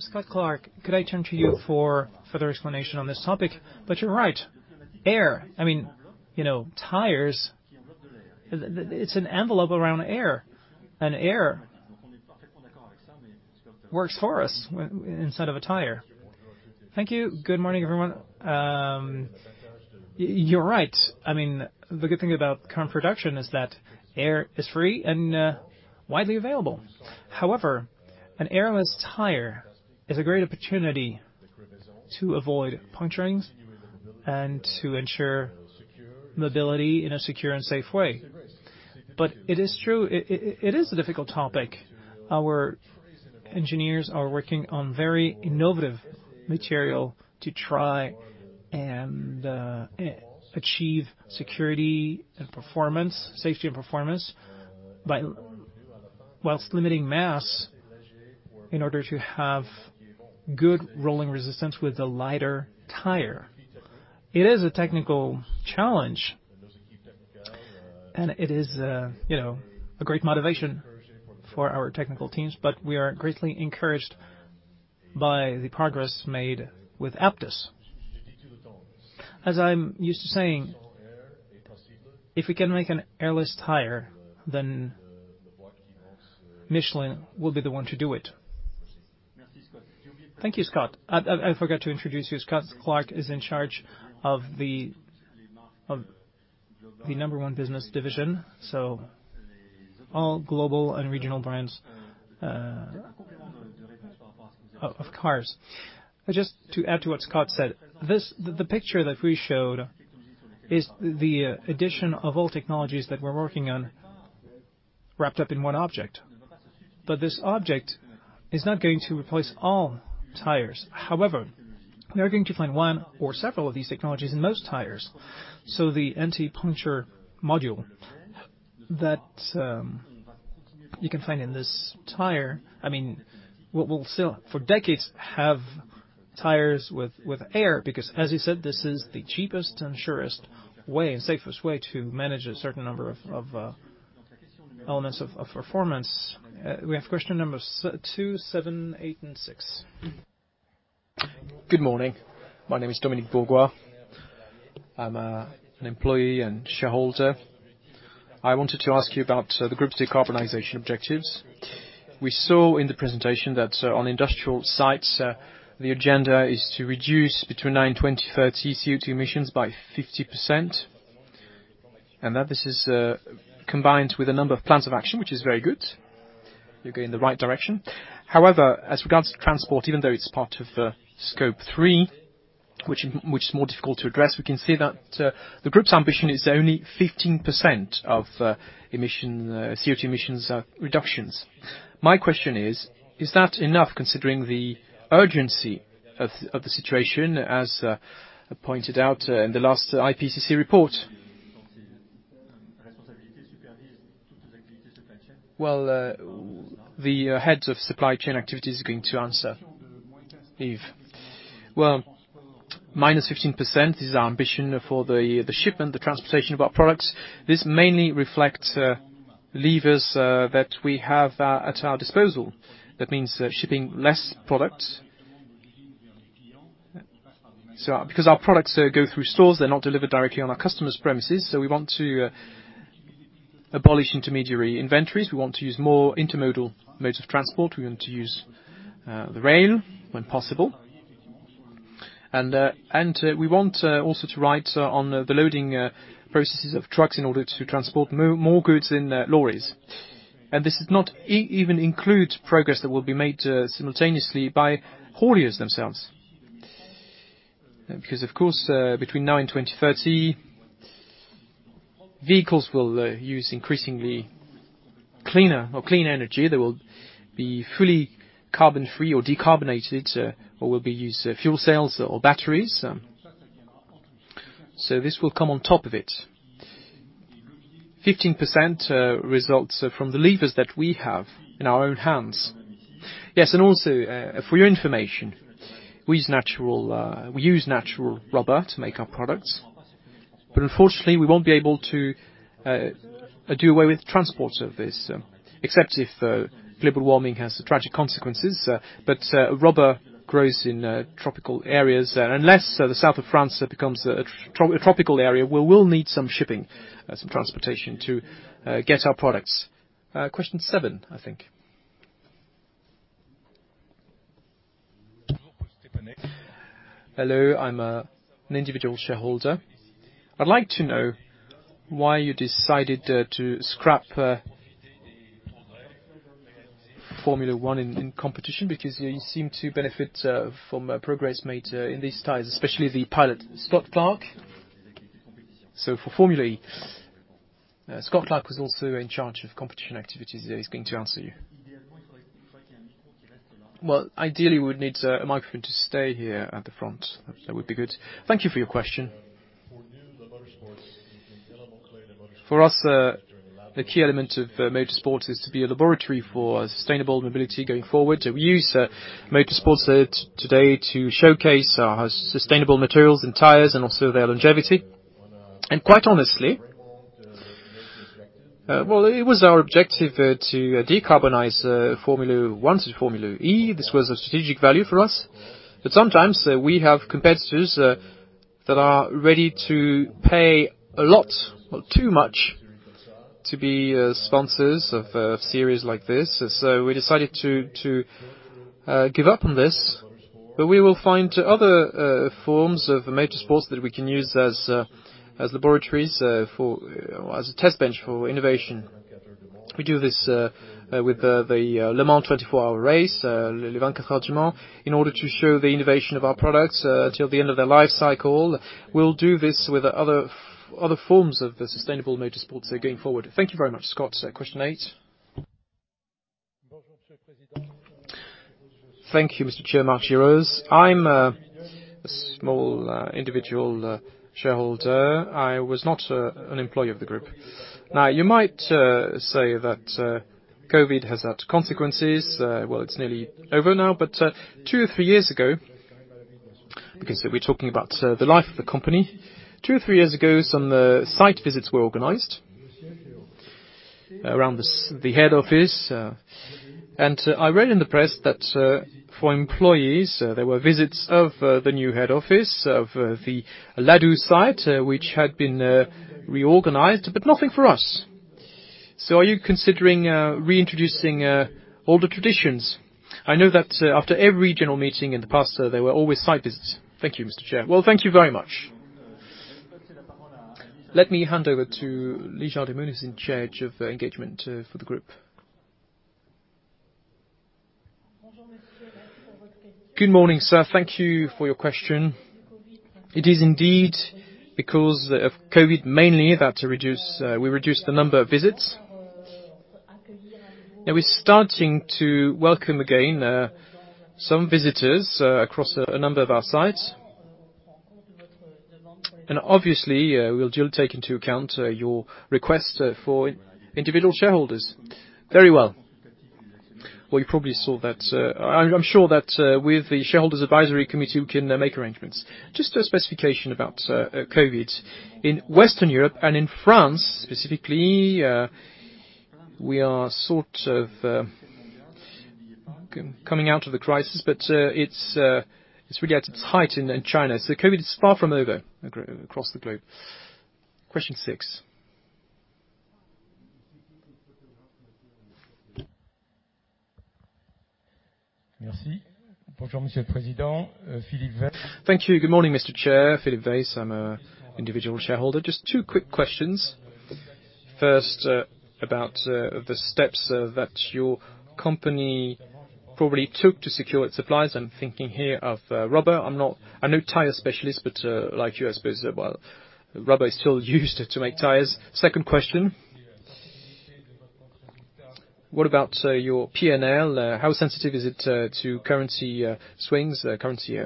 Scott Clark, could I turn to you for further explanation on this topic? You're right. Air, I mean, you know, tires, it's an envelope around air, and air works for us inside of a tire. Thank you. Good morning, everyone. You're right. I mean, the good thing about current production is that air is free and widely available. However, an airless tire is a great opportunity to avoid puncturings and to ensure mobility in a secure and safe way. It is true, it is a difficult topic. Our engineers are working on very innovative material to try and achieve security and performance, safety and performance, while limiting mass in order to have good rolling resistance with a lighter tire. It is a technical challenge, and it is a, you know, a great motivation for our technical teams, but we are greatly encouraged by the progress made with UPTIS. As I'm used to saying, if we can make an airless tire, then Michelin will be the one to do it. Thank you, Scott. I forgot to introduce you. Scott Clark is in charge of the number one business division, so all global and regional brands of cars. Just to add to what Scott said, the picture that we showed is the addition of all technologies that we're working on wrapped up in one object. But this object is not going to replace all tires. However, we are going to find one or several of these technologies in most tires. The anti-puncture module that you can find in this tire, I mean, we'll still for decades have tires with air because as you said, this is the cheapest and surest way and safest way to manage a certain number of elements of performance. We have question number 2, 7, 8, and 6. Good morning. My name is Dominique Bourgeois. I'm an employee and shareholder. I wanted to ask you about the group's decarbonization objectives. We saw in the presentation that on industrial sites the agenda is to reduce between now and 2030 CO2 emissions by 50%, and that this is combined with a number of plans of action, which is very good. You're going the right direction. However, as regards to transport, even though it's part of Scope 3, which is more difficult to address, we can see that the group's ambition is only 15% of emission CO2 emissions reductions. My question is that enough considering the urgency of the situation, as pointed out in the last IPCC report? Well, the head of supply chain activity is going to answer. Yves. Well, -15% is our ambition for the shipment, the transportation of our products. This mainly reflects levers that we have at our disposal. That means shipping less products. Because our products go through stores, they're not delivered directly on our customer's premises, so we want to abolish intermediary inventories. We want to use more intermodal modes of transport. We want to use the rail when possible. We want also to rely on the loading processes of trucks in order to transport more goods in lorries. This does not even include progress that will be made simultaneously by hauliers themselves. Because, of course, between now and 2030, vehicles will use increasingly cleaner or clean energy. They will be fully carbon free or decarbonated or will use fuel cells or batteries. This will come on top of it. 15% results from the levers that we have in our own hands. Yes, and also, for your information, we use natural rubber to make our products, but unfortunately, we won't be able to do away with transport of this, except if global warming has tragic consequences. Rubber grows in tropical areas. Unless the South of France becomes a tropical area, we will need some shipping, some transportation to get our products. Question seven, I think. Hello, I'm an individual shareholder. I'd like to know why you decided to scrap Formula One in competition, because you seem to benefit from progress made in these tires, especially the Pilot, Scott Clark. For Formula E, Scott Clark was also in charge of competition activities. He is going to answer you. Well, ideally, we'd need a microphone to stay here at the front. That would be good. Thank you for your question. For us, the key element of motorsport is to be a laboratory for sustainable mobility going forward. We use motorsports today to showcase our sustainable materials and tires and also their longevity. Quite honestly, it was our objective to decarbonize Formula One to Formula E. This was a strategic value for us. Sometimes we have competitors that are ready to pay a lot or too much to be sponsors of series like this. We decided to give up on this, but we will find other forms of motorsports that we can use as laboratories, as a test bench for innovation. We do this with the Le Mans 24-hour race, Le Mans, in order to show the innovation of our products till the end of their life cycle. We'll do this with other forms of sustainable motorsports going forward. Thank you very much, Scott. Question 8. Thank you, Mr. Chair, Marc Cheroux. I'm a small individual shareholder. I was not an employee of the group. Now, you might say that COVID has had consequences. Well, it's nearly over now, but two or three years ago, because we're talking about the life of the company. Two or three years ago, some site visits were organized around the head office. I read in the press that, for employees, there were visits of the new head office, of the Ladoux site, which had been reorganized, but nothing for us. Are you considering reintroducing older traditions? I know that, after every general meeting in the past, there were always site visits. Thank you, Mr. Chair. Well, thank you very much. Let me hand over to Lisa de Moon, who's in charge of engagement for the group. Good morning, sir. Thank you for your question. It is indeed because of COVID-19 mainly that we reduced the number of visits. Now we're starting to welcome again some visitors across a number of our sites. Obviously, we'll take into account your request for individual shareholders. Very well. You probably saw that I'm sure that with the shareholders' advisory committee, we can make arrangements. Just a specification about COVID. In Western Europe and in France, specifically, we are sort of coming out of the crisis, but it's really at its height in China. COVID is far from over across the globe. Question six. Merci. Thank you. Good morning, Mr. Chair. Philippe Vayssac, I'm an individual shareholder. Just two quick questions. First, about the steps that your company probably took to secure its supplies. I'm thinking here of rubber. I'm no tire specialist, but like you, I suppose, well, rubber is still used to make tires. Second question: What about your P&L? How sensitive is it to currency swings, currency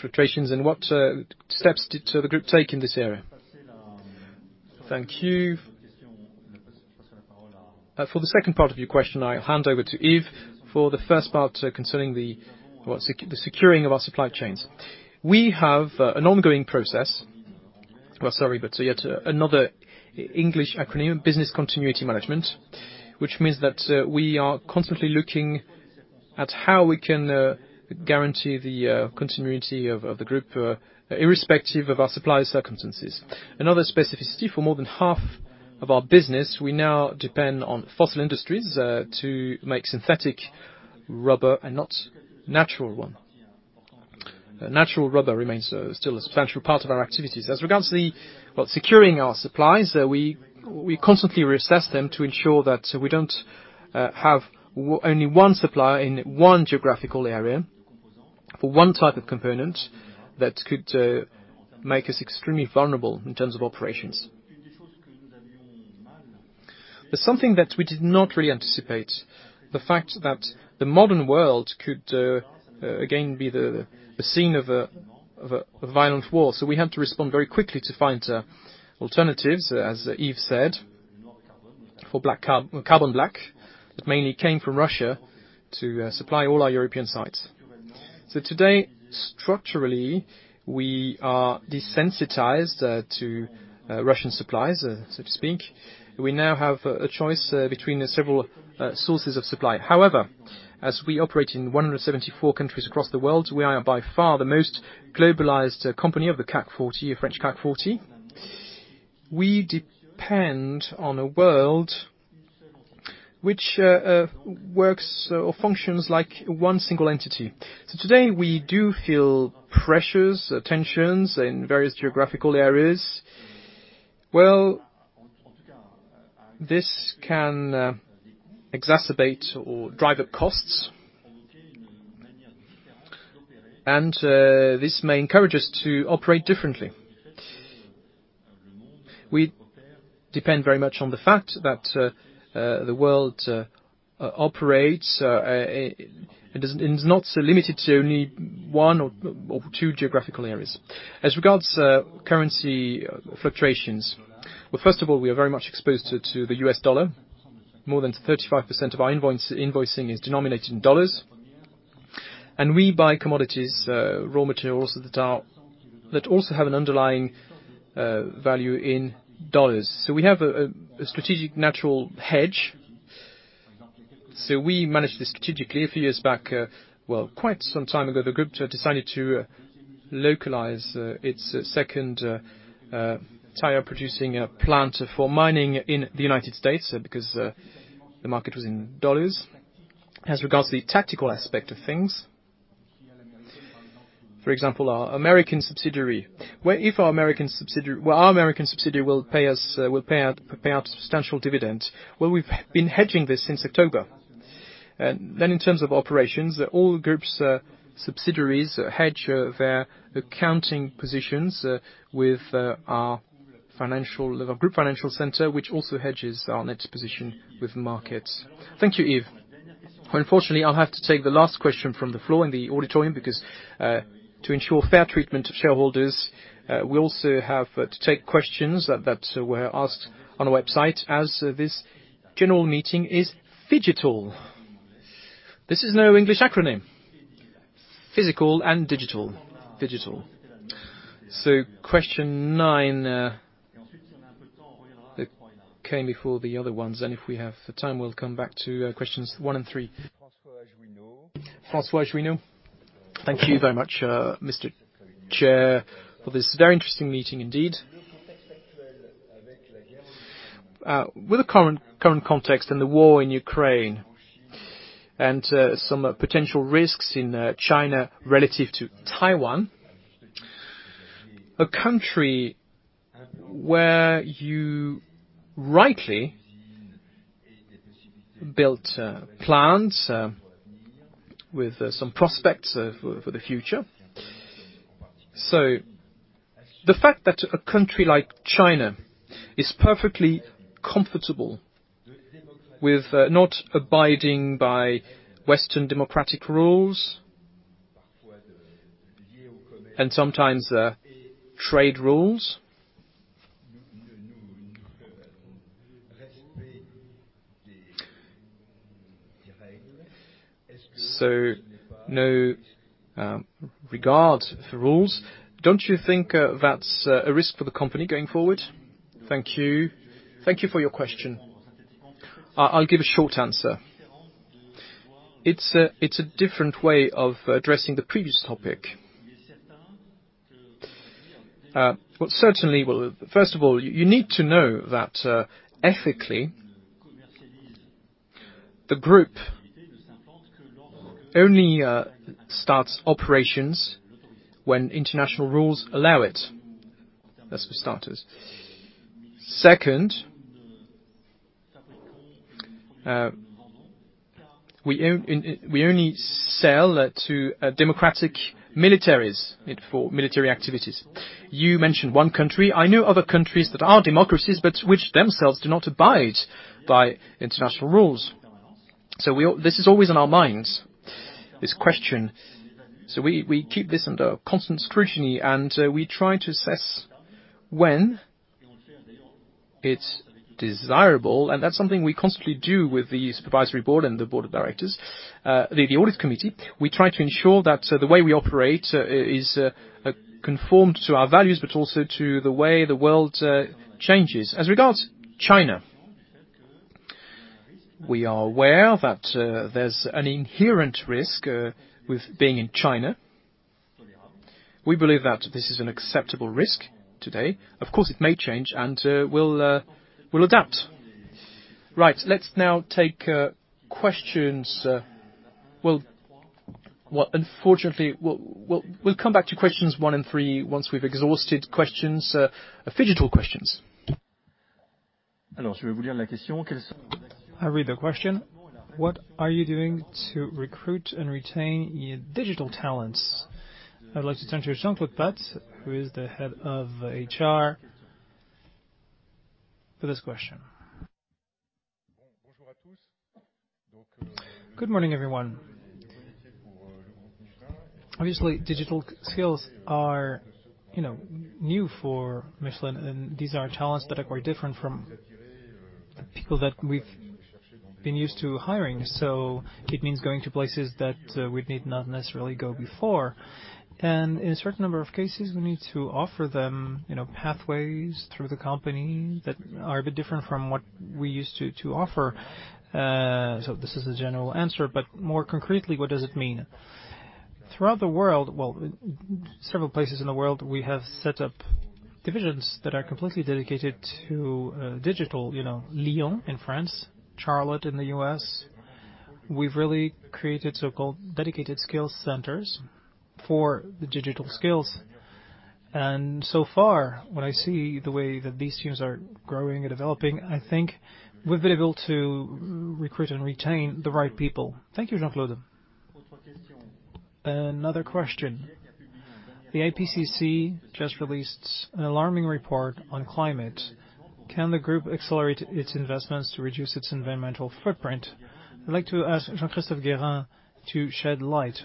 fluctuations, and what steps did the group take in this area? Thank you. For the second part of your question, I hand over to Yves. For the first part, concerning the, well, securing of our supply chains. We have an ongoing process. Sorry, but yet another English acronym, Business Continuity Management, which means that we are constantly looking at how we can guarantee the continuity of the group irrespective of our suppliers' circumstances. Another specificity for more than half of our business, we now depend on fossil industries to make synthetic rubber and not natural one. Natural rubber remains still a substantial part of our activities. As regards securing our supplies, we constantly reassess them to ensure that we don't have only one supplier in one geographical area for one type of component that could make us extremely vulnerable in terms of operations. Something that we did not really anticipate, the fact that the modern world could again be the scene of a violent war. We had to respond very quickly to find alternatives, as Yves said, for carbon black that mainly came from Russia to supply all our European sites. Today, structurally, we are desensitized to Russian supplies, so to speak. We now have a choice between several sources of supply. However, as we operate in 174 countries across the world, we are by far the most globalized company of the CAC 40, French CAC 40. We depend on a world which works or functions like one single entity. Today, we do feel pressures, tensions in various geographical areas. This can exacerbate or drive-up costs, and this may encourage us to operate differently. We depend very much on the fact that the world operates. It is not limited to only one or two geographical areas. As regards currency fluctuations, well, first of all, we are very much exposed to the U.S. Dollar. More than 35% of our invoicing is denominated in dollars. We buy commodities, raw materials that also have an underlying value in dollars. We have a strategic natural hedge. We manage this strategically. A few years back, well, quite some time ago, the group decided to localize its second tire-producing plant for mining in the United States, because the market was in dollars. As regards the tactical aspect of things, for example, our American subsidiary, where if our American subsidiary... Well, our American subsidiary will pay us, will pay out substantial dividends. Well, we've been hedging this since October. In terms of operations, all group's subsidiaries hedge their accounting positions with our group financial center, which also hedges our net position with markets. Thank you, Yves. Unfortunately, I'll have to take the last question from the floor in the auditorium, because to ensure fair treatment of shareholders, we also have to take questions that were asked on our website as this general meeting is phygital. This is not an English acronym. Physical and digital. Question nine that came before the other ones, and if we have the time, we'll come back to questions one and three. François Aujouin. Thank you very much, Mr. Chair, for this very interesting meeting indeed. With the current context and the war in Ukraine and some potential risks in China relative to Taiwan, a country where you rightly built plants with some prospects for the future. The fact that a country like China is perfectly comfortable with not abiding by Western democratic rules and sometimes trade rules. No regard for rules. Don't you think that's a risk for the company going forward? Thank you. Thank you for your question. I'll give a short answer. It's a different way of addressing the previous topic. Certainly. Well, first of all, you need to know that, ethically, the group only starts operations when international rules allow it. That's for starters. Second, we only sell to democratic militaries for military activities. You mentioned one country. I know other countries that are democracies, but which themselves do not abide by international rules. This is always on our minds, this question. We keep this under constant scrutiny, and we try to assess when it's desirable. That's something we constantly do with the supervisory board and the board of directors, the audit committee. We try to ensure that the way we operate is conformed to our values, but also to the way the world changes. As regards to China, we are aware that there's an inherent risk with being in China. We believe that this is an acceptable risk today. Of course, it may change, and we'll adapt. Right. Let's now take questions. Well, unfortunately, we'll come back to questions one and three once we've exhausted physical questions. I'll read the question. What are you doing to recruit and retain your digital talents? I'd like to turn to Jean-Claude Pats, who is the head of HR, for this question. Good morning, everyone. Obviously, digital skills are, you know, new for Michelin, and these are talents that are quite different from people that we've been used to hiring, so it means going to places that we did not necessarily go before. In a certain number of cases, we need to offer them, you know, pathways through the company that are a bit different from what we used to offer. This is a general answer, but more concretely, what does it mean? Throughout the world, well, several places in the world, we have set up divisions that are completely dedicated to digital. You know, Lyon in France, Charlotte in the U.S. We've really created so-called dedicated skills centers for the digital skills. So far, when I see the way that these teams are growing and developing, I think we've been able to recruit and retain the right people. Thank you, Jean-Claude. Another question: The IPCC just released an alarming report on climate. Can the group accelerate its investments to reduce its environmental footprint? I'd like to ask Jean-Christophe Guérin to shed light,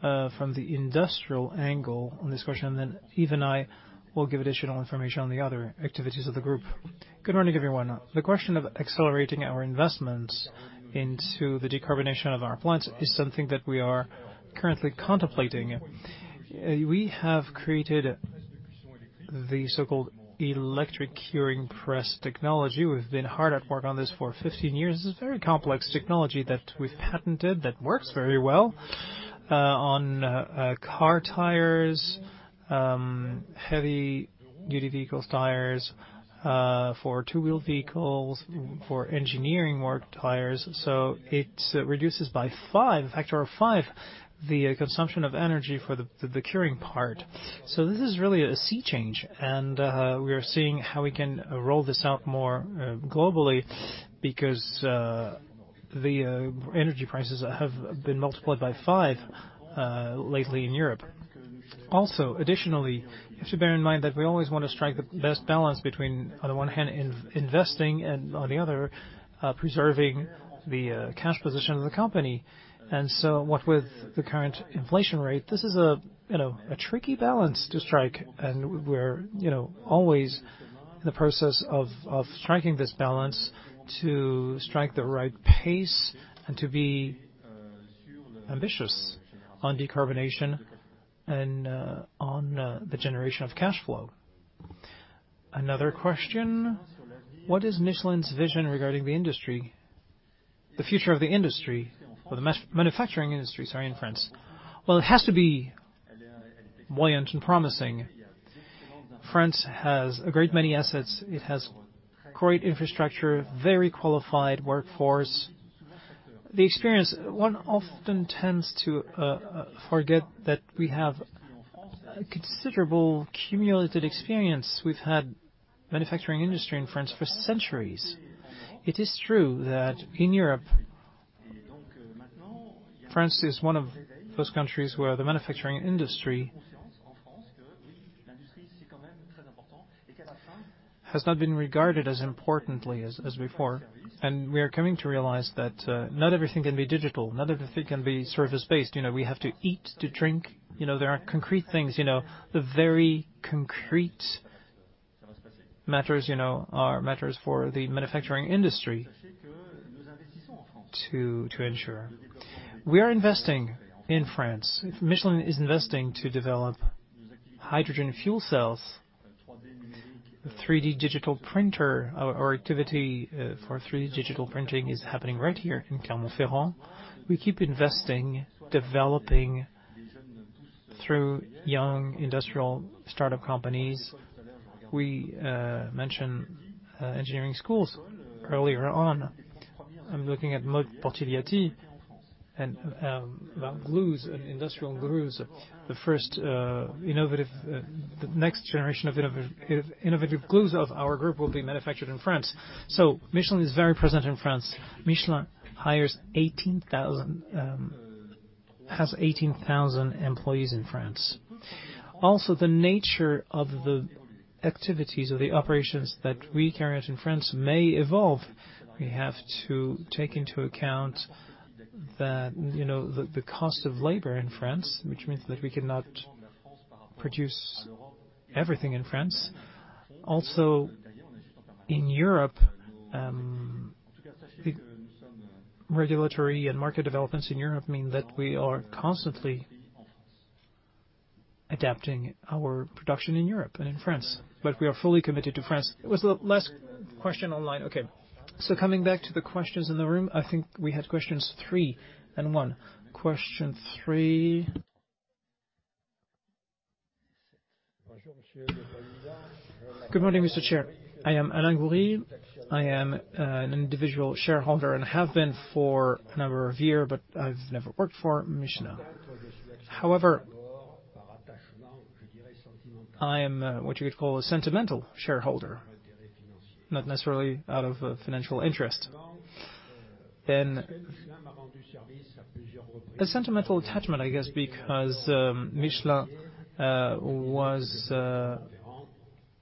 from the industrial angle on this question, and then Yves and I will give additional information on the other activities of the group. Good morning, everyone. The question of accelerating our investments into the decarbonization of our plants is something that we are currently contemplating. We have created the so-called electric curing press technology. We've been hard at work on this for 15 years. This is a very complex technology that we've patented that works very well on car tires, heavy-duty vehicles tires, for two-wheeled vehicles, for engineering work tires. It reduces by five, a factor of five, the consumption of energy for the curing part. This is really a sea change, and we are seeing how we can roll this out more globally because the energy prices have been multiplied by five lately in Europe. Additionally, you should bear in mind that we always want to strike the best balance between, on the one hand, investing, and on the other, preserving the cash position of the company. What with the current inflation rate, this is, you know, a tricky balance to strike. We're always in the process of striking this balance to strike the right pace and to be ambitious on decarbonization and on the generation of cash flow. Another question: What is Michelin's vision regarding the industry, the future of the industry, for the manufacturing industry in France? Well, it has to be buoyant and promising. France has a great many assets. It has great infrastructure, very qualified workforce. The experience, one often tends to forget that we have a considerable cumulative experience. We've had manufacturing industry in France for centuries. It is true that in Europe, France is one of those countries where the manufacturing industry has not been regarded as importantly as before, and we are coming to realize that not everything can be digital, not everything can be service based. You know, we have to eat, to drink. You know, there are concrete things, you know, the very concrete matters, you know, are matters for the manufacturing industry to ensure. We are investing in France. Michelin is investing to develop hydrogen fuel cells, 3D digital printer. Our activity for 3D digital printing is happening right here in Clermont-Ferrand. We keep investing, developing through young industrial startup companies. We mentioned engineering schools earlier on. I'm looking at Maude Portigliatti, and about glues and industrial glues. The first innovative. The next generation of innovative glues of our group will be manufactured in France. Michelin is very present in France. Michelin hires 18,000, has 18,000 employees in France. Also, the nature of the activities or the operations that we carry out in France may evolve. We have to take into account, you know, the cost of labor in France, which means that we cannot produce everything in France. Also, in Europe, the regulatory and market developments in Europe mean that we are constantly adapting our production in Europe and in France. But we are fully committed to France. It was the last question online. Okay. So, coming back to the questions in the room, I think we had questions three and one. Question three. Good morning, Mr. Chair. I am Alain Goury. I am an individual shareholder and have been for a number of year, but I've never worked for Michelin. However, I am what you would call a sentimental shareholder, not necessarily out of a financial interest. Then a sentimental attachment, I guess, because Michelin was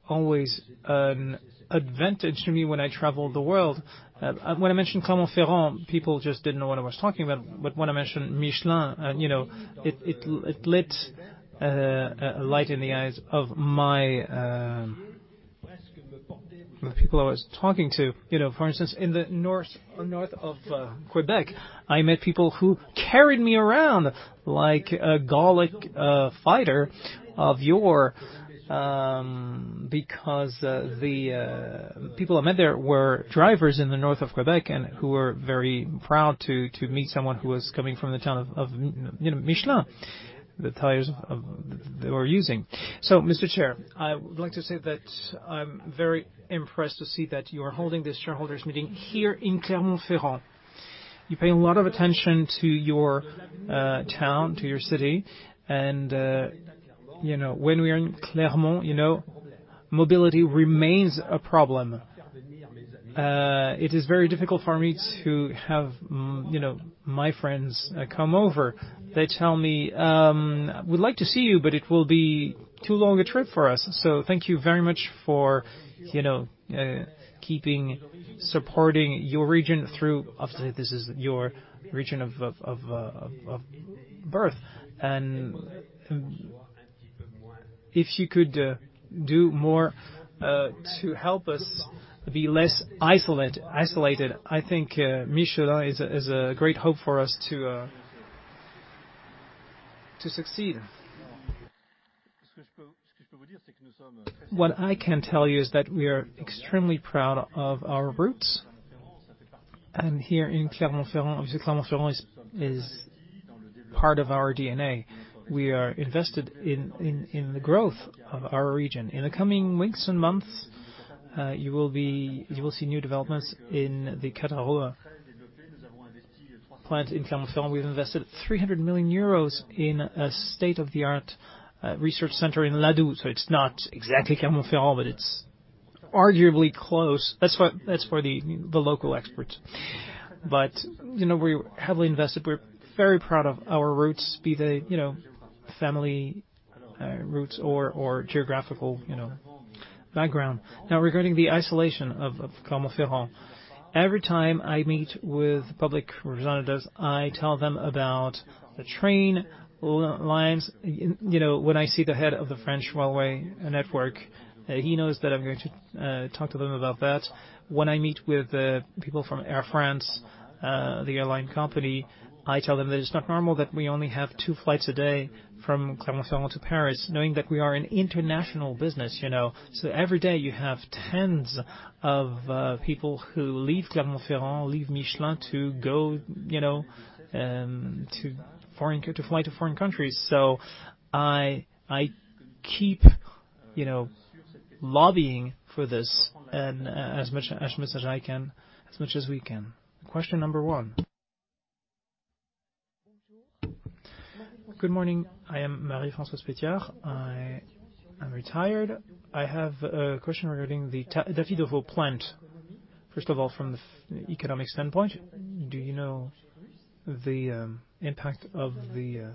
always an advantage to me when I traveled the world. When I mentioned Clermont-Ferrand, people just didn't know what I was talking about, but when I mentioned Michelin, you know, it lit a light in the eyes of the people I was talking to. You know, for instance, in the north of Quebec, I met people who carried me around like a Gallic fighter of yore, because the people I met there were drivers in the north of Quebec and who were very proud to meet someone who was coming from the town of, you know, Michelin, the tires they were using. Mr. Chair, I would like to say that I'm very impressed to see that you are holding this shareholder meeting here in Clermont-Ferrand. You pay a lot of attention to your town, to your city, and you know, when we are in Clermont, you know, mobility remains a problem. It is very difficult for me to have, you know, my friends come over. They tell me, "We'd like to see you, but it will be too long a trip for us." Thank you very much for you know keeping supporting your region. Obviously, this is your region of birth. If you could do more to help us be less isolated, I think Michelin is a great hope for us to succeed. What I can tell you is that we are extremely proud of our roots, and here in Clermont-Ferrand, obviously Clermont-Ferrand is part of our DNA. We are invested in the growth of our region. In the coming weeks and months, you will see new developments in the Cataroux plant in Clermont-Ferrand. We've invested 300 million euros in a state-of-the-art research center in Ladoux. So, it's not exactly Clermont-Ferrand, but it's arguably close. That's for the local experts. You know, we're heavily invested. We're very proud of our roots, be they, you know, family roots or geographical, you know, background. Now, regarding the isolation of Clermont-Ferrand, every time I meet with public representatives, I tell them about the train lines. You know, when I see the head of the French railway network, he knows that I'm going to talk to them about that. When I meet with people from Air France, the airline company, I tell them that it's not normal that we only have two flights a day from Clermont-Ferrand to Paris, knowing that we are an international business, you know. Every day you have tens of people who leave Clermont-Ferrand, leave Michelin to go, you know, to fly to foreign countries. I keep, you know, lobbying for this and as much as I can, as much as we can. Question number 1. Good morning. I am Marie-Françoise Pétiard. I am retired. I have a question regarding the TaDaffé d'Auvergne plant. First of all, from the economic standpoint, do you know the impact of the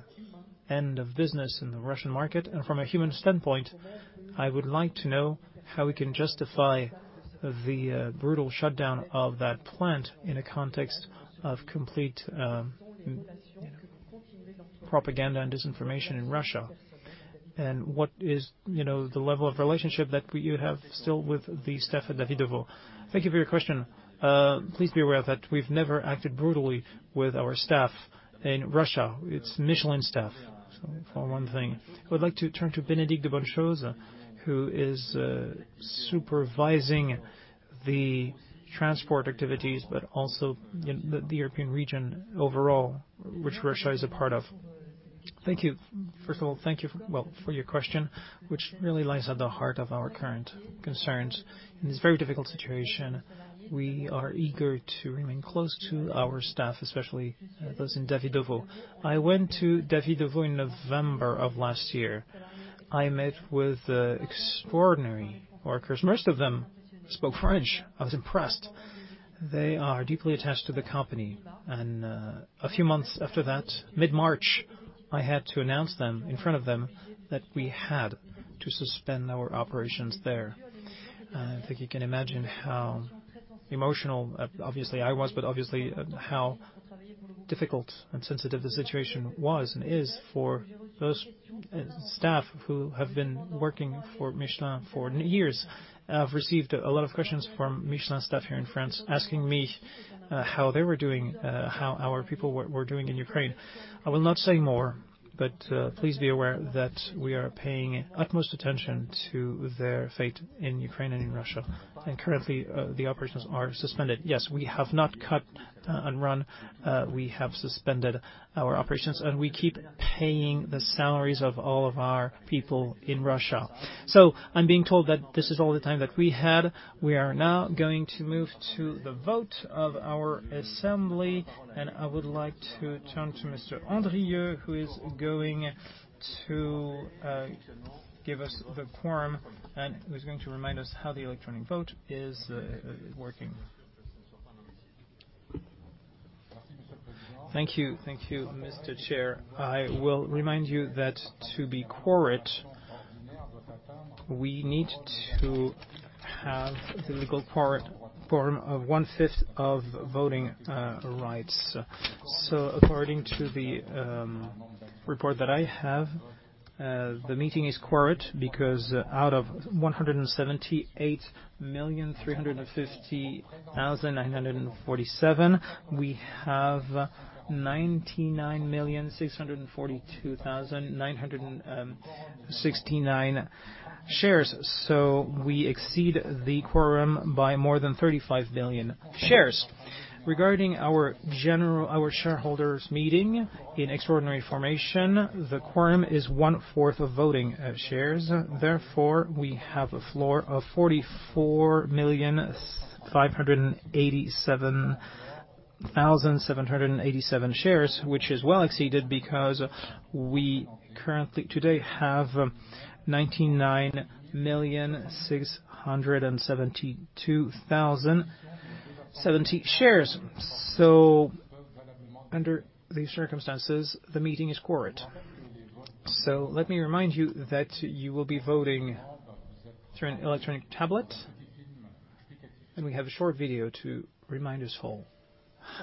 end of business in the Russian market? From a human standpoint, I would like to know how we can justify the brutal shutdown of that plant in a context of complete propaganda and disinformation in Russia. What is the level of relationship that we have still with the staff at Davydovo? Thank you for your question. Please be aware that we've never acted brutally with our staff in Russia. It's Michelin staff, so for one thing. I would like to turn to Bénédicte de Bonnechose, who is supervising the transport activities, but also the European region overall, which Russia is a part of. Thank you. First of all, thank you for your question, which really lies at the heart of our current concerns. In this very difficult situation, we are eager to remain close to our staff, especially those in Davydovo. I went to Davydovo in November of last year. I met with the extraordinary workers. Most of them spoke French. I was impressed. They are deeply attached to the company. A few months after that, mid-March, I had to announce them, in front of them, that we had to suspend our operations there. I think you can imagine how emotional obviously I was, but obviously how difficult and sensitive the situation was and is for those staff who have been working for Michelin for years. I've received a lot of questions from Michelin staff here in France asking me, how they were doing, how our people were doing in Ukraine. I will not say more, but please be aware that we are paying utmost attention to their fate in Ukraine and in Russia. Currently, the operations are suspended. Yes, we have not cut and run. We have suspended our operations, and we keep paying the salaries of all of our people in Russia. I'm being told that this is all the time that we had. We are now going to move to the vote of our assembly, and I would like to turn to Mr. Andrieu, who is going to give us the quorum and who is going to remind us how the electronic vote is working. Thank you. Thank you, Mr. Chair. I will remind you that to be quorate, we need to have the legal quorum of one-fifth of voting rights. According to the report that I have, the meeting is quorate because out of 178,350,947, we have 99,642,969 shares. We exceed the quorum by more than 35 million shares. Regarding our shareholders meeting in extraordinary formation, the quorum is 1/4 of voting shares. Therefore, we have a floor of 44,587,787 shares, which is well exceeded because we currently today have 99,672,070 shares. Under these circumstances, the meeting is quorate. Let me remind you that you will be voting through an electronic tablet. We have a short video to remind us all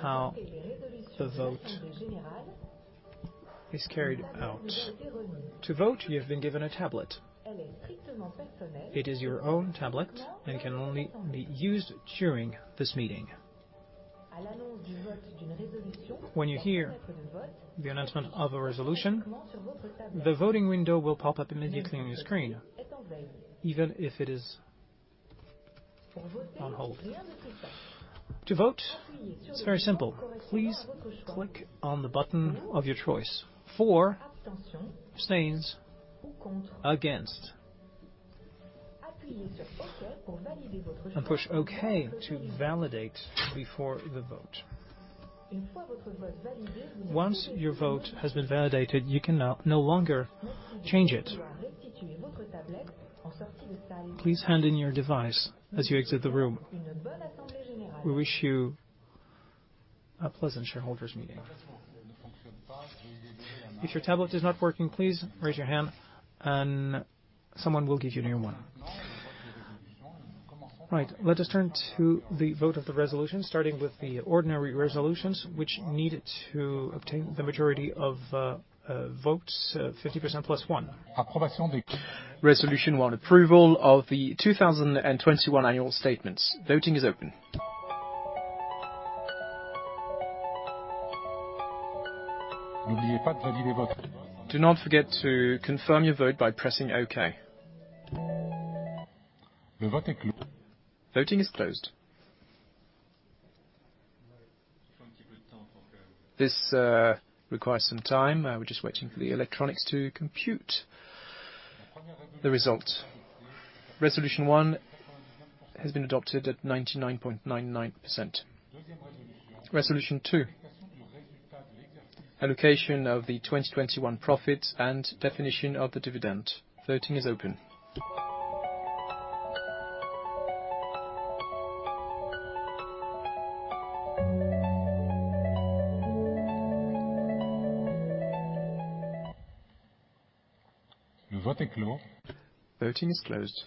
how the vote is carried out. To vote, you have been given a tablet. It is your own tablet and can only be used during this meeting. When you hear the announcement of a resolution, the voting window will pop up immediately on your screen, even if it is on hold. To vote, it's very simple. Please click on the button of your choice: for, abstain, against. Push Okay to validate before the vote. Once your vote has been validated, you can now no longer change it. Please hand in your device as you exit the room. We wish you a pleasant shareholders meeting. If your tablet is not working, please raise your hand and someone will give you a new one. Right. Let us turn to the vote of the resolution, starting with the ordinary resolutions which needed to obtain the majority of votes, 50% plus one. Resolution one, approval of the 2021 annual statements. Voting is open. Do not forget to confirm your vote by pressing Okay. Voting is closed. This requires some time. We're just waiting for the electronics to compute the result. Resolution one has been adopted at 99.99%. Resolution two, allocation of the 2021 profit and definition of the dividend. Voting is open. The vote is closed. Voting is closed.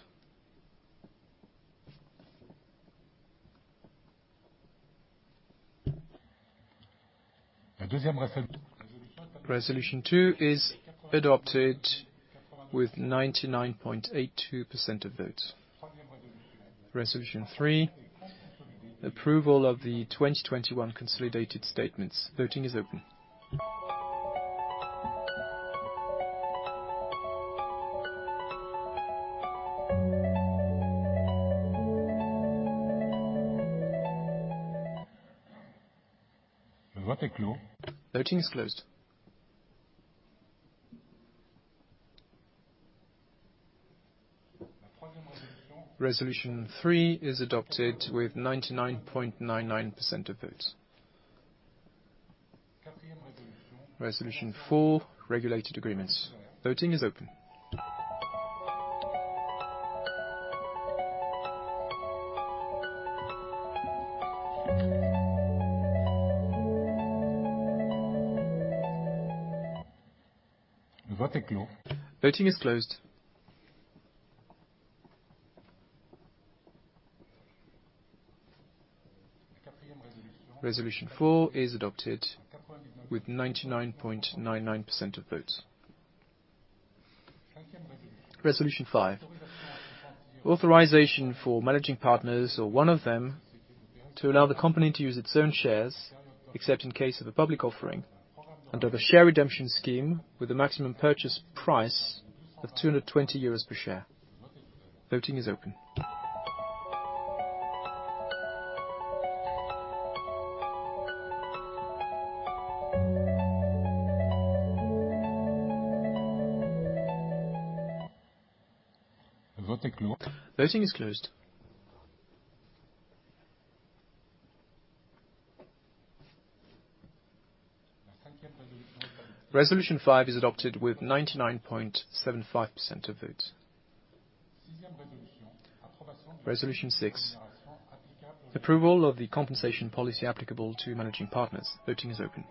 Resolution 2 is adopted with 99.82% of votes. Resolution 3, approval of the 2021 consolidated statements. Voting is open. The vote is closed. Voting is closed. Resolution 3 is adopted with 99.99% of votes. Resolution 4, regulated agreements. Voting is open. The vote is closed. Voting is closed. Resolution 4 is adopted with 99.99% of votes. Resolution 5, authorization for managing partners or one of them to allow the company to use its own shares, except in case of a public offering under the share redemption scheme with a maximum purchase price of 220 euros per share. Voting is open. The vote is closed. Voting is closed. Resolution 5 is adopted with 99.75% of votes. Resolution 6, approval of the compensation policy applicable to managing partners. Voting is open.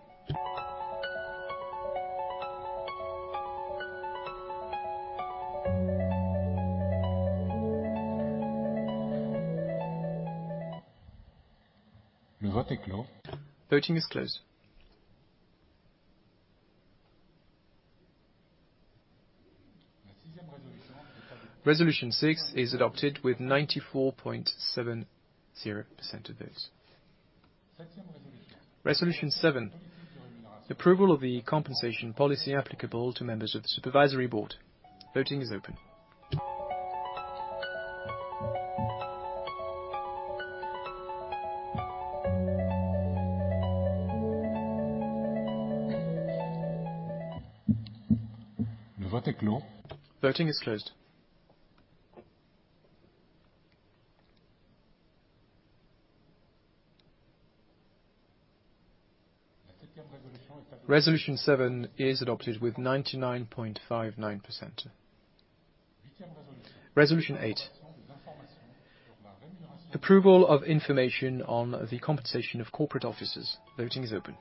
The vote is closed. Voting is closed. Resolution 6 is adopted with 94.70% of votes. Resolution 7, approval of the compensation policy applicable to members of the supervisory board. Voting is open. The vote is closed. Voting is closed. Resolution 7 is adopted with 99.59%. Resolution 8, approval of information on the compensation of corporate officers. Voting is open.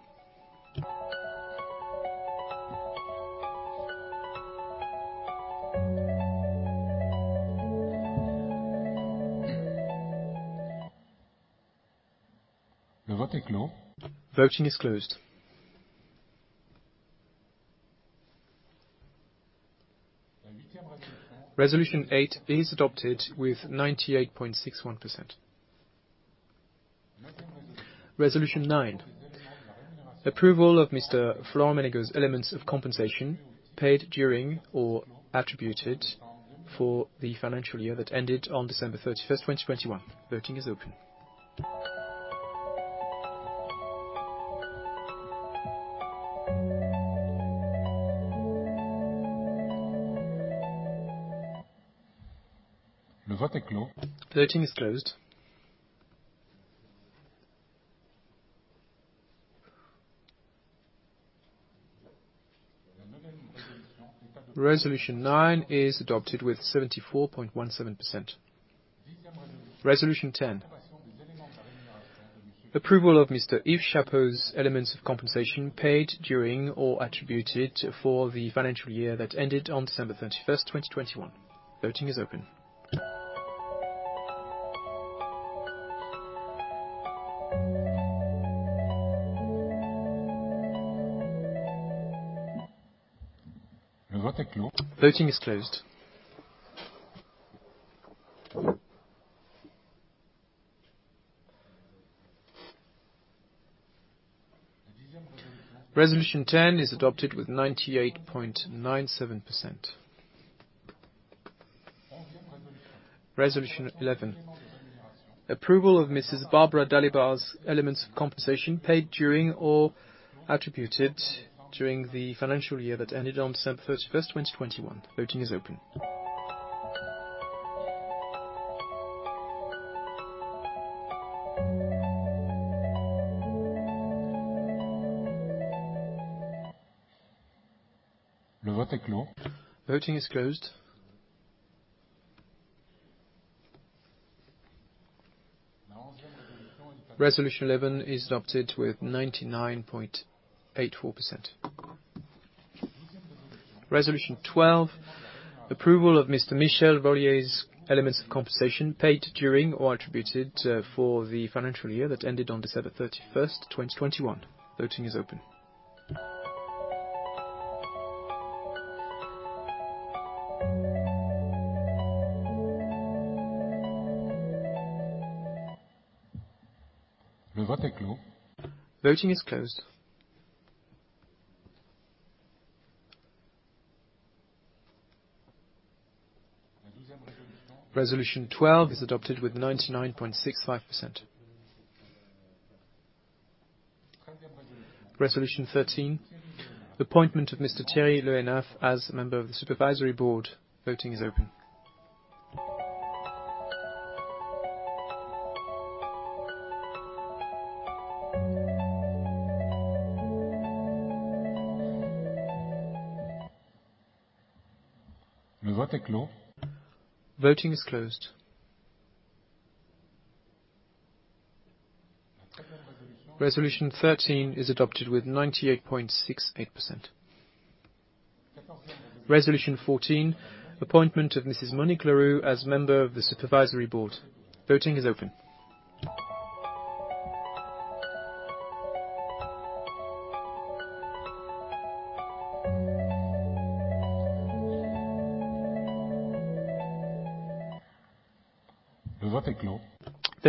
The vote is closed. Voting is closed. Resolution 8 is adopted with 98.61%. Resolution 9, approval of Mr. Florent Menegaux's elements of compensation paid during or attributed for the financial year that ended on December 31, 2021. Voting is open. The vote is closed. Voting is closed. Resolution 9 is adopted with 74.17%. Resolution 10, approval of Mr. Yves Chapot's elements of compensation paid during or attributed for the financial year that ended on December 31, 2021. Voting is open. The vote is closed. Voting is closed. Resolution 10 is adopted with 98.97%. Resolution 11, approval of Mrs. Barbara Dalibard's elements of compensation paid during or attributed during the financial year that ended on December 31, 2021. Voting is open. The vote is closed. Voting is closed. Resolution 11 is adopted with 99.84%. Resolution 12, approval of Mr. Michel Rollier's elements of compensation paid during or attributed for the financial year that ended on December 31, 2021. Voting is open. Voting is closed. Resolution 12 is adopted with 99.65%. Resolution 13, appointment of Mr. Thierry Le Hénaff as a member of the supervisory board. Voting is open. Voting is closed. Resolution 13 is adopted with 98.68%. Resolution 14, appointment of Mrs. Monique Leroux as member of the supervisory board. Voting is open.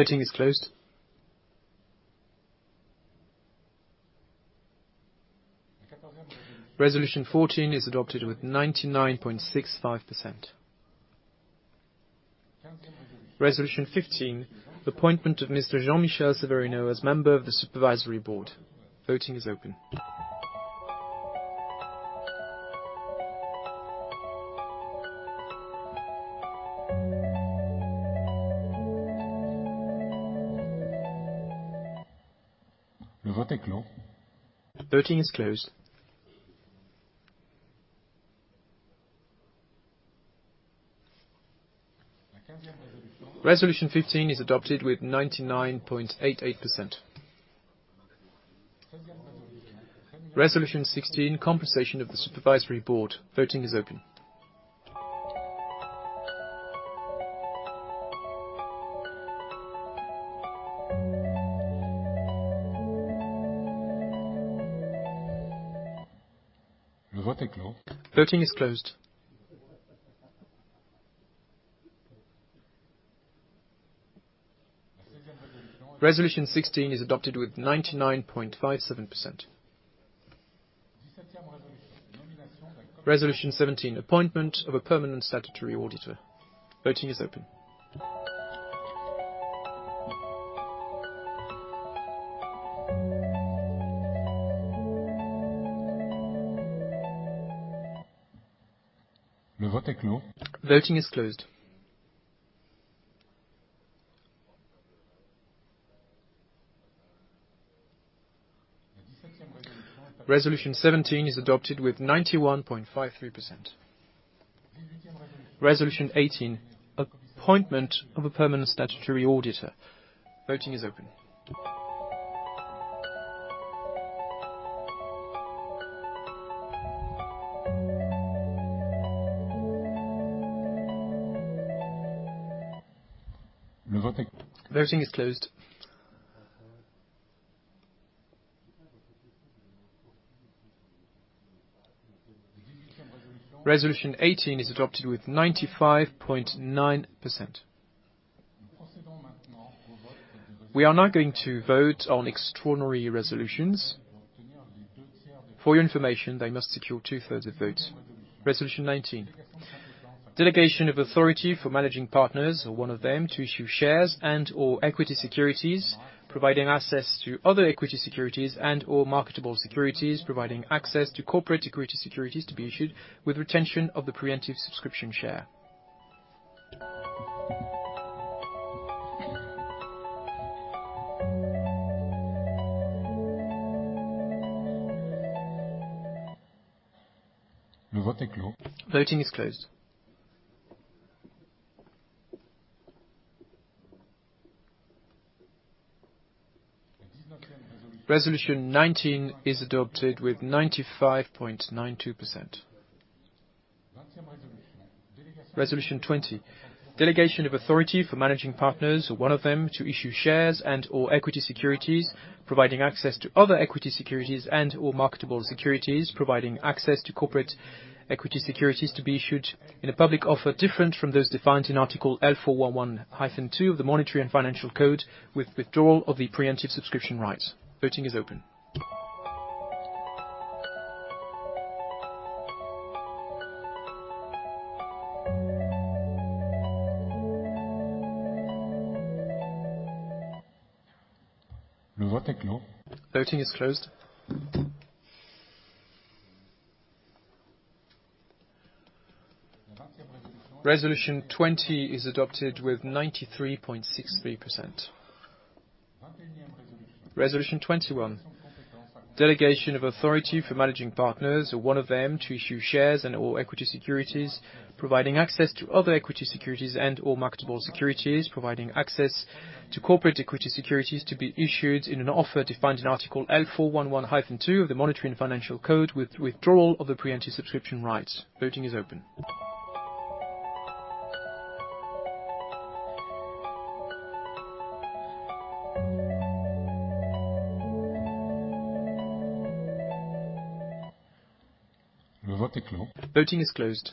Voting is closed. Resolution 14 is adopted with 99.65%. Resolution 15, appointment of Mr. Jean-Michel Severino as member of the supervisory board. Voting is open. Voting is closed. Resolution 15 is adopted with 99.88%. Resolution 16, compensation of the supervisory board. Voting is open. Voting is closed. Resolution 16 is adopted with 99.57%. Resolution 17, appointment of a permanent statutory auditor. Voting is open. Voting is closed. Resolution 17 is adopted with 91.53%. Resolution 18, appointment of a permanent statutory auditor. Voting is open. Voting is closed. Resolution 18 is adopted with 95.9%. We are now going to vote on extraordinary resolutions. For your information, they must secure two-thirds of votes. Resolution 19, delegation of authority for managing partners or one of them to issue shares and/or equity securities, providing access to other equity securities and/or marketable securities, providing access to corporate equity securities to be issued with retention of the pre-emptive subscription share. Voting is closed. Resolution 19 is adopted with 95.92%. Resolution 20, delegation of authority for managing partners or one of them to issue shares and/or equity securities, providing access to other equity securities and/or marketable securities, providing access to corporate equity securities to be issued in a public offer different from those defined in Article L.411-2 of the Monetary and Financial Code with withdrawal of the pre-emptive subscription rights. Voting is open. Voting is closed. Resolution 20 is adopted with 93.63%. Resolution 21 Delegation of authority for managing partners or one of them to issue shares and/or equity securities, providing access to other equity securities and/or marketable securities, providing access to corporate equity securities to be issued in an offer defined in Article L.411-2 of the Monetary and Financial Code with withdrawal of the preemptive subscription rights. Voting is open. Voting is closed.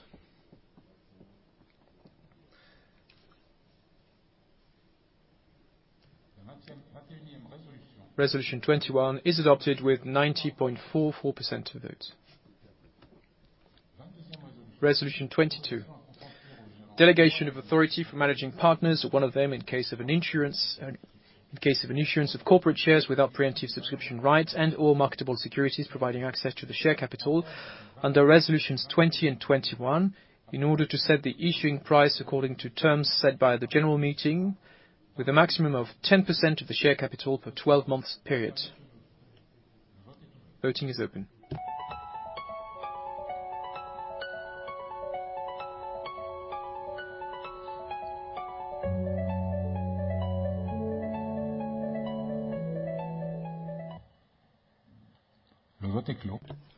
Resolution 21 is adopted with 90.44% of the votes. Resolution 22, delegation of authority for managing partners or one of them. In case of an issuance of corporate shares without preemptive subscription rights and/or marketable securities providing access to the share capital under Resolutions 20 and 21 in order to set the issuing price according to terms set by the general meeting with a maximum of 10% of the share capital for 12 months period. Voting is open.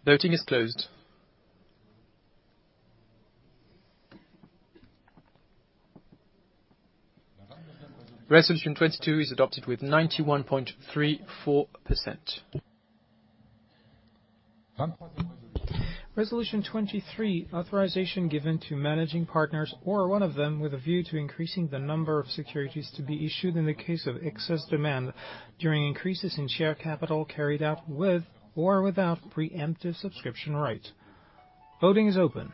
Voting is closed. Resolution 22 is adopted with 91.34%. Resolution 23, authorization given to managing partners or one of them with a view to increasing the number of securities to be issued in the case of excess demand during increases in share capital carried out with or without pre-emptive subscription rights. Voting is open.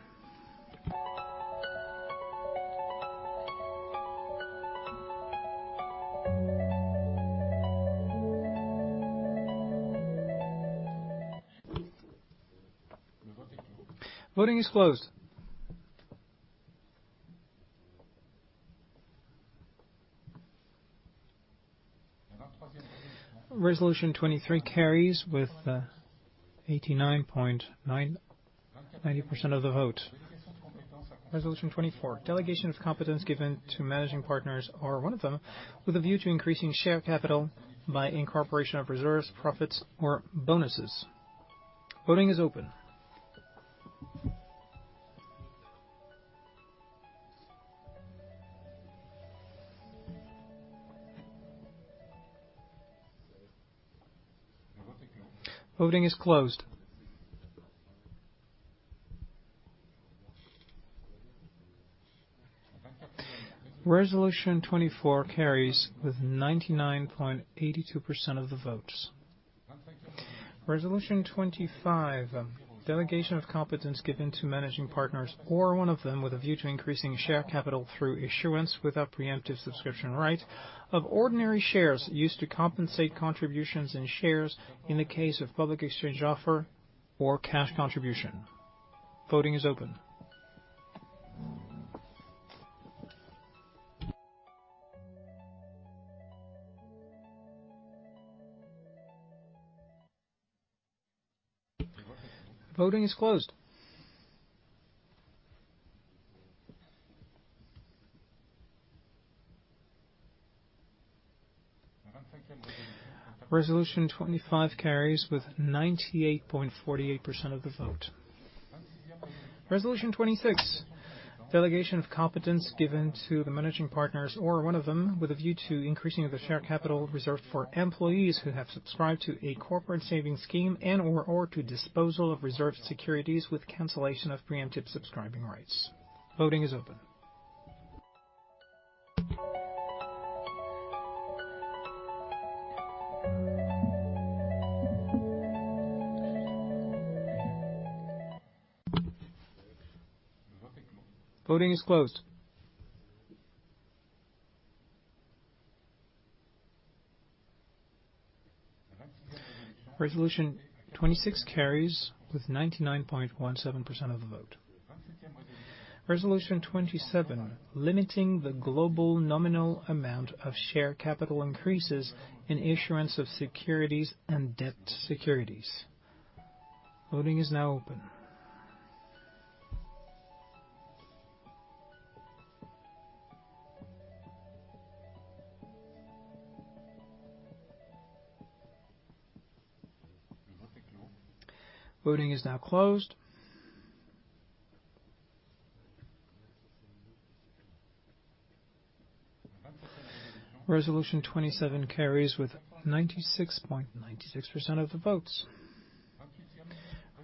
Voting is closed. Resolution 23 carries with 90% of the vote. Resolution 24, delegation of competence given to managing partners or one of them with a view to increasing share capital by incorporation of reserves, profits or bonuses. Voting is open. Voting is closed. Resolution 24 carries with 99.82% of the votes. Resolution 25, delegation of competence given to managing partners or one of them with a view to increasing share capital through issuance without pre-emptive subscription rights of ordinary shares used to compensate contributions and shares in the case of public exchange offer or cash contribution. Voting is open. Voting is closed. Resolution 25 carries with 98.48% of the vote. Resolution 26, delegation of competence given to the managing partners or one of them with a view to increasing of the share capital reserved for employees who have subscribed to a corporate savings scheme and/or to disposal of reserved securities with cancellation of pre-emptive subscribing rights. Voting is open. Voting is closed. Resolution 26 carries with 99.17% of the vote. Resolution 27, limiting the global nominal amount of share capital increases in issuance of securities and debt securities. Voting is now open. Voting is now closed. Resolution 27 carries with 96.96% of the votes.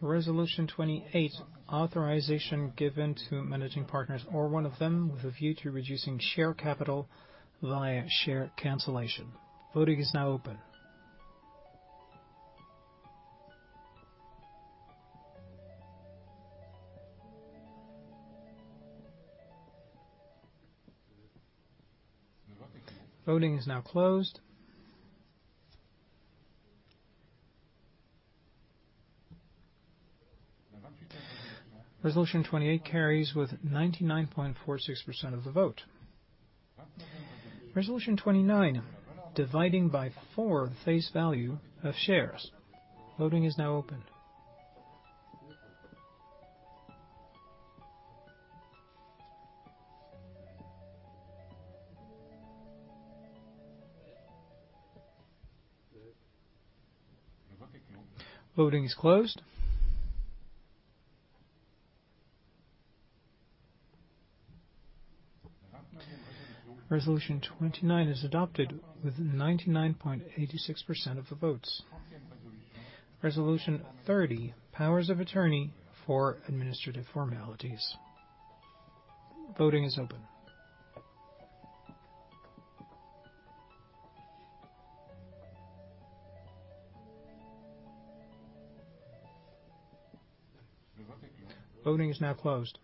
Resolution 28, authorization given to managing partners or one of them with a view to reducing share capital via share cancellation. Voting is now open. Voting is now closed. Resolution 28 carries with 99.46% of the vote. Resolution 29, dividing by four face value of shares. Voting is now open. Voting is closed. Resolution 29 is adopted with 99.86% of the votes. Resolution 30, powers of attorney for administrative formalities. Voting is open. Voting is now closed.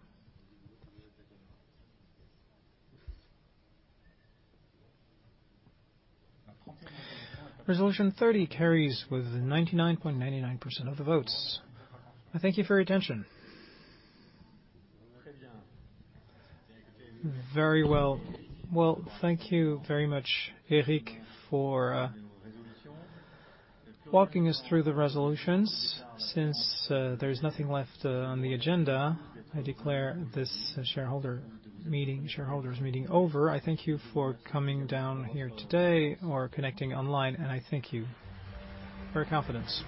Resolution 30 carries with 99.99% of the votes. I thank you for your attention. Very well. Well, thank you very much, Eric, for walking us through the resolutions. Since there's nothing left on the agenda, I declare this shareholder meeting, shareholders meeting over. I thank you for coming down here today or connecting online, and I thank you for your confidence.